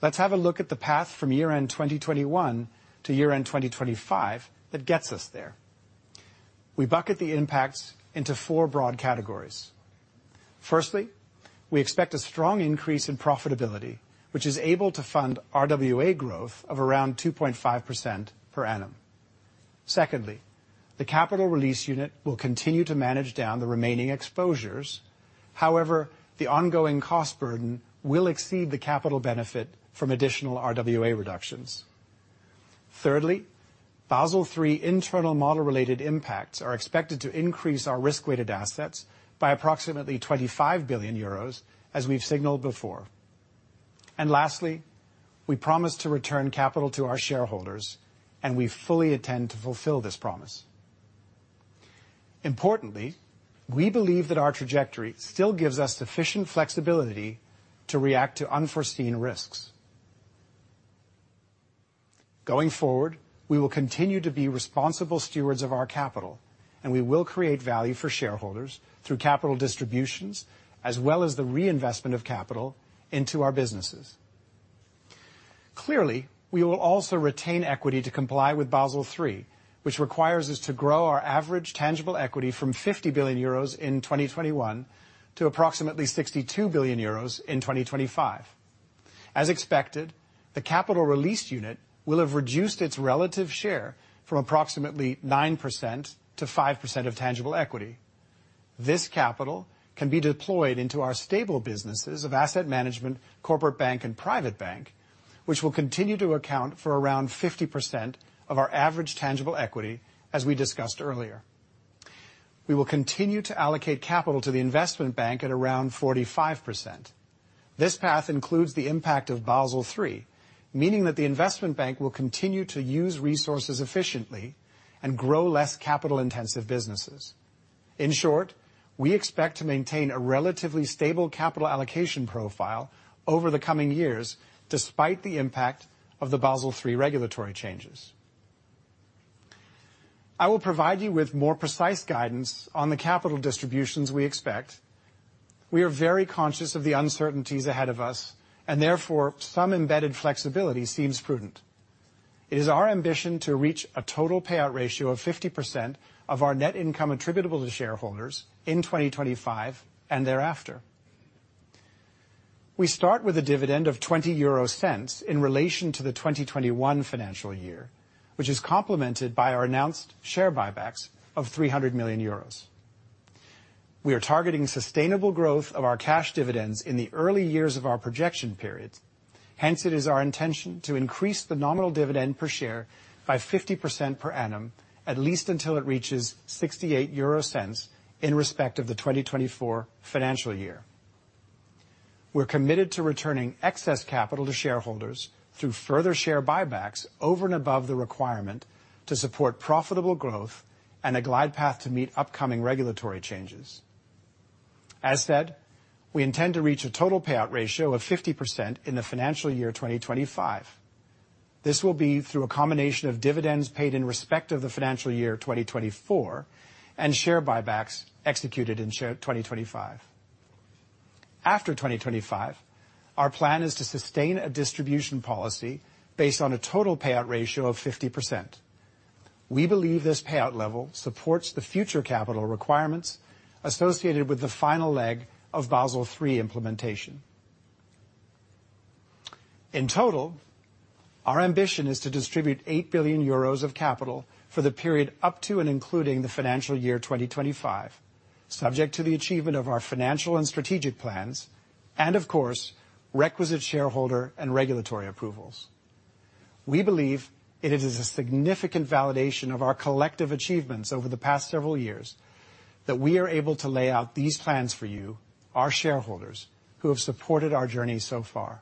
Let's have a look at the path from year-end 2021 to year-end 2025 that gets us there. We bucket the impacts into four broad categories. Firstly, we expect a strong increase in profitability, which is able to fund RWA growth of around 2.5% per annum. Secondly, the Capital Release Unit will continue to manage down the remaining exposures. However, the ongoing cost burden will exceed the capital benefit from additional RWA reductions. Thirdly, Basel III internal model-related impacts are expected to increase our risk-weighted assets by approximately 25 billion euros, as we've signaled before. Lastly, we promise to return capital to our shareholders, and we fully intend to fulfill this promise. Importantly, we believe that our trajectory still gives us sufficient flexibility to react to unforeseen risks. Going forward, we will continue to be responsible stewards of our capital, and we will create value for shareholders through capital distributions as well as the reinvestment of capital into our businesses. Clearly, we will also retain equity to comply with Basel III, which requires us to grow our average tangible equity from 50 billion euros in 2021 to approximately 62 billion euros in 2025. As expected, the Capital Release Unit will have reduced its relative share from approximately 9% to 5% of tangible equity. This capital can be deployed into our stable businesses of Asset Management, Corporate Bank, and Private Bank, which will continue to account for around 50% of our average tangible equity, as we discussed earlier. We will continue to allocate capital to the Investment Bank at around 45%. This path includes the impact of Basel III, meaning that the Investment Bank will continue to use resources efficiently and grow less capital-intensive businesses. In short, we expect to maintain a relatively stable capital allocation profile over the coming years despite the impact of the Basel III regulatory changes. I will provide you with more precise guidance on the capital distributions we expect. We are very conscious of the uncertainties ahead of us, and therefore, some embedded flexibility seems prudent. It is our ambition to reach a total payout ratio of 50% of our net income attributable to shareholders in 2025 and thereafter. We start with a dividend of 0.20 in relation to the 2021 financial year, which is complemented by our announced share buybacks of 300 million euros. We are targeting sustainable growth of our cash dividends in the early years of our projection periods. Hence, it is our intention to increase the nominal dividend per share by 50% per annum at least until it reaches 0.68 in respect of the 2024 financial year. We're committed to returning excess capital to shareholders through further share buybacks over and above the requirement to support profitable growth and a glide path to meet upcoming regulatory changes. As said, we intend to reach a total payout ratio of 50% in the financial year 2025. This will be through a combination of dividends paid in respect of the financial year 2024 and share buybacks executed in 2025. After 2025, our plan is to sustain a distribution policy based on a total payout ratio of 50%. We believe this payout level supports the future capital requirements associated with the final leg of Basel III implementation. In total, our ambition is to distribute 8 billion euros of capital for the period up to and including the financial year 2025, subject to the achievement of our financial and strategic plans and of course, requisite shareholder and regulatory approvals. We believe it is a significant validation of our collective achievements over the past several years that we are able to lay out these plans for you, our shareholders, who have supported our journey so far.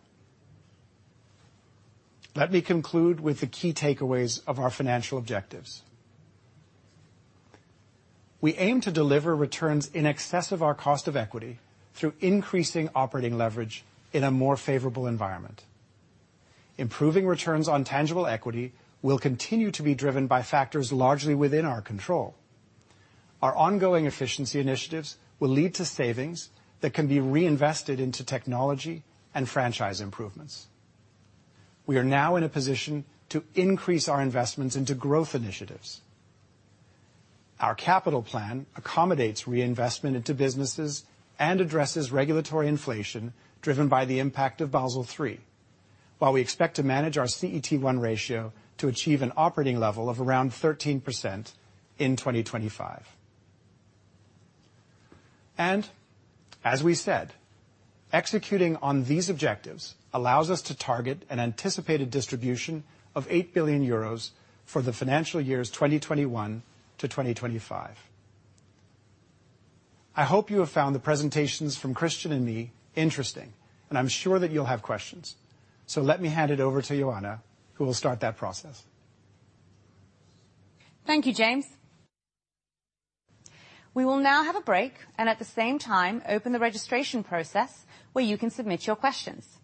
Let me conclude with the key takeaways of our financial objectives. We aim to deliver returns in excess of our cost of equity through increasing operating leverage in a more favorable environment. Improving returns on tangible equity will continue to be driven by factors largely within our control. Our ongoing efficiency initiatives will lead to savings that can be reinvested into technology and franchise improvements. We are now in a position to increase our investments into growth initiatives. Our capital plan accommodates reinvestment into businesses and addresses regulatory inflation driven by the impact of Basel III. While we expect to manage our CET1 ratio to achieve an operating level of around 13% in 2025, executing on these objectives allows us to target an anticipated distribution of 8 billion euros for the financial years 2021 to 2025. I hope you have found the presentations from Christian and me interesting, and I'm sure that you'll have questions. Let me hand it over to Ioana, who will start that process. Thank you, James. We will now have a break and at the same time open the registration process where you can submit your questions.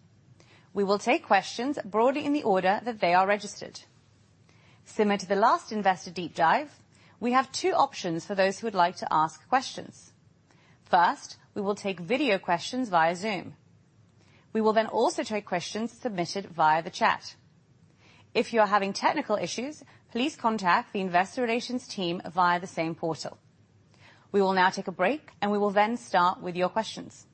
We will take questions broadly in the order that they are registered. Similar to the last Investor Deep Dive, we have two options for those who would like to ask questions. First, we will take video questions via Zoom. We will then also take questions submitted via the chat. If you are having technical issues, please contact the investor relations team via the same portal. We will now take a break, and we will then start with your questions.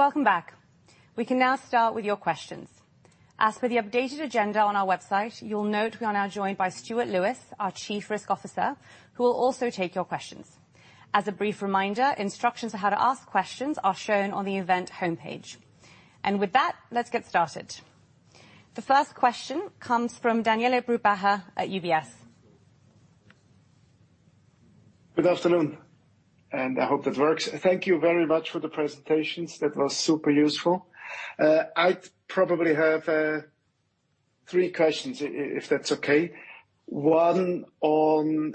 Welcome back. We can now start with your questions. As per the updated agenda on our website, you'll note we are now joined by Stuart Lewis, our Chief Risk Officer, who will also take your questions. As a brief reminder, instructions on how to ask questions are shown on the event homepage. With that, let's get started. The first question comes from Daniele Brupbacher at UBS. Good afternoon, and I hope that works. Thank you very much for the presentations. That was super useful. I probably have three questions if that's okay. One on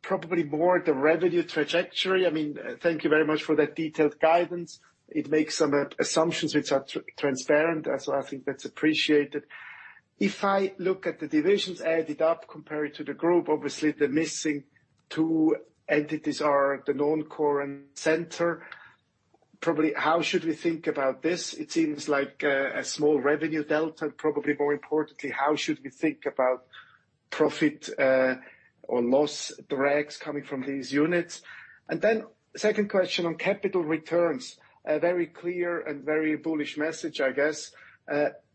probably more the revenue trajectory. I mean, thank you very much for that detailed guidance. It makes some assumptions which are transparent, and so I think that's appreciated. If I look at the divisions added up compared to the group, obviously the missing two entities are the non-core and center. Probably, how should we think about this? It seems like a small revenue delta. Probably more importantly, how should we think about profit or loss drags coming from these units? Second question on capital returns, a very clear and very bullish message, I guess.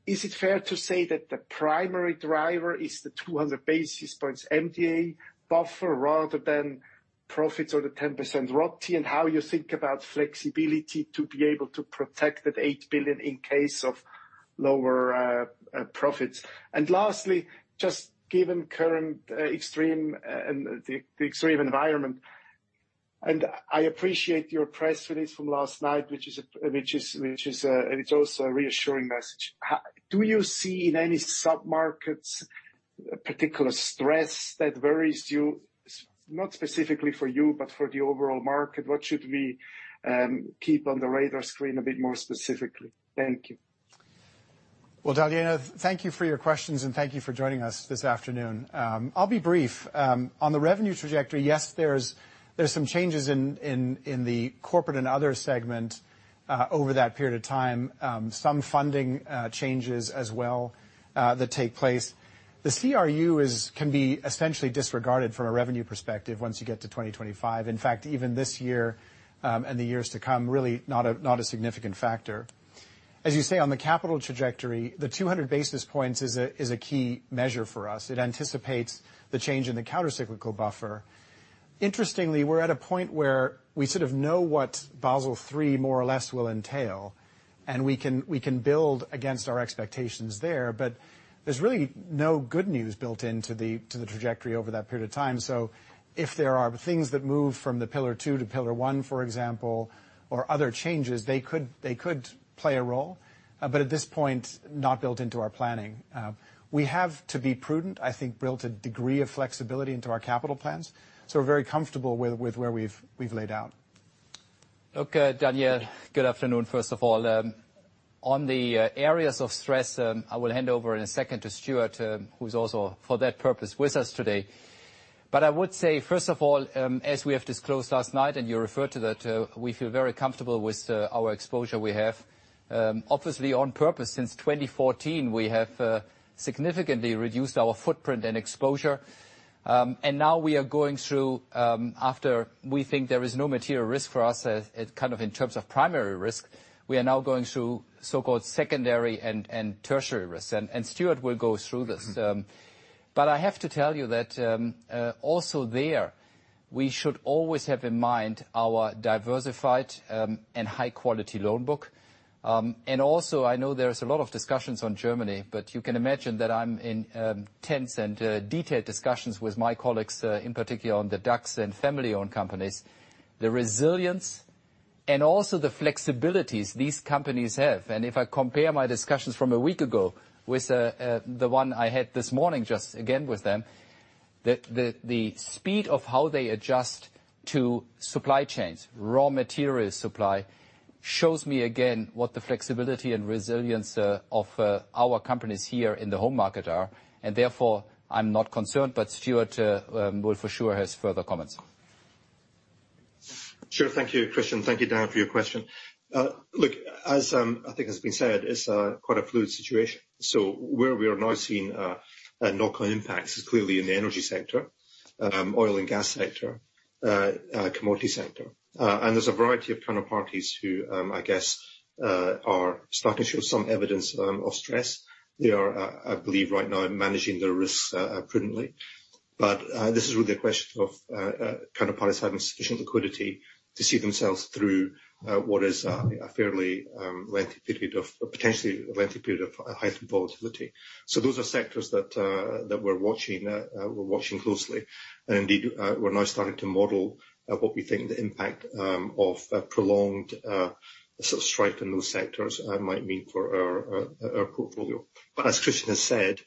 Is it fair to say that the primary driver is the 200 basis points MDA buffer rather than profits or the 10% RoTE? How do you think about flexibility to be able to protect that 8 billion in case of lower profits? Lastly, just given current extreme and the extreme environment, I appreciate your press release from last night, which is also a reassuring message. How do you see in any submarkets particular stress that worries you? Not specifically for you, but for the overall market, what should we keep on the radar screen a bit more specifically? Thank you. Well, Daniele, thank you for your questions, and thank you for joining us this afternoon. I'll be brief. On the revenue trajectory, yes, there's some changes in the corporate and other segment over that period of time. Some funding changes as well that take place. The CRU can be essentially disregarded from a revenue perspective once you get to 2025. In fact, even this year and the years to come, really not a significant factor. As you say, on the capital trajectory, the 200 basis points is a key measure for us. It anticipates the change in the countercyclical buffer. Interestingly, we're at a point where we sort of know what Basel III more or less will entail, and we can build against our expectations there. There's really no good news built into the trajectory over that period of time. If there are things that move from the pillar two to pillar one, for example, or other changes, they could play a role, but at this point, not built into our planning. We have to be prudent. I think we've built a degree of flexibility into our capital plans, so we're very comfortable with where we've laid out. Look, Daniele, good afternoon, first of all. On the areas of stress, I will hand over in a second to Stuart, who's also for that purpose with us today. I would say, first of all, as we have disclosed last night, and you refer to that, we feel very comfortable with our exposure we have. Obviously on purpose since 2014, we have significantly reduced our footprint and exposure. Now we are going through, after we think there is no material risk for us, kind of in terms of primary risk. We are now going through so-called secondary and tertiary risks, and Stuart will go through this. I have to tell you that, also there, we should always have in mind our diversified and high-quality loan book. I know there's a lot of discussions on Germany, but you can imagine that I'm in tense and detailed discussions with my colleagues, in particular on the DAX and family-owned companies. The resilience and also the flexibilities these companies have, and if I compare my discussions from a week ago with the one I had this morning just again with them, the speed of how they adjust to supply chains, raw material supply shows me again what the flexibility and resilience of our companies here in the home market are, and therefore I'm not concerned. Stuart will for sure has further comments. Sure. Thank you, Christian. Thank you, Daniele, for your question. Look, as I think has been said, it's quite a fluid situation. Where we are now seeing knock-on impacts is clearly in the energy sector, oil and gas sector, commodity sector. There's a variety of counterparties who, I guess, are starting to show some evidence of stress. They are, I believe right now managing the risks prudently. This is really a question of counterparties having sufficient liquidity to see themselves through what a fairly potentially lengthy period of heightened volatility is those are sectors that we're watching closely. Indeed, we're now starting to model what we think the impact of a prolonged sort of strike in those sectors might mean for our portfolio. As Christian has said,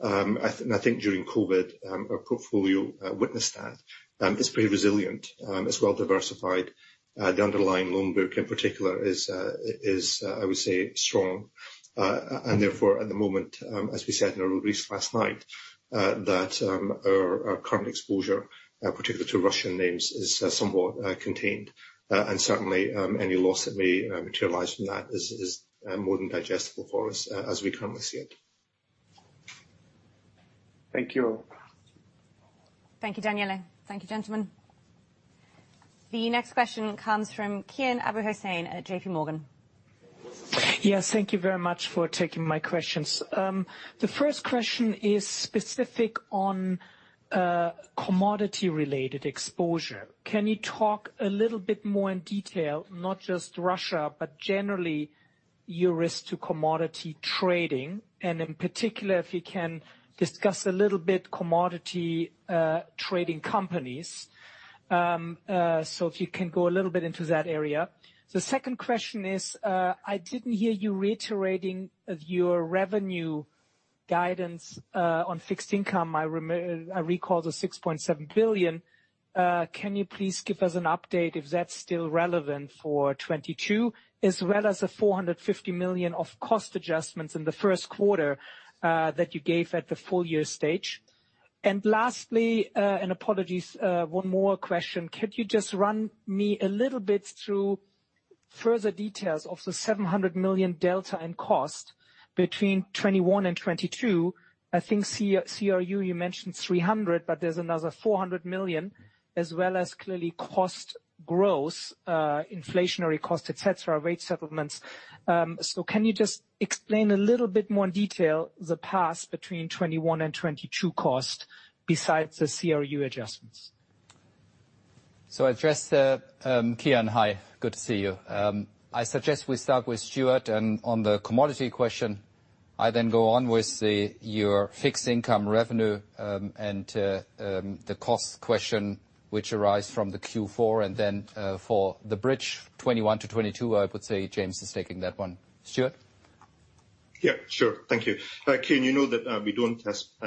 and I think during COVID, our portfolio witnessed that it's pretty resilient, it's well diversified. The underlying loan book in particular is, I would say, strong. And therefore at the moment, as we said in our release last night, that our current exposure particularly to Russian names is somewhat contained. And certainly any loss that may materialize from that is more than digestible for us as we currently see it. Thank you. Thank you, Daniele. Thank you, gentlemen. The next question comes from Kian Abouhossein at JP Morgan. Yes, thank you very much for taking my questions. The first question is specific on commodity related exposure. Can you talk a little bit more in detail, not just Russia, but generally your risk to commodity trading, and in particular if you can discuss a little bit commodity trading companies. So if you can go a little bit into that area. The second question is, I didn't hear you reiterating your revenue guidance on fixed income. I recall the 6.7 billion. Can you please give us an update if that's still relevant for 2022, as well as the 450 million of cost adjustments in the first quarter that you gave at the full year stage? Lastly, and apologies, one more question. Could you just run me a little bit through further details of the 700 million delta in cost between 2021 and 2022? I think CRU you mentioned 300 million, but there's another 400 million as well as clearly cost growth, inflationary cost, et cetera, rate settlements. Can you just explain a little bit more in detail the path between 2021 and 2022 cost besides the CRU adjustments? I address Kian Abouhossein. Hi. Good to see you. I suggest we start with Stuart Graham and on the commodity question. I then go on with your fixed income revenue and the cost question which arise from the Q4. For the bridge 2021 to 2022, I would say James von Moltke is taking that one. Stuart? Yeah. Sure. Thank you. Kian, you know that we don't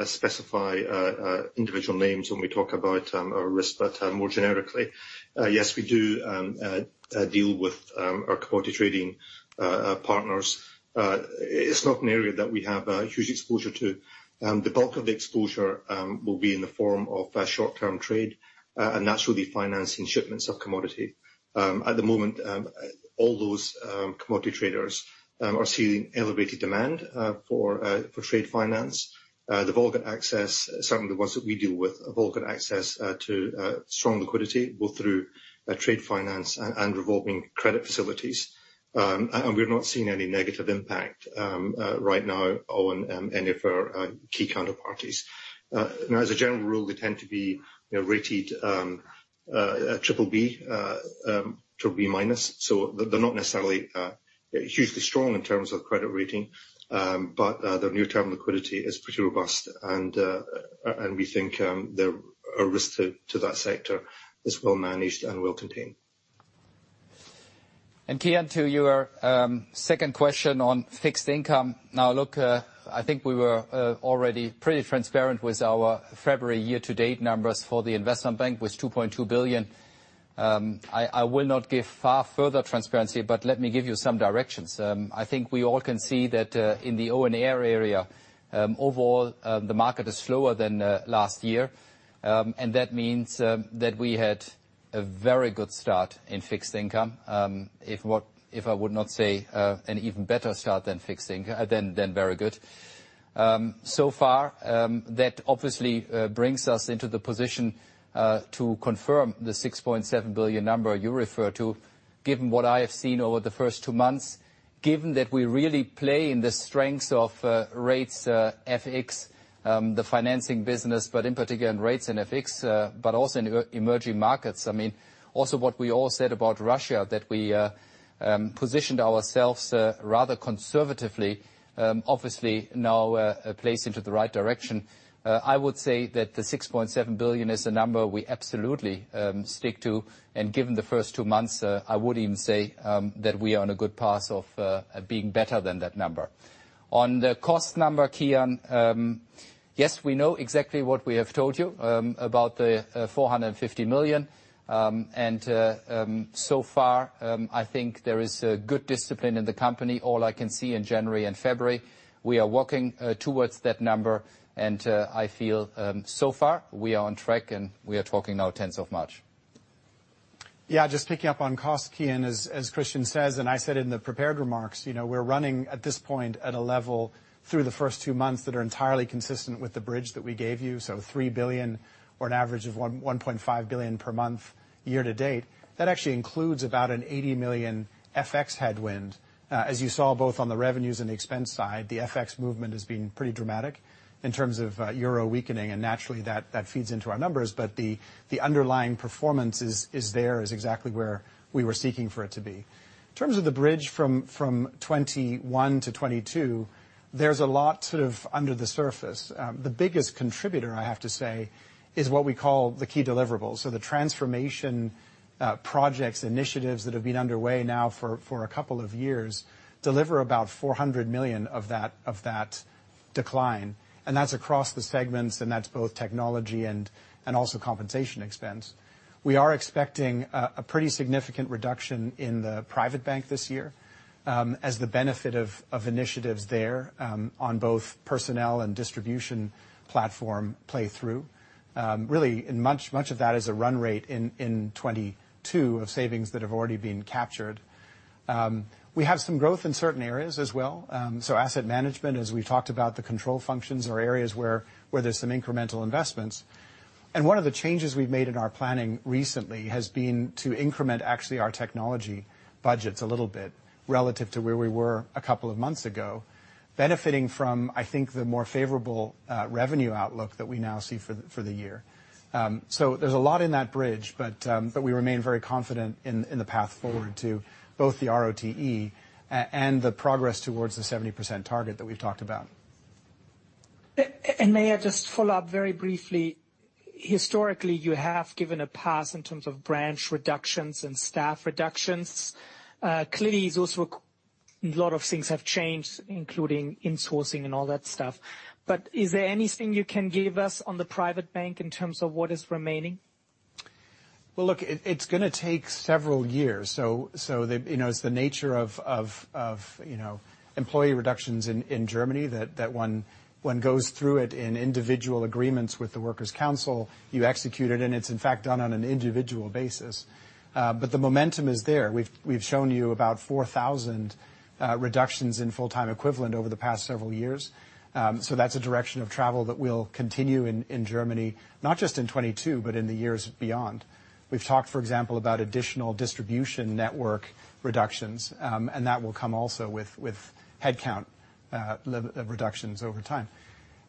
specify individual names when we talk about our risk, but more generically. Yes, we do deal with our commodity trading partners. It's not an area that we have a huge exposure to. The bulk of the exposure will be in the form of a short-term trade, and that's really financing shipments of commodity. At the moment, all those commodity traders are seeing elevated demand for trade finance. They've all got access, certainly the ones that we deal with, have all got access to strong liquidity both through trade finance and revolving credit facilities. We're not seeing any negative impact right now on any of our key counterparties. Now as a general rule, they tend to be, you know, rated triple B, triple B minus. They're not necessarily hugely strong in terms of credit rating. But their near-term liquidity is pretty robust and we think the risk to that sector is well managed and well contained. Kian, to your second question on Fixed Income. Now, look, I think we were already pretty transparent with our February year-to-date numbers for the Investment Bank was 2.2 billion. I will not give further transparency, but let me give you some directions. I think we all can see that in the O&A area, overall, the market is slower than last year. That means that we had a very good start in Fixed Income. If I would not say an even better start in Fixed Income than very good. So far, that obviously brings us into the position to confirm the 6.7 billion number you refer to, given what I have seen over the first two months, given that we really play in the strengths of rates, FX, the financing business, but in particular in rates and FX, but also in emerging markets. I mean, also what we all said about Russia, that we positioned ourselves rather conservatively, obviously now placed into the right direction. I would say that the 6.7 billion is a number we absolutely stick to. Given the first two months, I would even say that we are on a good path of being better than that number. On the cost number, Kian, yes, we know exactly what we have told you about the 450 million. So far, I think there is a good discipline in the company. All I can see in January and February, we are working towards that number, and I feel so far we are on track, and we are talking now end of March. Just picking up on cost, Kian. As Christian says, and I said in the prepared remarks, you know, we're running at this point at a level through the first two months that's entirely consistent with the bridge that we gave you. Three billion or an average of 1.5 billion per month year to date. That actually includes about an 80 million FX headwind. As you saw both on the revenues and expense side, the FX movement has been pretty dramatic in terms of euro weakening, and naturally, that feeds into our numbers. The underlying performance is there, exactly where we were seeking for it to be. In terms of the bridge from 2021 to 2022, there's a lot sort of under the surface. The biggest contributor, I have to say, is what we call the key deliverables. The transformation projects, initiatives that have been underway now for a couple of years deliver about 400 million of that decline. That's across the segments, and that's both technology and also compensation expense. We are expecting a pretty significant reduction in the Private Bank this year, as the benefit of initiatives there, on both personnel and distribution platform play through. Really, much of that is a run rate in 2022 of savings that have already been captured. We have some growth in certain areas as well. Asset Management, as we've talked about, the control functions or areas where there's some incremental investments. One of the changes we've made in our planning recently has been to increment actually our technology budgets a little bit relative to where we were a couple of months ago, benefiting from, I think, the more favorable revenue outlook that we now see for the year. There's a lot in that bridge, but we remain very confident in the path forward to both the RoTE and the progress towards the 70% target that we've talked about. May I just follow up very briefly. Historically, you have given a pass in terms of branch reductions and staff reductions. Clearly, a lot of things have changed, including insourcing and all that stuff. Is there anything you can give us on the Private Bank in terms of what is remaining? Well, look, it's gonna take several years. You know, it's the nature of employee reductions in Germany that one goes through it in individual agreements with the works council. You execute it, and it's in fact done on an individual basis. But the momentum is there. We've shown you about 4,000 reductions in full-time equivalent over the past several years. That's a direction of travel that will continue in Germany, not just in 2022, but in the years beyond. We've talked, for example, about additional distribution network reductions, and that will come also with headcount level of reductions over time.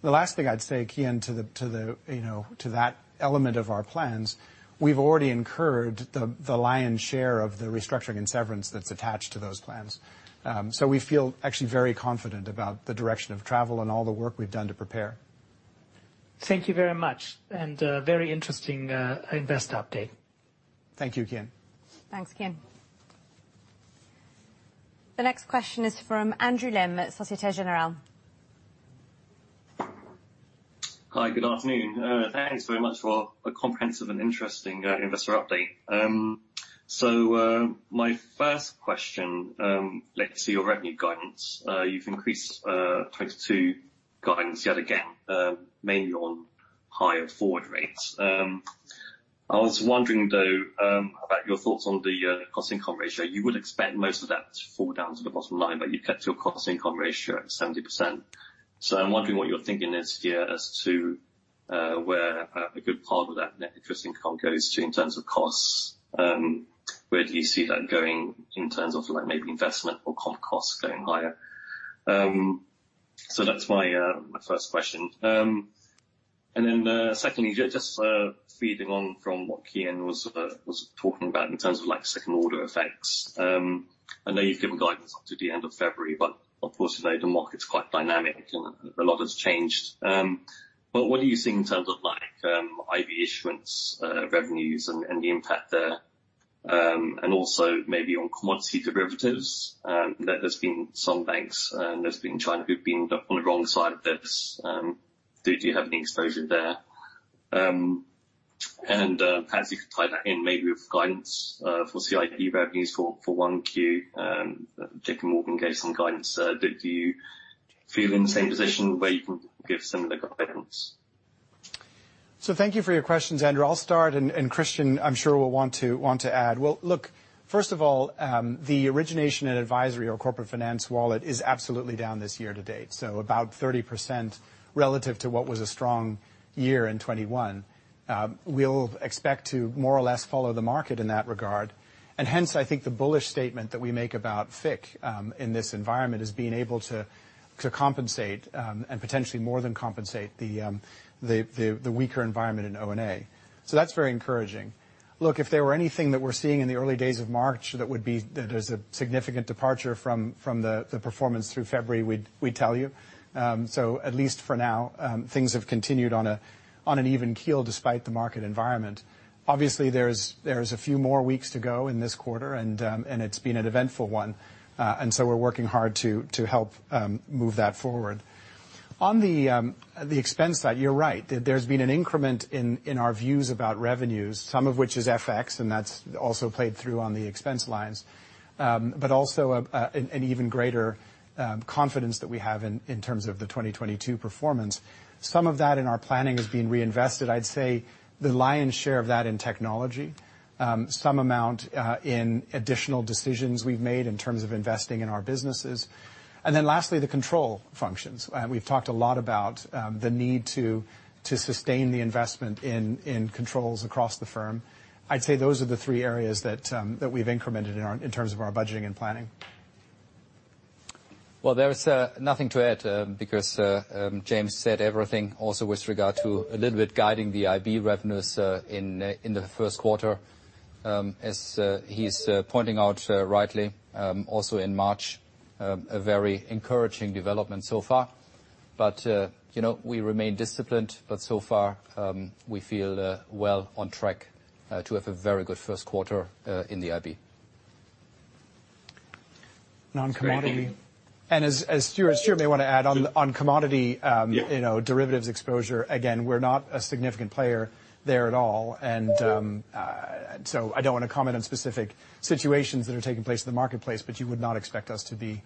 The last thing I'd say, Kian, to the, you know, to that element of our plans, we've already incurred the lion's share of the restructuring and severance that's attached to those plans. We feel actually very confident about the direction of travel and all the work we've done to prepare. Thank you very much, and very interesting investor update. Thank you, Kian. Thanks, Kian. The next question is from Andrew Lim at Société Générale. Hi. Good afternoon. Thanks very much for a comprehensive and interesting investor update. My first question relates to your revenue guidance. You've increased 2022 guidance yet again, mainly on higher forward rates. I was wondering, though, about your thoughts on the cost income ratio. You would expect most of that to fall down to the bottom line, but you kept your cost income ratio at 70%. I'm wondering what your thinking is here as to where a good part of that net interest income goes to in terms of costs. Where do you see that going in terms of like maybe investment or comp costs going higher? That's my first question. Secondly, just following on from what Kian was talking about in terms of like second order effects. I know you've given guidance up to the end of February, but of course, you know, the market's quite dynamic, and a lot has changed. What are you seeing in terms of like IB issuance revenues and the impact there? Maybe on commodity derivatives, there has been some banks, there's been China who've been on the wrong side of this. Do you have any exposure there? Perhaps you could tie that in maybe with guidance for FIC revenues for 1Q. J.P. Morgan gave some guidance. Do you feel in the same position where you can give similar guidance? Thank you for your questions, Andrew. I'll start, and Christian, I'm sure will want to add. Well, look, first of all, the origination and advisory or corporate finance wallet is absolutely down this year to date, so about 30% relative to what was a strong year in 2021. We'll expect to more or less follow the market in that regard. Hence, I think the bullish statement that we make about FIC in this environment is being able to compensate and potentially more than compensate the weaker environment in O&A. That's very encouraging. Look, if there were anything that we're seeing in the early days of March that is a significant departure from the performance through February, we'd tell you. At least for now, things have continued on an even keel despite the market environment. Obviously, there's a few more weeks to go in this quarter, and it's been an eventful one. We're working hard to help move that forward. On the expense side, you're right that there's been an increment in our views about revenues, some of which is FX, and that's also played through on the expense lines. Also, an even greater confidence that we have in terms of the 2022 performance. Some of that in our planning is being reinvested. I'd say the lion's share of that in technology. Some amount in additional decisions we've made in terms of investing in our businesses. Then lastly, the control functions. We've talked a lot about the need to sustain the investment in controls across the firm. I'd say those are the three areas that we've incremented in terms of our budgeting and planning. Well, there is nothing to add, because James said everything also with regard to a little bit guiding the IB revenues in the first quarter. As he's pointing out rightly, also in March, a very encouraging development so far. You know, we remain disciplined, but so far, we feel well on track to have a very good first quarter in the IB. Non-commodity. As Stuart may want to add on commodity derivatives exposure, again, we're not a significant player there at all. I don't want to comment on specific situations that are taking place in the marketplace, but you would not expect us to be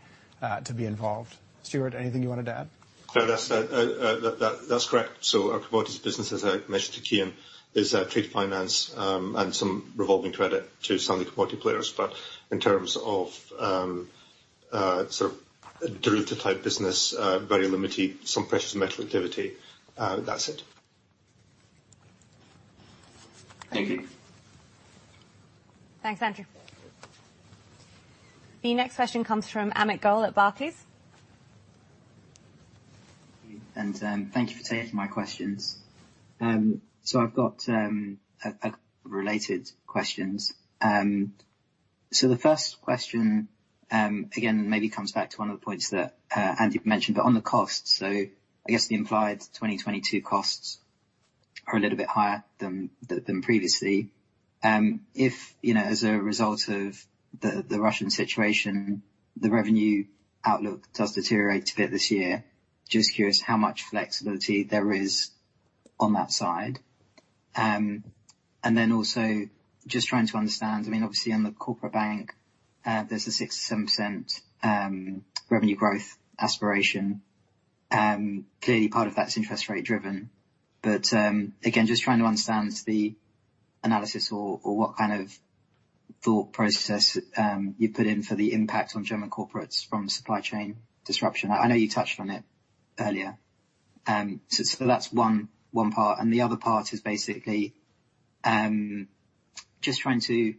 involved. Stuart, anything you wanted to add? No, that's correct. Our commodities business, as I mentioned to Kian, is trade finance and some revolving credit to some of the commodity players. In terms of sort of derivative type business, very limited, some precious metal activity. That's it. Thank you. Thanks, Andrew. The next question comes from Amit Goel at Barclays. Thank you for taking my questions. I've got a related questions. The first question, again, maybe comes back to one of the points that Andrew mentioned, but on the cost. I guess the implied 2022 costs are a little bit higher than previously. If you know, as a result of the Russian situation, the revenue outlook does deteriorate a bit this year, just curious how much flexibility there is on that side. Then also just trying to understand, I mean, obviously on the Corporate Bank, there's a 6%-7% revenue growth aspiration. Clearly part of that's interest rate driven. Again, just trying to understand the analysis or what kind of thought process you put in for the impact on German corporates from supply chain disruption. I know you touched on it earlier. That's one part. The other part is basically just trying to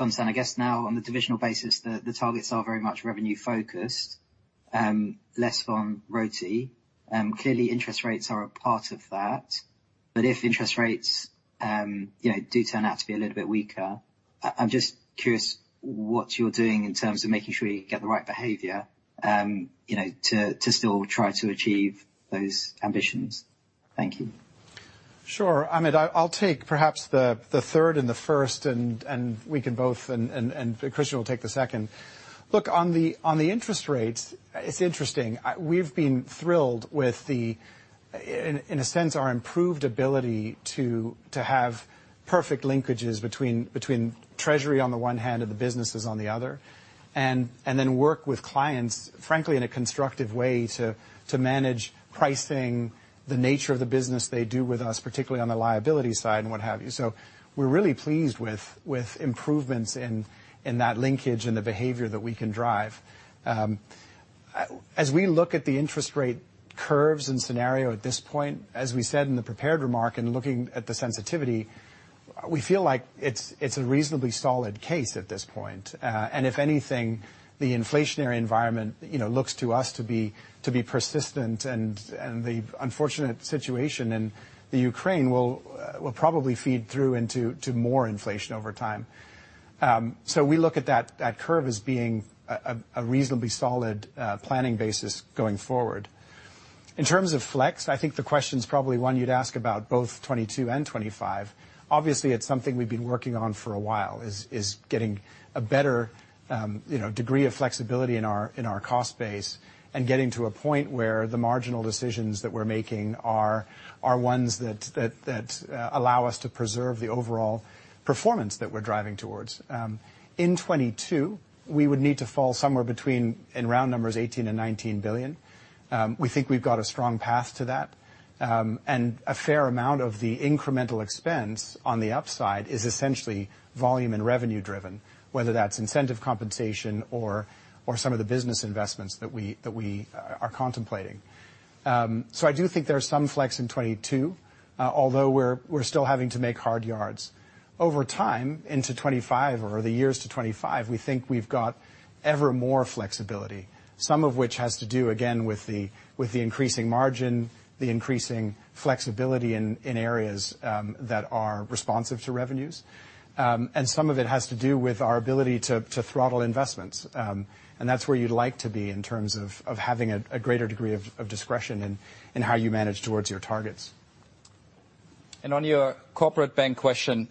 understand, I guess now on the divisional basis, the targets are very much revenue focused, less on RoTE. Clearly interest rates are a part of that. But if interest rates you know do turn out to be a little bit weaker, I'm just curious what you're doing in terms of making sure you get the right behavior you know to still try to achieve those ambitions. Thank you. Sure, Amit. I'll take perhaps the third and the first, and Christian will take the second. Look, on the interest rates, it's interesting. We've been thrilled with, in a sense, our improved ability to have perfect linkages between treasury on the one hand and the businesses on the other. Then work with clients, frankly, in a constructive way to manage pricing the nature of the business they do with us, particularly on the liability side and what have you. We're really pleased with improvements in that linkage and the behavior that we can drive. As we look at the interest rate curves and scenario at this point, as we said in the prepared remark and looking at the sensitivity, we feel like it's a reasonably solid case at this point. If anything, the inflationary environment, you know, looks to us to be persistent and the unfortunate situation in the Ukraine will probably feed through into more inflation over time. We look at that curve as being a reasonably solid planning basis going forward. In terms of flex, I think the question is probably one you'd ask about both 22 and 25. Obviously, it's something we've been working on for a while, is getting a better, you know, degree of flexibility in our cost base and getting to a point where the marginal decisions that we're making are ones that allow us to preserve the overall performance that we're driving towards. In 2022, we would need to fall somewhere between, in round numbers, 18 billion and 19 billion. We think we've got a strong path to that. A fair amount of the incremental expense on the upside is essentially volume and revenue driven, whether that's incentive compensation or some of the business investments that we are contemplating. I do think there's some flex in 2022, although we're still having to make hard yards. Over time, into 2025 or the years to 2025, we think we've got ever more flexibility, some of which has to do, again, with the increasing margin, the increasing flexibility in areas that are responsive to revenues. Some of it has to do with our ability to throttle investments. That's where you'd like to be in terms of having a greater degree of discretion in how you manage towards your targets. On your Corporate Bank question,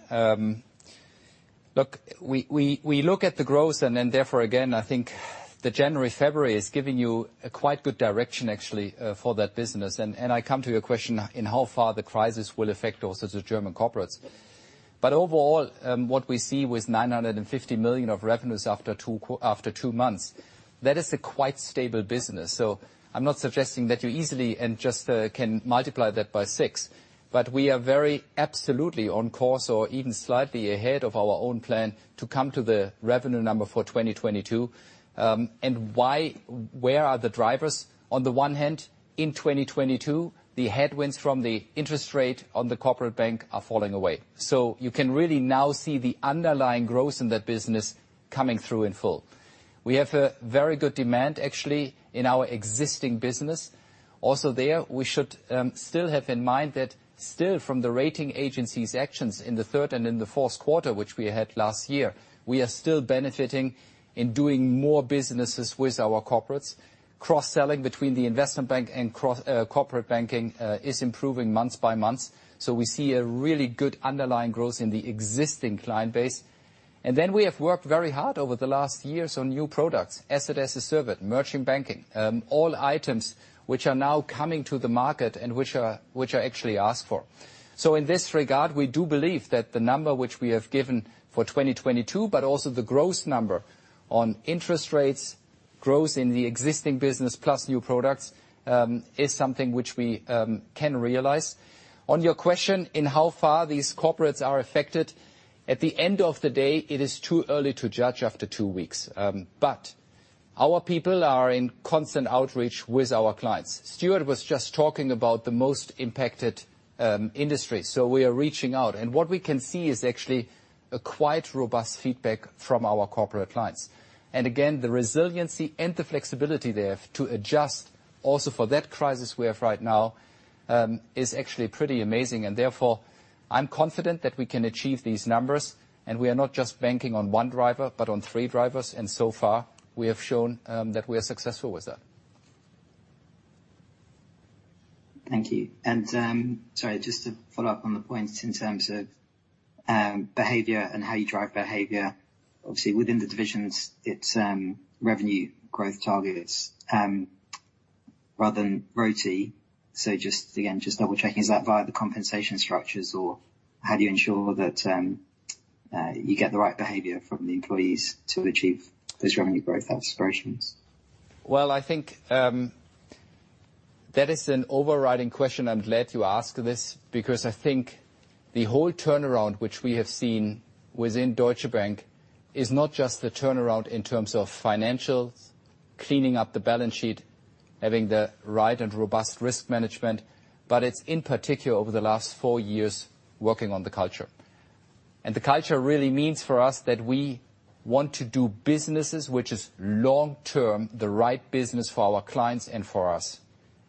look, we look at the growth and then therefore again, I think the January, February is giving you a quite good direction actually for that business. I come to your question in how far the crisis will affect also the German corporates. Overall, what we see with 950 million of revenues after two months, that is a quite stable business. I'm not suggesting that you easily and just can multiply that by 6. We are very absolutely on course or even slightly ahead of our own plan to come to the revenue number for 2022. Where are the drivers? On the one hand, in 2022, the headwinds from the interest rate on the Corporate Bank are falling away. You can really now see the underlying growth in that business coming through in full. We have a very good demand, actually, in our existing business. Also there, we should still have in mind that still from the rating agencies actions in the third and fourth quarter, which we had last year, we are still benefiting in doing more businesses with our corporates. Cross-selling between the Investment Bank and Corporate Bank is improving month by month. We see a really good underlying growth in the existing client base. Then we have worked very hard over the last years on new products, Asset as a Service, merchant banking, all items which are now coming to the market and which are actually asked for. In this regard, we do believe that the number which we have given for 2022, but also the growth number on interest rates, growth in the existing business plus new products, is something which we can realize. On your question in how far these corporates are affected, at the end of the day, it is too early to judge after two weeks. Our people are in constant outreach with our clients. Stuart was just talking about the most impacted industry. We are reaching out. What we can see is actually a quite robust feedback from our corporate clients. Again, the resiliency and the flexibility there to adjust also for that crisis we have right now is actually pretty amazing. Therefore, I'm confident that we can achieve these numbers, and we are not just banking on one driver, but on three drivers. So far, we have shown that we are successful with that. Thank you. Sorry, just to follow up on the points in terms of behavior and how you drive behavior. Obviously, within the divisions, it's revenue growth targets rather than RoTE. So just, again, just double-checking, is that via the compensation structures, or how do you ensure that you get the right behavior from the employees to achieve those revenue growth aspirations? Well, I think, that is an overriding question. I'm glad you asked this because I think the whole turnaround which we have seen within Deutsche Bank is not just the turnaround in terms of financials, cleaning up the balance sheet, having the right and robust risk management, but it's in particular over the last four years working on the culture. The culture really means for us that we want to do businesses which is long-term the right business for our clients and for us.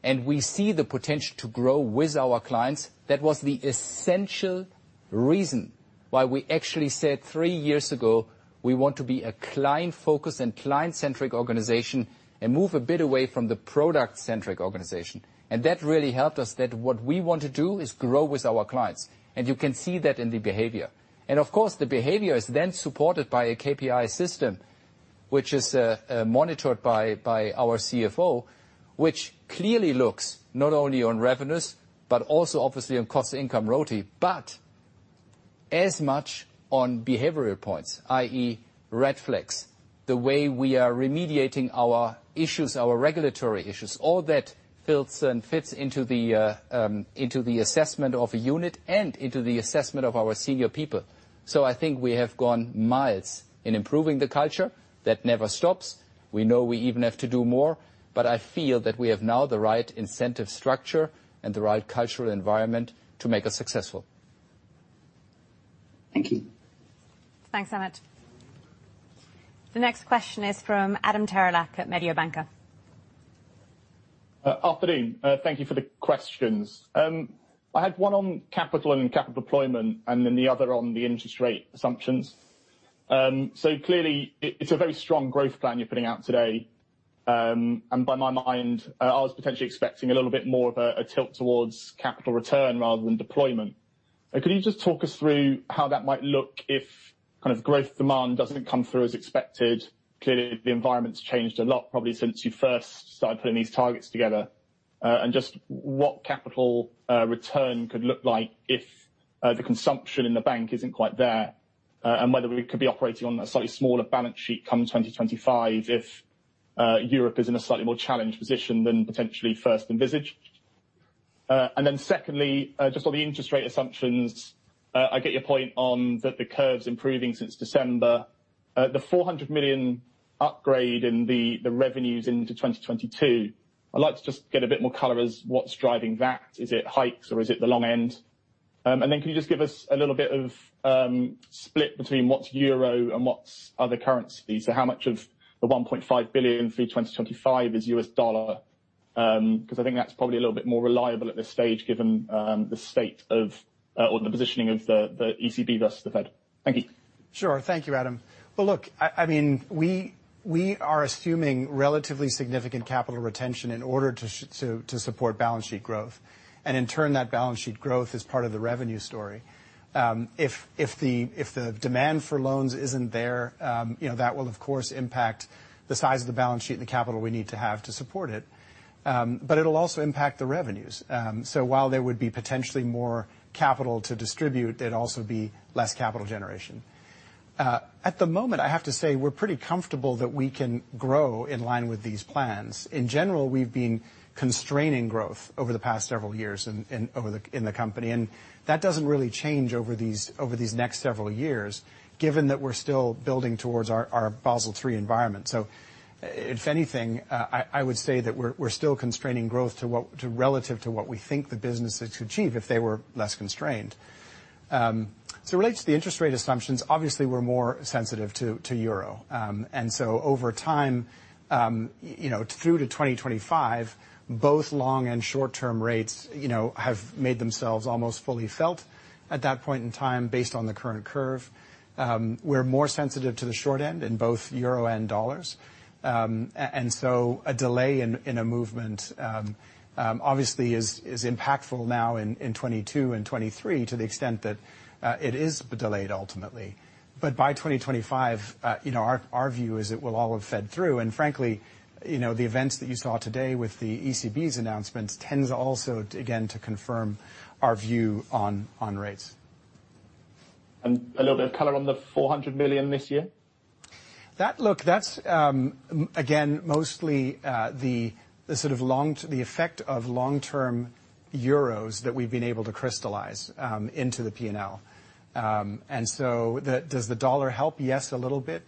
We see the potential to grow with our clients. That was the essential reason why we actually said three years ago, we want to be a client-focused and client-centric organization and move a bit away from the product-centric organization. That really helped us that what we want to do is grow with our clients. You can see that in the behavior. Of course, the behavior is then supported by a KPI system, which is monitored by our CFO, which clearly looks not only on revenues, but also obviously on cost-income RoTE, but as much on behavioral points, i.e., red flags. The way we are remediating our issues, our regulatory issues, all that fills and fits into the assessment of a unit and into the assessment of our senior people. I think we have gone miles in improving the culture. That never stops. We know we even have to do more, but I feel that we have now the right incentive structure and the right cultural environment to make us successful. Thank you. Thanks, Amit. The next question is from Adam Terelak at Mediobanca. Afternoon. Thank you for the questions. I had one on capital and capital deployment, and then the other on the interest rate assumptions. Clearly it's a very strong growth plan you're putting out today. In my mind, I was potentially expecting a little bit more of a tilt towards capital return rather than deployment. Could you just talk us through how that might look if kind of growth demand doesn't come through as expected? Clearly, the environment's changed a lot, probably since you first started putting these targets together. Just what capital return could look like if the consumption in the bank isn't quite there, and whether we could be operating on a slightly smaller balance sheet come 2025 if Europe is in a slightly more challenged position than potentially first envisaged. Secondly, just on the interest rate assumptions, I get your point on that the curve's improving since December. The 400 million upgrade in the revenues into 2022, I'd like to just get a bit more color as what's driving that. Is it hikes or is it the long end? Can you just give us a little bit of split between what's euro and what's other currency? How much of the 1.5 billion through 2025 is US dollar? Because I think that's probably a little bit more reliable at this stage, given the state of or the positioning of the ECB versus the Fed. Thank you. Sure. Thank you, Adam. Well, look, I mean, we are assuming relatively significant capital retention in order to support balance sheet growth. In turn, that balance sheet growth is part of the revenue story. If the demand for loans isn't there, you know, that will of course impact the size of the balance sheet and the capital we need to have to support it. It'll also impact the revenues. While there would be potentially more capital to distribute, it'd also be less capital generation. At the moment, I have to say we're pretty comfortable that we can grow in line with these plans. In general, we've been constraining growth over the past several years in the company, and that doesn't really change over these next several years, given that we're still building towards our Basel III environment. If anything, I would say that we're still constraining growth relative to what we think the business could achieve if they were less constrained. Related to the interest rate assumptions, obviously we're more sensitive to euro. Over time, you know, through to 2025, both long and short-term rates, you know, have made themselves almost fully felt at that point in time based on the current curve. We're more sensitive to the short end in both euro and dollars. A delay in a movement obviously is impactful now in 2022 and 2023 to the extent that it is delayed ultimately. But by 2025, you know, our view is it will all have fed through. Frankly, you know, the events that you saw today with the ECB's announcements tends also again to confirm our view on rates. A little bit of color on the 400 million this year? Look, that's again, mostly the sort of long-term effect of long-term euros that we've been able to crystallize into the P&L. Does the dollar help? Yes, a little bit.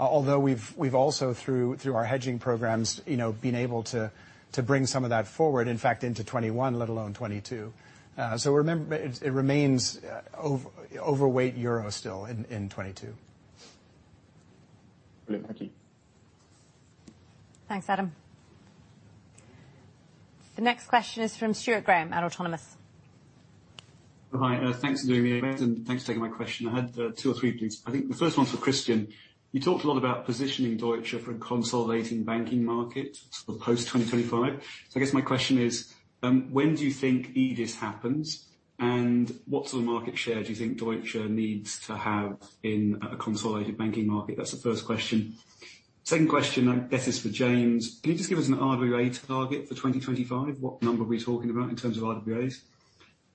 Although we've also through our hedging programs, you know, been able to bring some of that forward, in fact, into 2021, let alone 2022. Remember, it remains overweight euro still in 2022. Brilliant. Thank you. Thanks, Adam. The next question is from Stuart Graham at Autonomous. Hi. Thanks for doing the event, and thanks for taking my question. I had two or three, please. I think the first one's for Christian. You talked a lot about positioning Deutsche for a consolidating banking market sort of post 2025. I guess my question is, when do you think EDIS happens, and what sort of market share do you think Deutsche needs to have in a consolidated banking market? That's the first question. Second question, I guess is for James. Can you just give us an RWA target for 2025? What number are we talking about in terms of RWAs?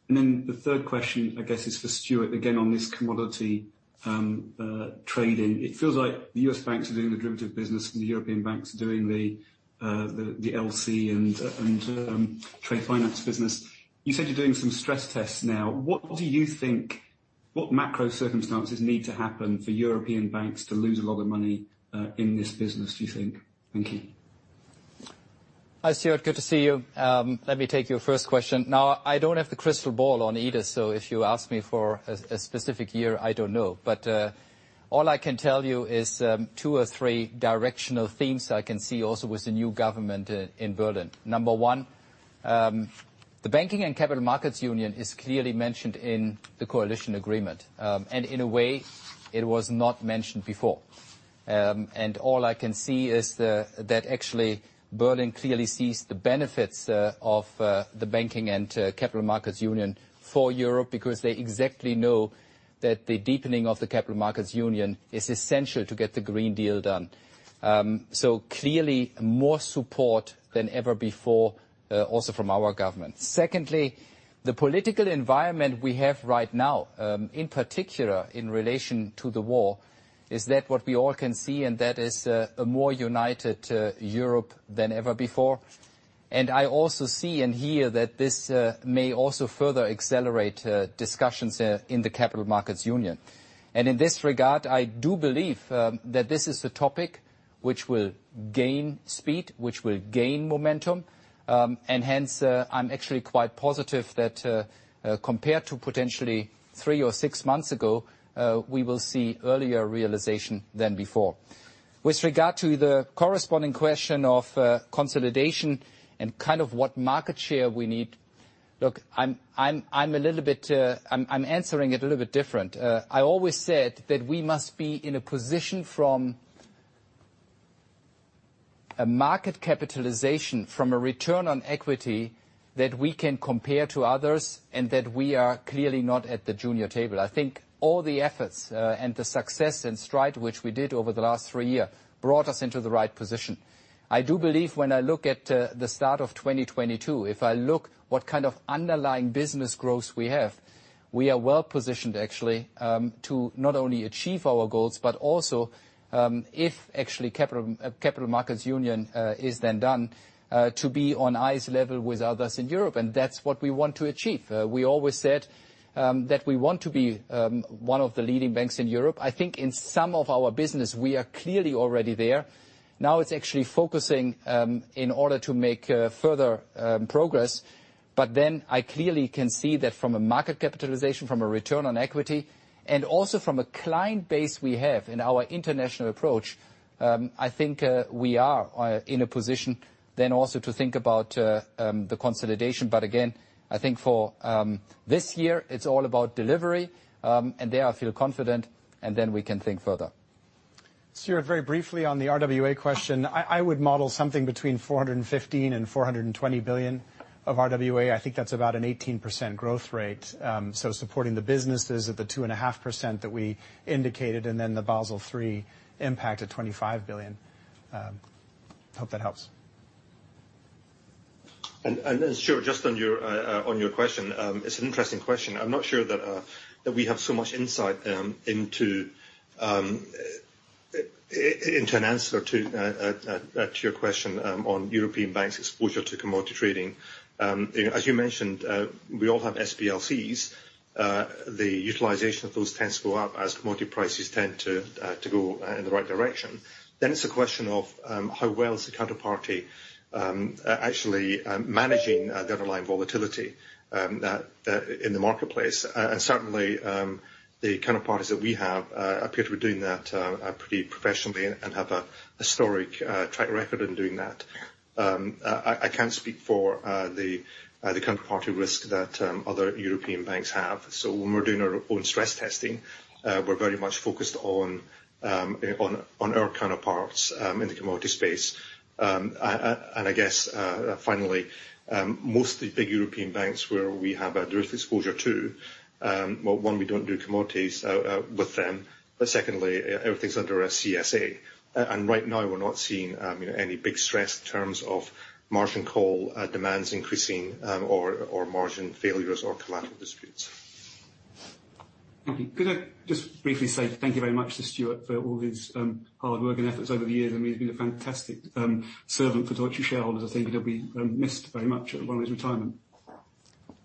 And then the third question, I guess, is for Stuart, again, on this commodity trading. It feels like the U.S. banks are doing the derivative business and the European banks are doing the LC and trade finance business. You said you're doing some stress tests now. What macro circumstances need to happen for European banks to lose a lot of money in this business, do you think? Thank you. Hi, Stuart. Good to see you. Let me take your first question. Now, I don't have the crystal ball on EDIS, so if you ask me for a specific year, I don't know. All I can tell you is two or three directional themes I can see also with the new government in Berlin. Number one, the Banking and Capital Markets Union is clearly mentioned in the coalition agreement. And in a way, it was not mentioned before. All I can see is that actually Berlin clearly sees the benefits of the Banking and Capital Markets Union for Europe because they exactly know that the deepening of the Capital Markets Union is essential to get the Green Deal done. So clearly more support than ever before, also from our government. Secondly, the political environment we have right now, in particular in relation to the war, is that what we all can see, and that is a more united Europe than ever before. I also see and hear that this may also further accelerate discussions in the Capital Markets Union. In this regard, I do believe that this is a topic which will gain speed, which will gain momentum. Hence, I'm actually quite positive that, compared to potentially three or six months ago, we will see earlier realization than before. With regard to the corresponding question of consolidation and kind of what market share we need, look, I'm a little bit, I'm answering it a little bit different. I always said that we must be in a position from a market capitalization, from a return on equity, that we can compare to others, and that we are clearly not at the junior table. I think all the efforts, and the success and stride which we did over the last 3 years brought us into the right position. I do believe when I look at the start of 2022, if I look what kind of underlying business growth we have, we are well positioned actually, to not only achieve our goals, but also, if actually Capital Markets Union is then done, to be on eye level with others in Europe, and that's what we want to achieve. We always said that we want to be one of the leading banks in Europe. I think in some of our business, we are clearly already there. Now it's actually focusing in order to make further progress. I clearly can see that from a market capitalization, from a return on equity, and also from a client base we have in our international approach, I think we are in a position then also to think about the consolidation. I think for this year, it's all about delivery, and there I feel confident, and then we can think further. Stuart, very briefly on the RWA question. I would model something between 415 billion and 420 billion of RWA. I think that's about an 18% growth rate. So supporting the businesses at the 2.5% that we indicated, and then the Basel III impact at 25 billion. Hope that helps. Stuart, just on your question, it's an interesting question. I'm not sure that we have so much insight into an answer to your question on European banks' exposure to commodity trading. You know, as you mentioned, we all have SBLCs. The utilization of those tends to go up as commodity prices tend to go in the right direction. It's a question of how well is the counterparty actually managing the underlying volatility in the marketplace. Certainly, the counterparties that we have appear to be doing that pretty professionally and have a historic track record in doing that. I can't speak for the counterparty risk that other European banks have. When we're doing our own stress testing, we're very much focused on our counterparties in the commodity space. I guess finally, most of the big European banks where we have a direct exposure to, well, one, we don't do commodities with them. Secondly, everything's under a CSA. Right now we're not seeing you know any big stress in terms of margin call demands increasing or margin failures or collateral disputes. Okay. Could I just briefly say thank you very much to Stuart for all his hard work and efforts over the years. I mean, he's been a fantastic servant for Deutsche shareholders. I think he'll be missed very much, at well, his retirement.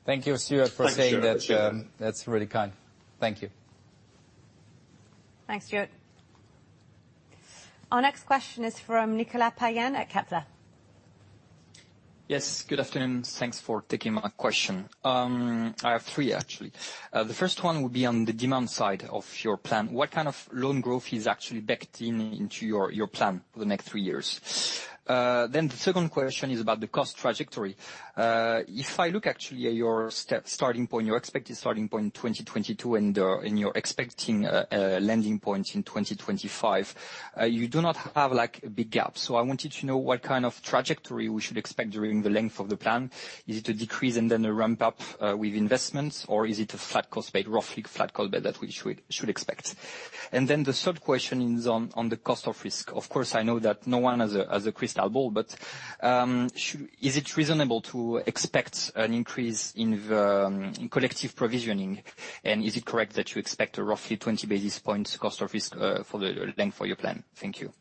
Thank you, Stuart, for saying that. Thanks Stuart, appreciate it. That's really kind. Thank you. Thanks, Stuart. Our next question is from Nicolas Payen at Kepler. Yes, good afternoon. Thanks for taking my question. I have three, actually. The first one will be on the demand side of your plan. What kind of loan growth is actually backed in into your plan for the next three years? Then the second question is about the cost trajectory. If I look actually at your starting point, your expected starting point in 2022 and you're expecting a landing point in 2025, you do not have like a big gap. I wanted to know what kind of trajectory we should expect during the length of the plan. Is it a decrease and then a ramp up with investments, or is it a flat cost base, roughly flat cost base that we should expect? The third question is on the cost of risk. Of course, I know that no one has a crystal ball, but is it reasonable to expect an increase in the collective provisioning? Is it correct that you expect a roughly 20 basis points cost of risk for the length of your plan? Thank you.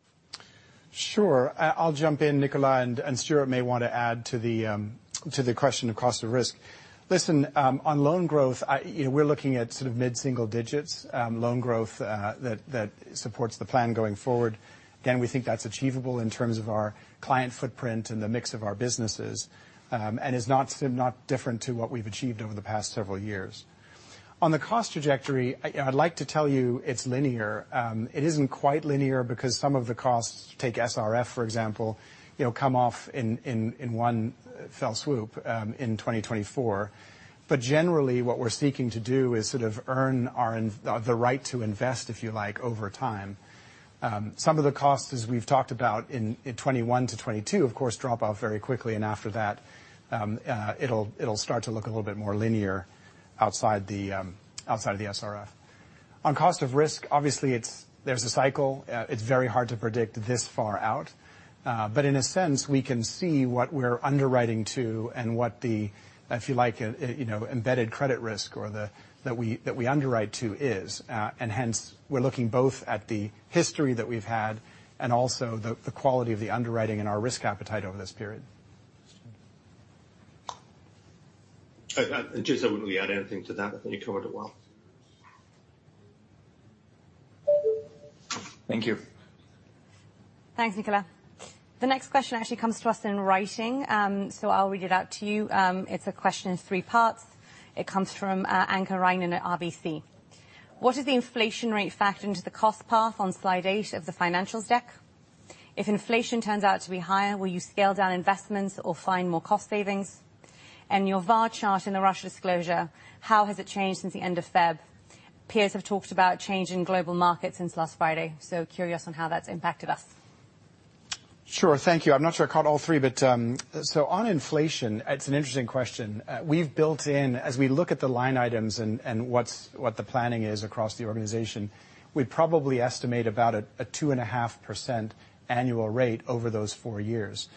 Sure. I'll jump in, Nicolas, and Stuart may want to add to the question of cost of risk. Listen, on loan growth, you know, we're looking at sort of mid-single digits loan growth that supports the plan going forward. Again, we think that's achievable in terms of our client footprint and the mix of our businesses, and is not different to what we've achieved over the past several years. On the cost trajectory, I'd like to tell you it's linear. It isn't quite linear because some of the costs, take SRF for example, you know, come off in one fell swoop in 2024. Generally, what we're seeking to do is sort of earn the right to invest, if you like, over time. Some of the costs, as we've talked about in 2021-2022, of course, drop off very quickly, and after that, it'll start to look a little bit more linear outside of the SRF. On cost of risk, obviously, it's a cycle. It's very hard to predict this far out. But in a sense, we can see what we're underwriting to and what the, if you like, you know, embedded credit risk or that we underwrite to is. Hence, we're looking both at the history that we've had and also the quality of the underwriting and our risk appetite over this period. James, I wouldn't really add anything to that. I think you covered it well. Thank you. Thanks, Nicolas. The next question actually comes to us in writing, so I'll read it out to you. It's a question in three parts. It comes from Anke Reingen at RBC. What is the inflation rate factored into the cost path on slide eight of the financials deck? If inflation turns out to be higher, will you scale down investments or find more cost savings? And your VaR chart in the Russia disclosure, how has it changed since the end of Feb? Peers have talked about change in global markets since last Friday. Curious on how that's impacted us. Sure. Thank you. I'm not sure I caught all three, but on inflation, it's an interesting question. We've built in, as we look at the line items and what's the planning is across the organization, we probably estimate about a 2.5% annual rate over those four years.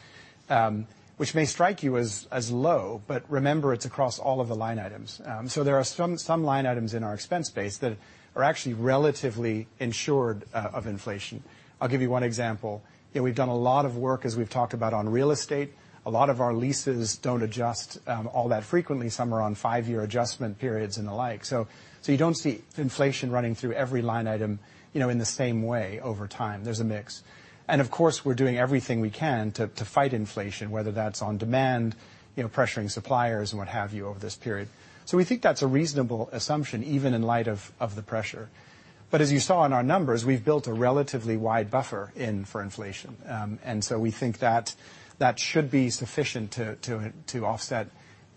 Which may strike you as low, but remember, it's across all of the line items. There are some line items in our expense base that are actually relatively insulated from inflation. I'll give you one example. You know, we've done a lot of work, as we've talked about on real estate. A lot of our leases don't adjust all that frequently. Some are on five-year adjustment periods and the like. You don't see inflation running through every line item, you know, in the same way over time. There's a mix. Of course, we're doing everything we can to fight inflation, whether that's on demand, you know, pressuring suppliers and what have you over this period. We think that's a reasonable assumption, even in light of the pressure. As you saw in our numbers, we've built a relatively wide buffer in for inflation. We think that should be sufficient to offset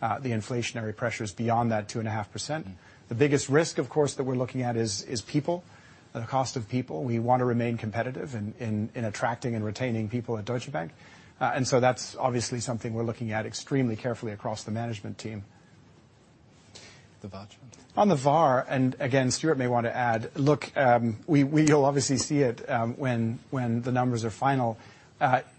the inflationary pressures beyond that 2.5%. The biggest risk, of course, that we're looking at is people, the cost of people. We want to remain competitive in attracting and retaining people at Deutsche Bank. That's obviously something we're looking at extremely carefully across the management team. On the VAR, and again, Stuart may want to add. Look, you'll obviously see it when the numbers are final.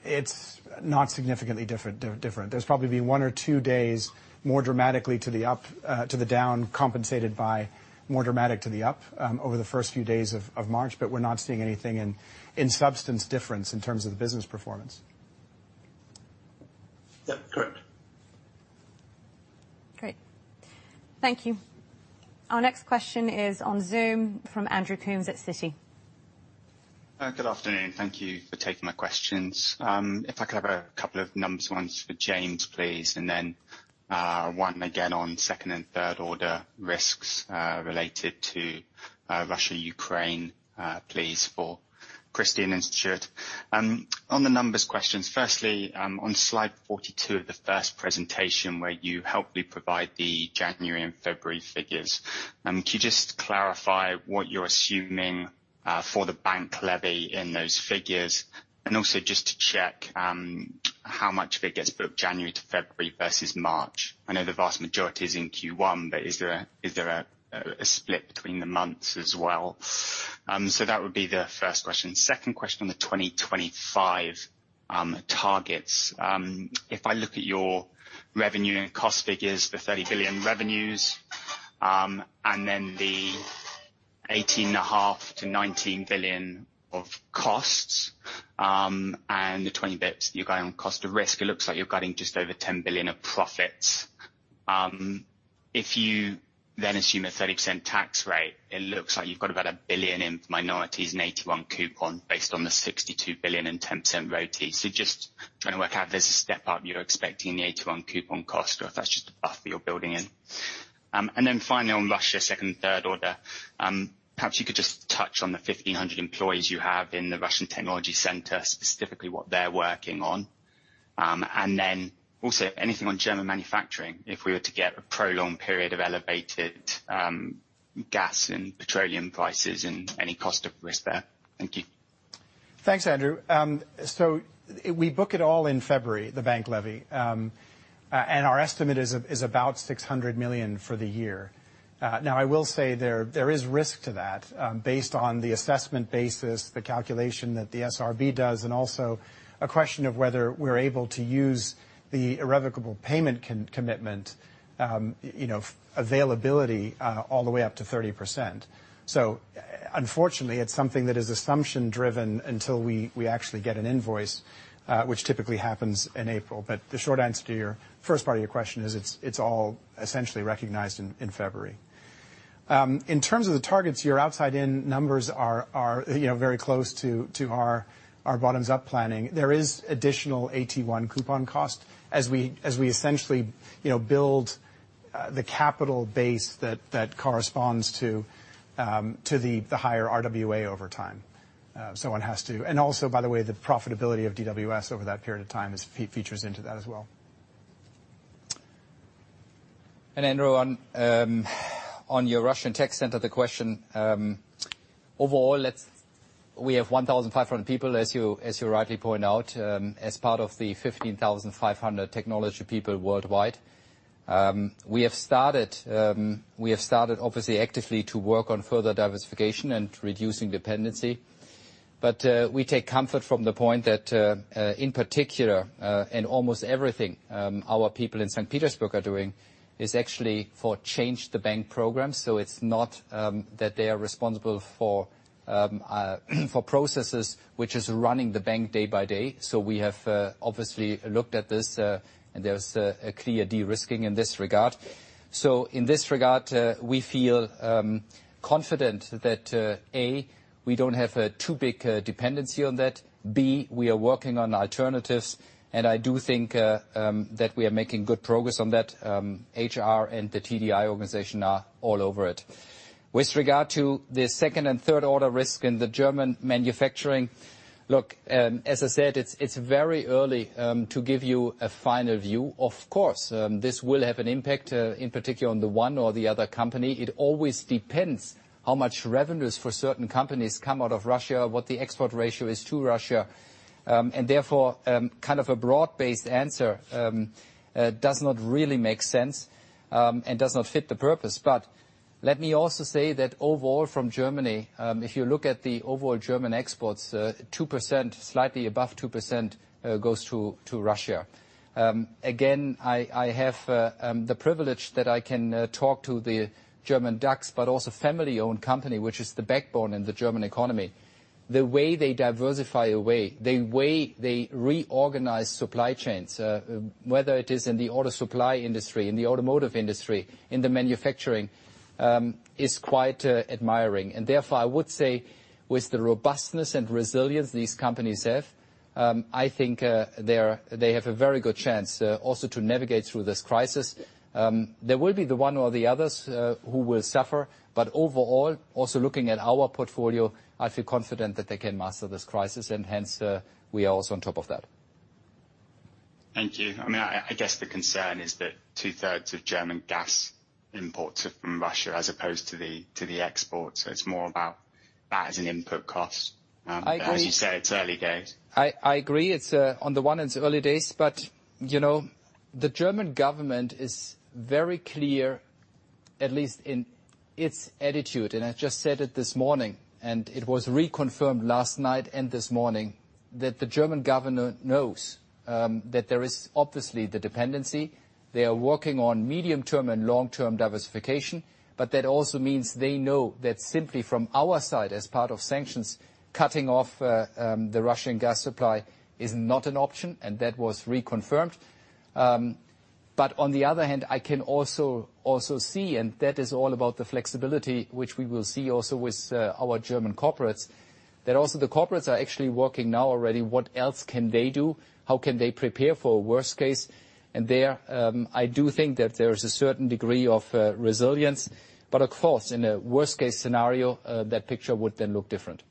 It's not significantly different. There'll probably be one or two days more dramatically to the up to the down, compensated by more dramatically to the up over the first few days of March, but we're not seeing anything in substance different in terms of the business performance. Yep. Correct. Great. Thank you. Our next question is on Zoom from Andrew Coombs at Citi. Good afternoon. Thank you for taking my questions. If I could have a couple of numbers, one's for James, please, and then one again on second and third order risks related to Russia, Ukraine, please, for Christian and Stuart. On the numbers questions. Firstly, on slide 42 of the first presentation where you helpfully provide the January and February figures. Could you just clarify what you're assuming for the bank levy in those figures, and also just to check how much of it gets booked January to February versus March? I know the vast majority is in Q1, but is there a split between the months as well? So that would be the first question. Second question on the 2025 targets. If I look at your revenue and cost figures, the 30 billion revenues, and then the 18.5 billion-19 billion of costs, and the 20 basis points you're going on cost of risk, it looks like you're cutting just over 10 billion of profits. If you then assume a 30% tax rate, it looks like you've got about 1 billion in minorities and 8.1% coupon based on the 62 billion and 10% RoTE. Just trying to work out if there's a step-up you're expecting the 8.1% coupon cost or if that's just a buffer you're building in. And then finally on Russia, second and third order. Perhaps you could just touch on the 1,500 employees you have in the Russian technology center, specifically what they're working on. Anything on German manufacturing, if we were to get a prolonged period of elevated gas and petroleum prices and any cost of risk there. Thank you. Thanks, Andrew. We book it all in February, the bank levy. Our estimate is about 600 million for the year. Now, I will say there is risk to that, based on the assessment basis, the calculation that the SRB does, and also a question of whether we're able to use the irrevocable payment commitment, you know, availability, all the way up to 30%. Unfortunately, it's something that is assumption driven until we actually get an invoice, which typically happens in April. The short answer to your first part of your question is it's all essentially recognized in February. In terms of the targets, your outside in numbers are, you know, very close to our bottoms-up planning. There is additional AT1 coupon cost as we essentially, you know, build the capital base that corresponds to the higher RWA over time. So one has to. Also, by the way, the profitability of DWS over that period of time features into that as well. Andrew, on your Russian tech center question, overall, we have 1,500 people, as you rightly point out, as part of the 15,500 technology people worldwide. We have started obviously actively to work on further diversification and reducing dependency. We take comfort from the point that in particular in almost everything our people in St. Petersburg are doing is actually for Change the Bank program. It's not that they are responsible for processes which is running the bank day by day. We have obviously looked at this, and there's a clear de-risking in this regard. In this regard, we feel confident that A, we don't have a too big dependency on that. B, we are working on alternatives. I do think that we are making good progress on that. HR and the TDI organization are all over it with regard to the second and third order risk in the German manufacturing. Look, as I said, it's very early to give you a final view. Of course, this will have an impact, in particular on the one or the other company. It always depends how much revenues for certain companies come out of Russia, what the export ratio is to Russia. And therefore, kind of a broad-based answer does not really make sense and does not fit the purpose. Let me also say that overall from Germany, if you look at the overall German exports, 2%, slightly above 2%, goes to Russia. Again, I have the privilege that I can talk to the German DAX, but also family-owned company, which is the backbone in the German economy. The way they diversify away, the way they reorganize supply chains, whether it is in the auto supply industry, in the automotive industry, in the manufacturing, is quite admirable. Therefore, I would say with the robustness and resilience these companies have, I think they have a very good chance also to navigate through this crisis. There will be the one or the other who will suffer. Overall, also looking at our portfolio, I feel confident that they can master this crisis and hence we are also on top of that. Thank you. I mean, I guess the concern is that two-thirds of German gas imports are from Russia as opposed to the exports. So it's more about that as an input cost. I agree. As you said, it's early days. I agree. It's on the one hand it's early days, but you know, the German government is very clear. At least in its attitude, and I just said it this morning, and it was reconfirmed last night and this morning, that the German government knows that there is obviously the dependency. They are working on medium-term and long-term diversification. That also means they know that simply from our side, as part of sanctions, cutting off the Russian gas supply is not an option, and that was reconfirmed. On the other hand, I can also see, and that is all about the flexibility, which we will see also with our German corporates, that also the corporates are actually working now already what else can they do? How can they prepare for worst case? There, I do think that there is a certain degree of resilience. Of course, in a worst case scenario, that picture would then look different.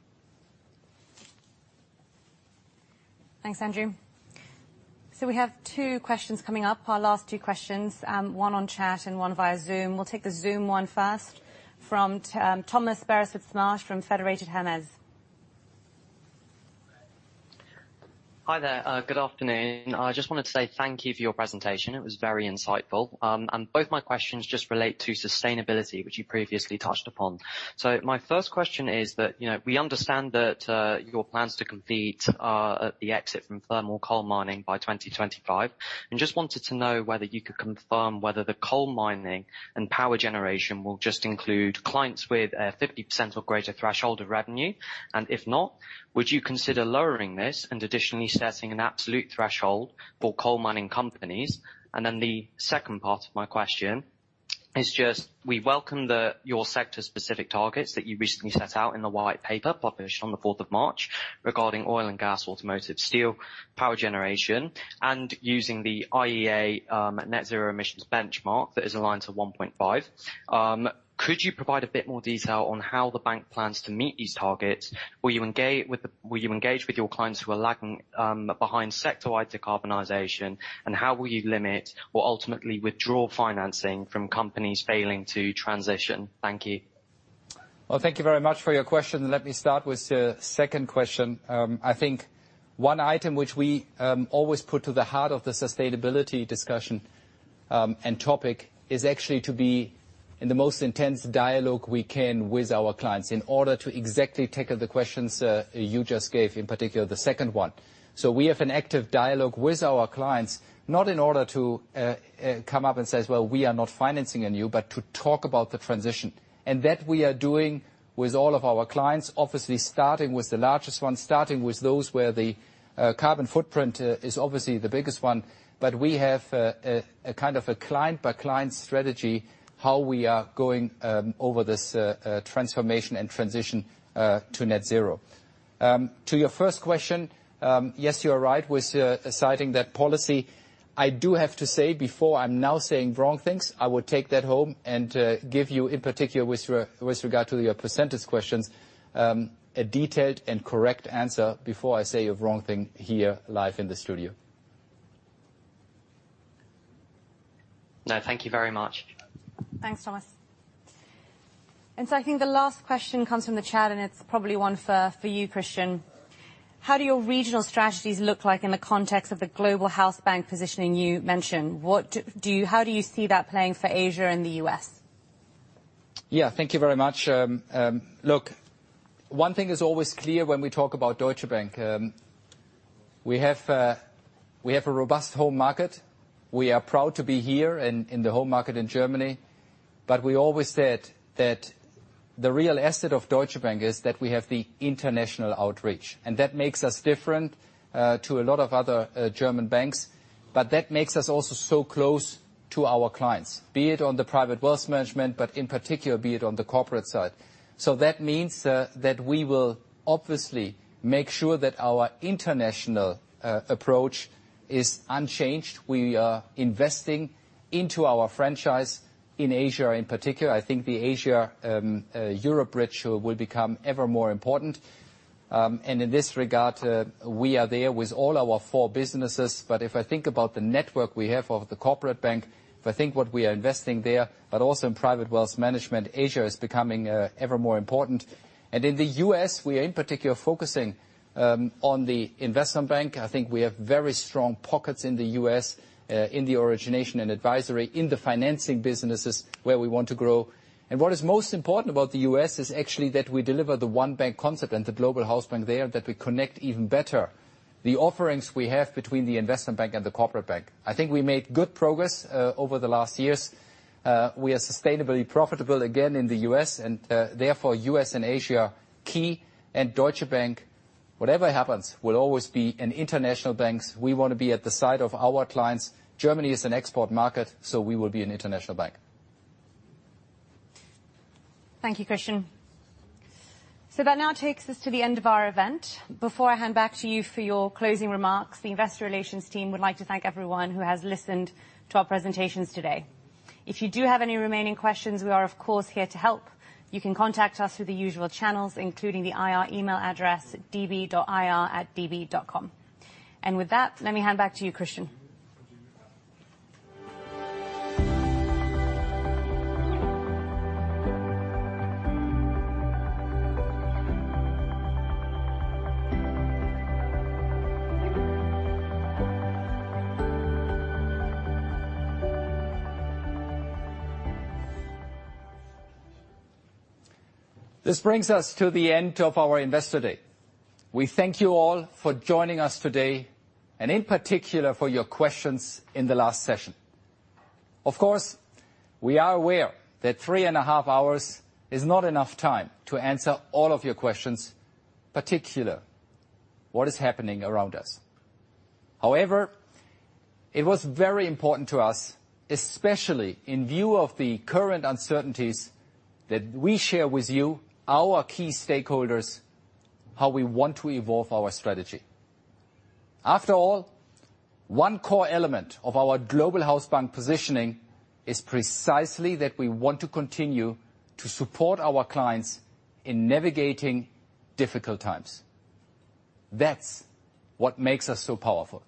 Thanks, Andrew. We have two questions coming up. Our last two questions, one on chat and one via Zoom. We'll take the Zoom one first from Thomas Barrett with EOS from Federated Hermes. Hi there. Good afternoon. I just wanted to say thank you for your presentation. It was very insightful. And both my questions just relate to sustainability, which you previously touched upon. My first question is that, you know, we understand that your plans to complete the exit from thermal coal mining by 2025, and just wanted to know whether you could confirm whether the coal mining and power generation will just include clients with a 50% or greater threshold of revenue. And if not, would you consider lowering this and additionally setting an absolute threshold for coal mining companies? The second part of my question is just we welcome your sector-specific targets that you recently set out in the white paper published on the fourth of March regarding oil and gas, automotive, steel, power generation, and using the IEA net zero emissions benchmark that is aligned to 1.5. Could you provide a bit more detail on how the bank plans to meet these targets? Will you engage with your clients who are lagging behind sector-wide decarbonization? And how will you limit or ultimately withdraw financing from companies failing to transition? Thank you. Well, thank you very much for your question. Let me start with the second question. I think one item which we always put to the heart of the sustainability discussion and topic is actually to be in the most intense dialogue we can with our clients in order to exactly tackle the questions you just gave, in particular the second one. So we have an active dialogue with our clients, not in order to come up and say, "Well, we are not financing you," but to talk about the transition. That we are doing with all of our clients, obviously starting with the largest ones, starting with those where the carbon footprint is obviously the biggest one. We have a kind of client-by-client strategy, how we are going over this transformation and transition to net zero. To your first question, yes, you are right with citing that policy. I do have to say before I'm now saying wrong things, I would take that home and give you in particular, with regard to your percentage questions, a detailed and correct answer before I say a wrong thing here live in the studio. No, thank you very much. Thanks, Thomas. I think the last question comes from the chat, and it's probably one for you, Christian. How do your regional strategies look like in the context of the Global Hausbank positioning you mentioned? How do you see that playing for Asia and the U.S.? Yeah, thank you very much. Look, one thing is always clear when we talk about Deutsche Bank. We have a robust home market. We are proud to be here in the home market in Germany. We always said that the real asset of Deutsche Bank is that we have the international outreach, and that makes us different to a lot of other German banks. That makes us also so close to our clients, be it on the private wealth management, in particular, be it on the corporate side. That means that we will obviously make sure that our international approach is unchanged. We are investing into our franchise in Asia in particular. I think the Asia-Europe bridge will become ever more important. In this regard, we are there with all our four businesses. If I think about the network we have of the Corporate Bank, if I think what we are investing there, but also in private wealth management, Asia is becoming ever more important. In the U.S., we are in particular focusing on the Investment Bank. I think we have very strong pockets in the U.S., in the Origination and Advisory, in the financing businesses where we want to grow. What is most important about the U.S. is actually that we deliver the one bank concept and the Global Hausbank there, that we connect even better the offerings we have between the Investment Bank and the Corporate Bank. I think we made good progress over the last years. We are sustainably profitable again in the U.S. and therefore U.S. and Asia are key. Deutsche Bank, whatever happens, will always be an international bank. We wanna be at the side of our clients. Germany is an export market, so we will be an international bank. Thank you, Christian. So that now takes us to the end of our event. Before I hand back to you for your closing remarks, the investor relations team would like to thank everyone who has listened to our presentations today. If you do have any remaining questions, we are of course here to help. You can contact us through the usual channels, including the IR email address, db.ir@db.com. With that, let me hand back to you, Christian. This brings us to the end of our Investor Day. We thank you all for joining us today, and in particular, for your questions in the last session. Of course, we are aware that three and a half hours is not enough time to answer all of your questions, particularly what is happening around us. However, it was very important to us, especially in view of the current uncertainties, that we share with you, our key stakeholders, how we want to evolve our strategy. After all, one core element of our Global Hausbank positioning is precisely that we want to continue to support our clients in navigating difficult times. That's what makes us so powerful.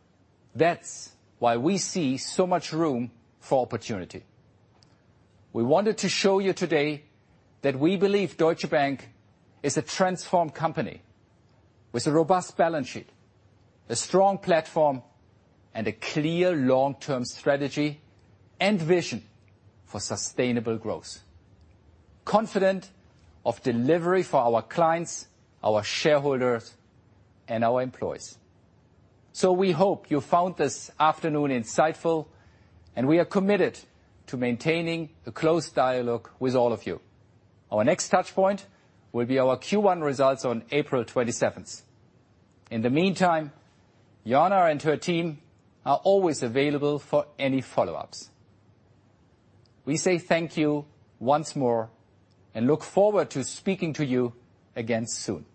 That's why we see so much room for opportunity. We wanted to show you today that we believe Deutsche Bank is a transformed company with a robust balance sheet, a strong platform, and a clear long-term strategy and vision for sustainable growth, confident of delivery for our clients, our shareholders, and our employees. We hope you found this afternoon insightful, and we are committed to maintaining a close dialogue with all of you. Our next touch point will be our Q1 results on April 27th. In the meantime, Ioana and her team are always available for any follow-ups. We say thank you once more and look forward to speaking to you again soon.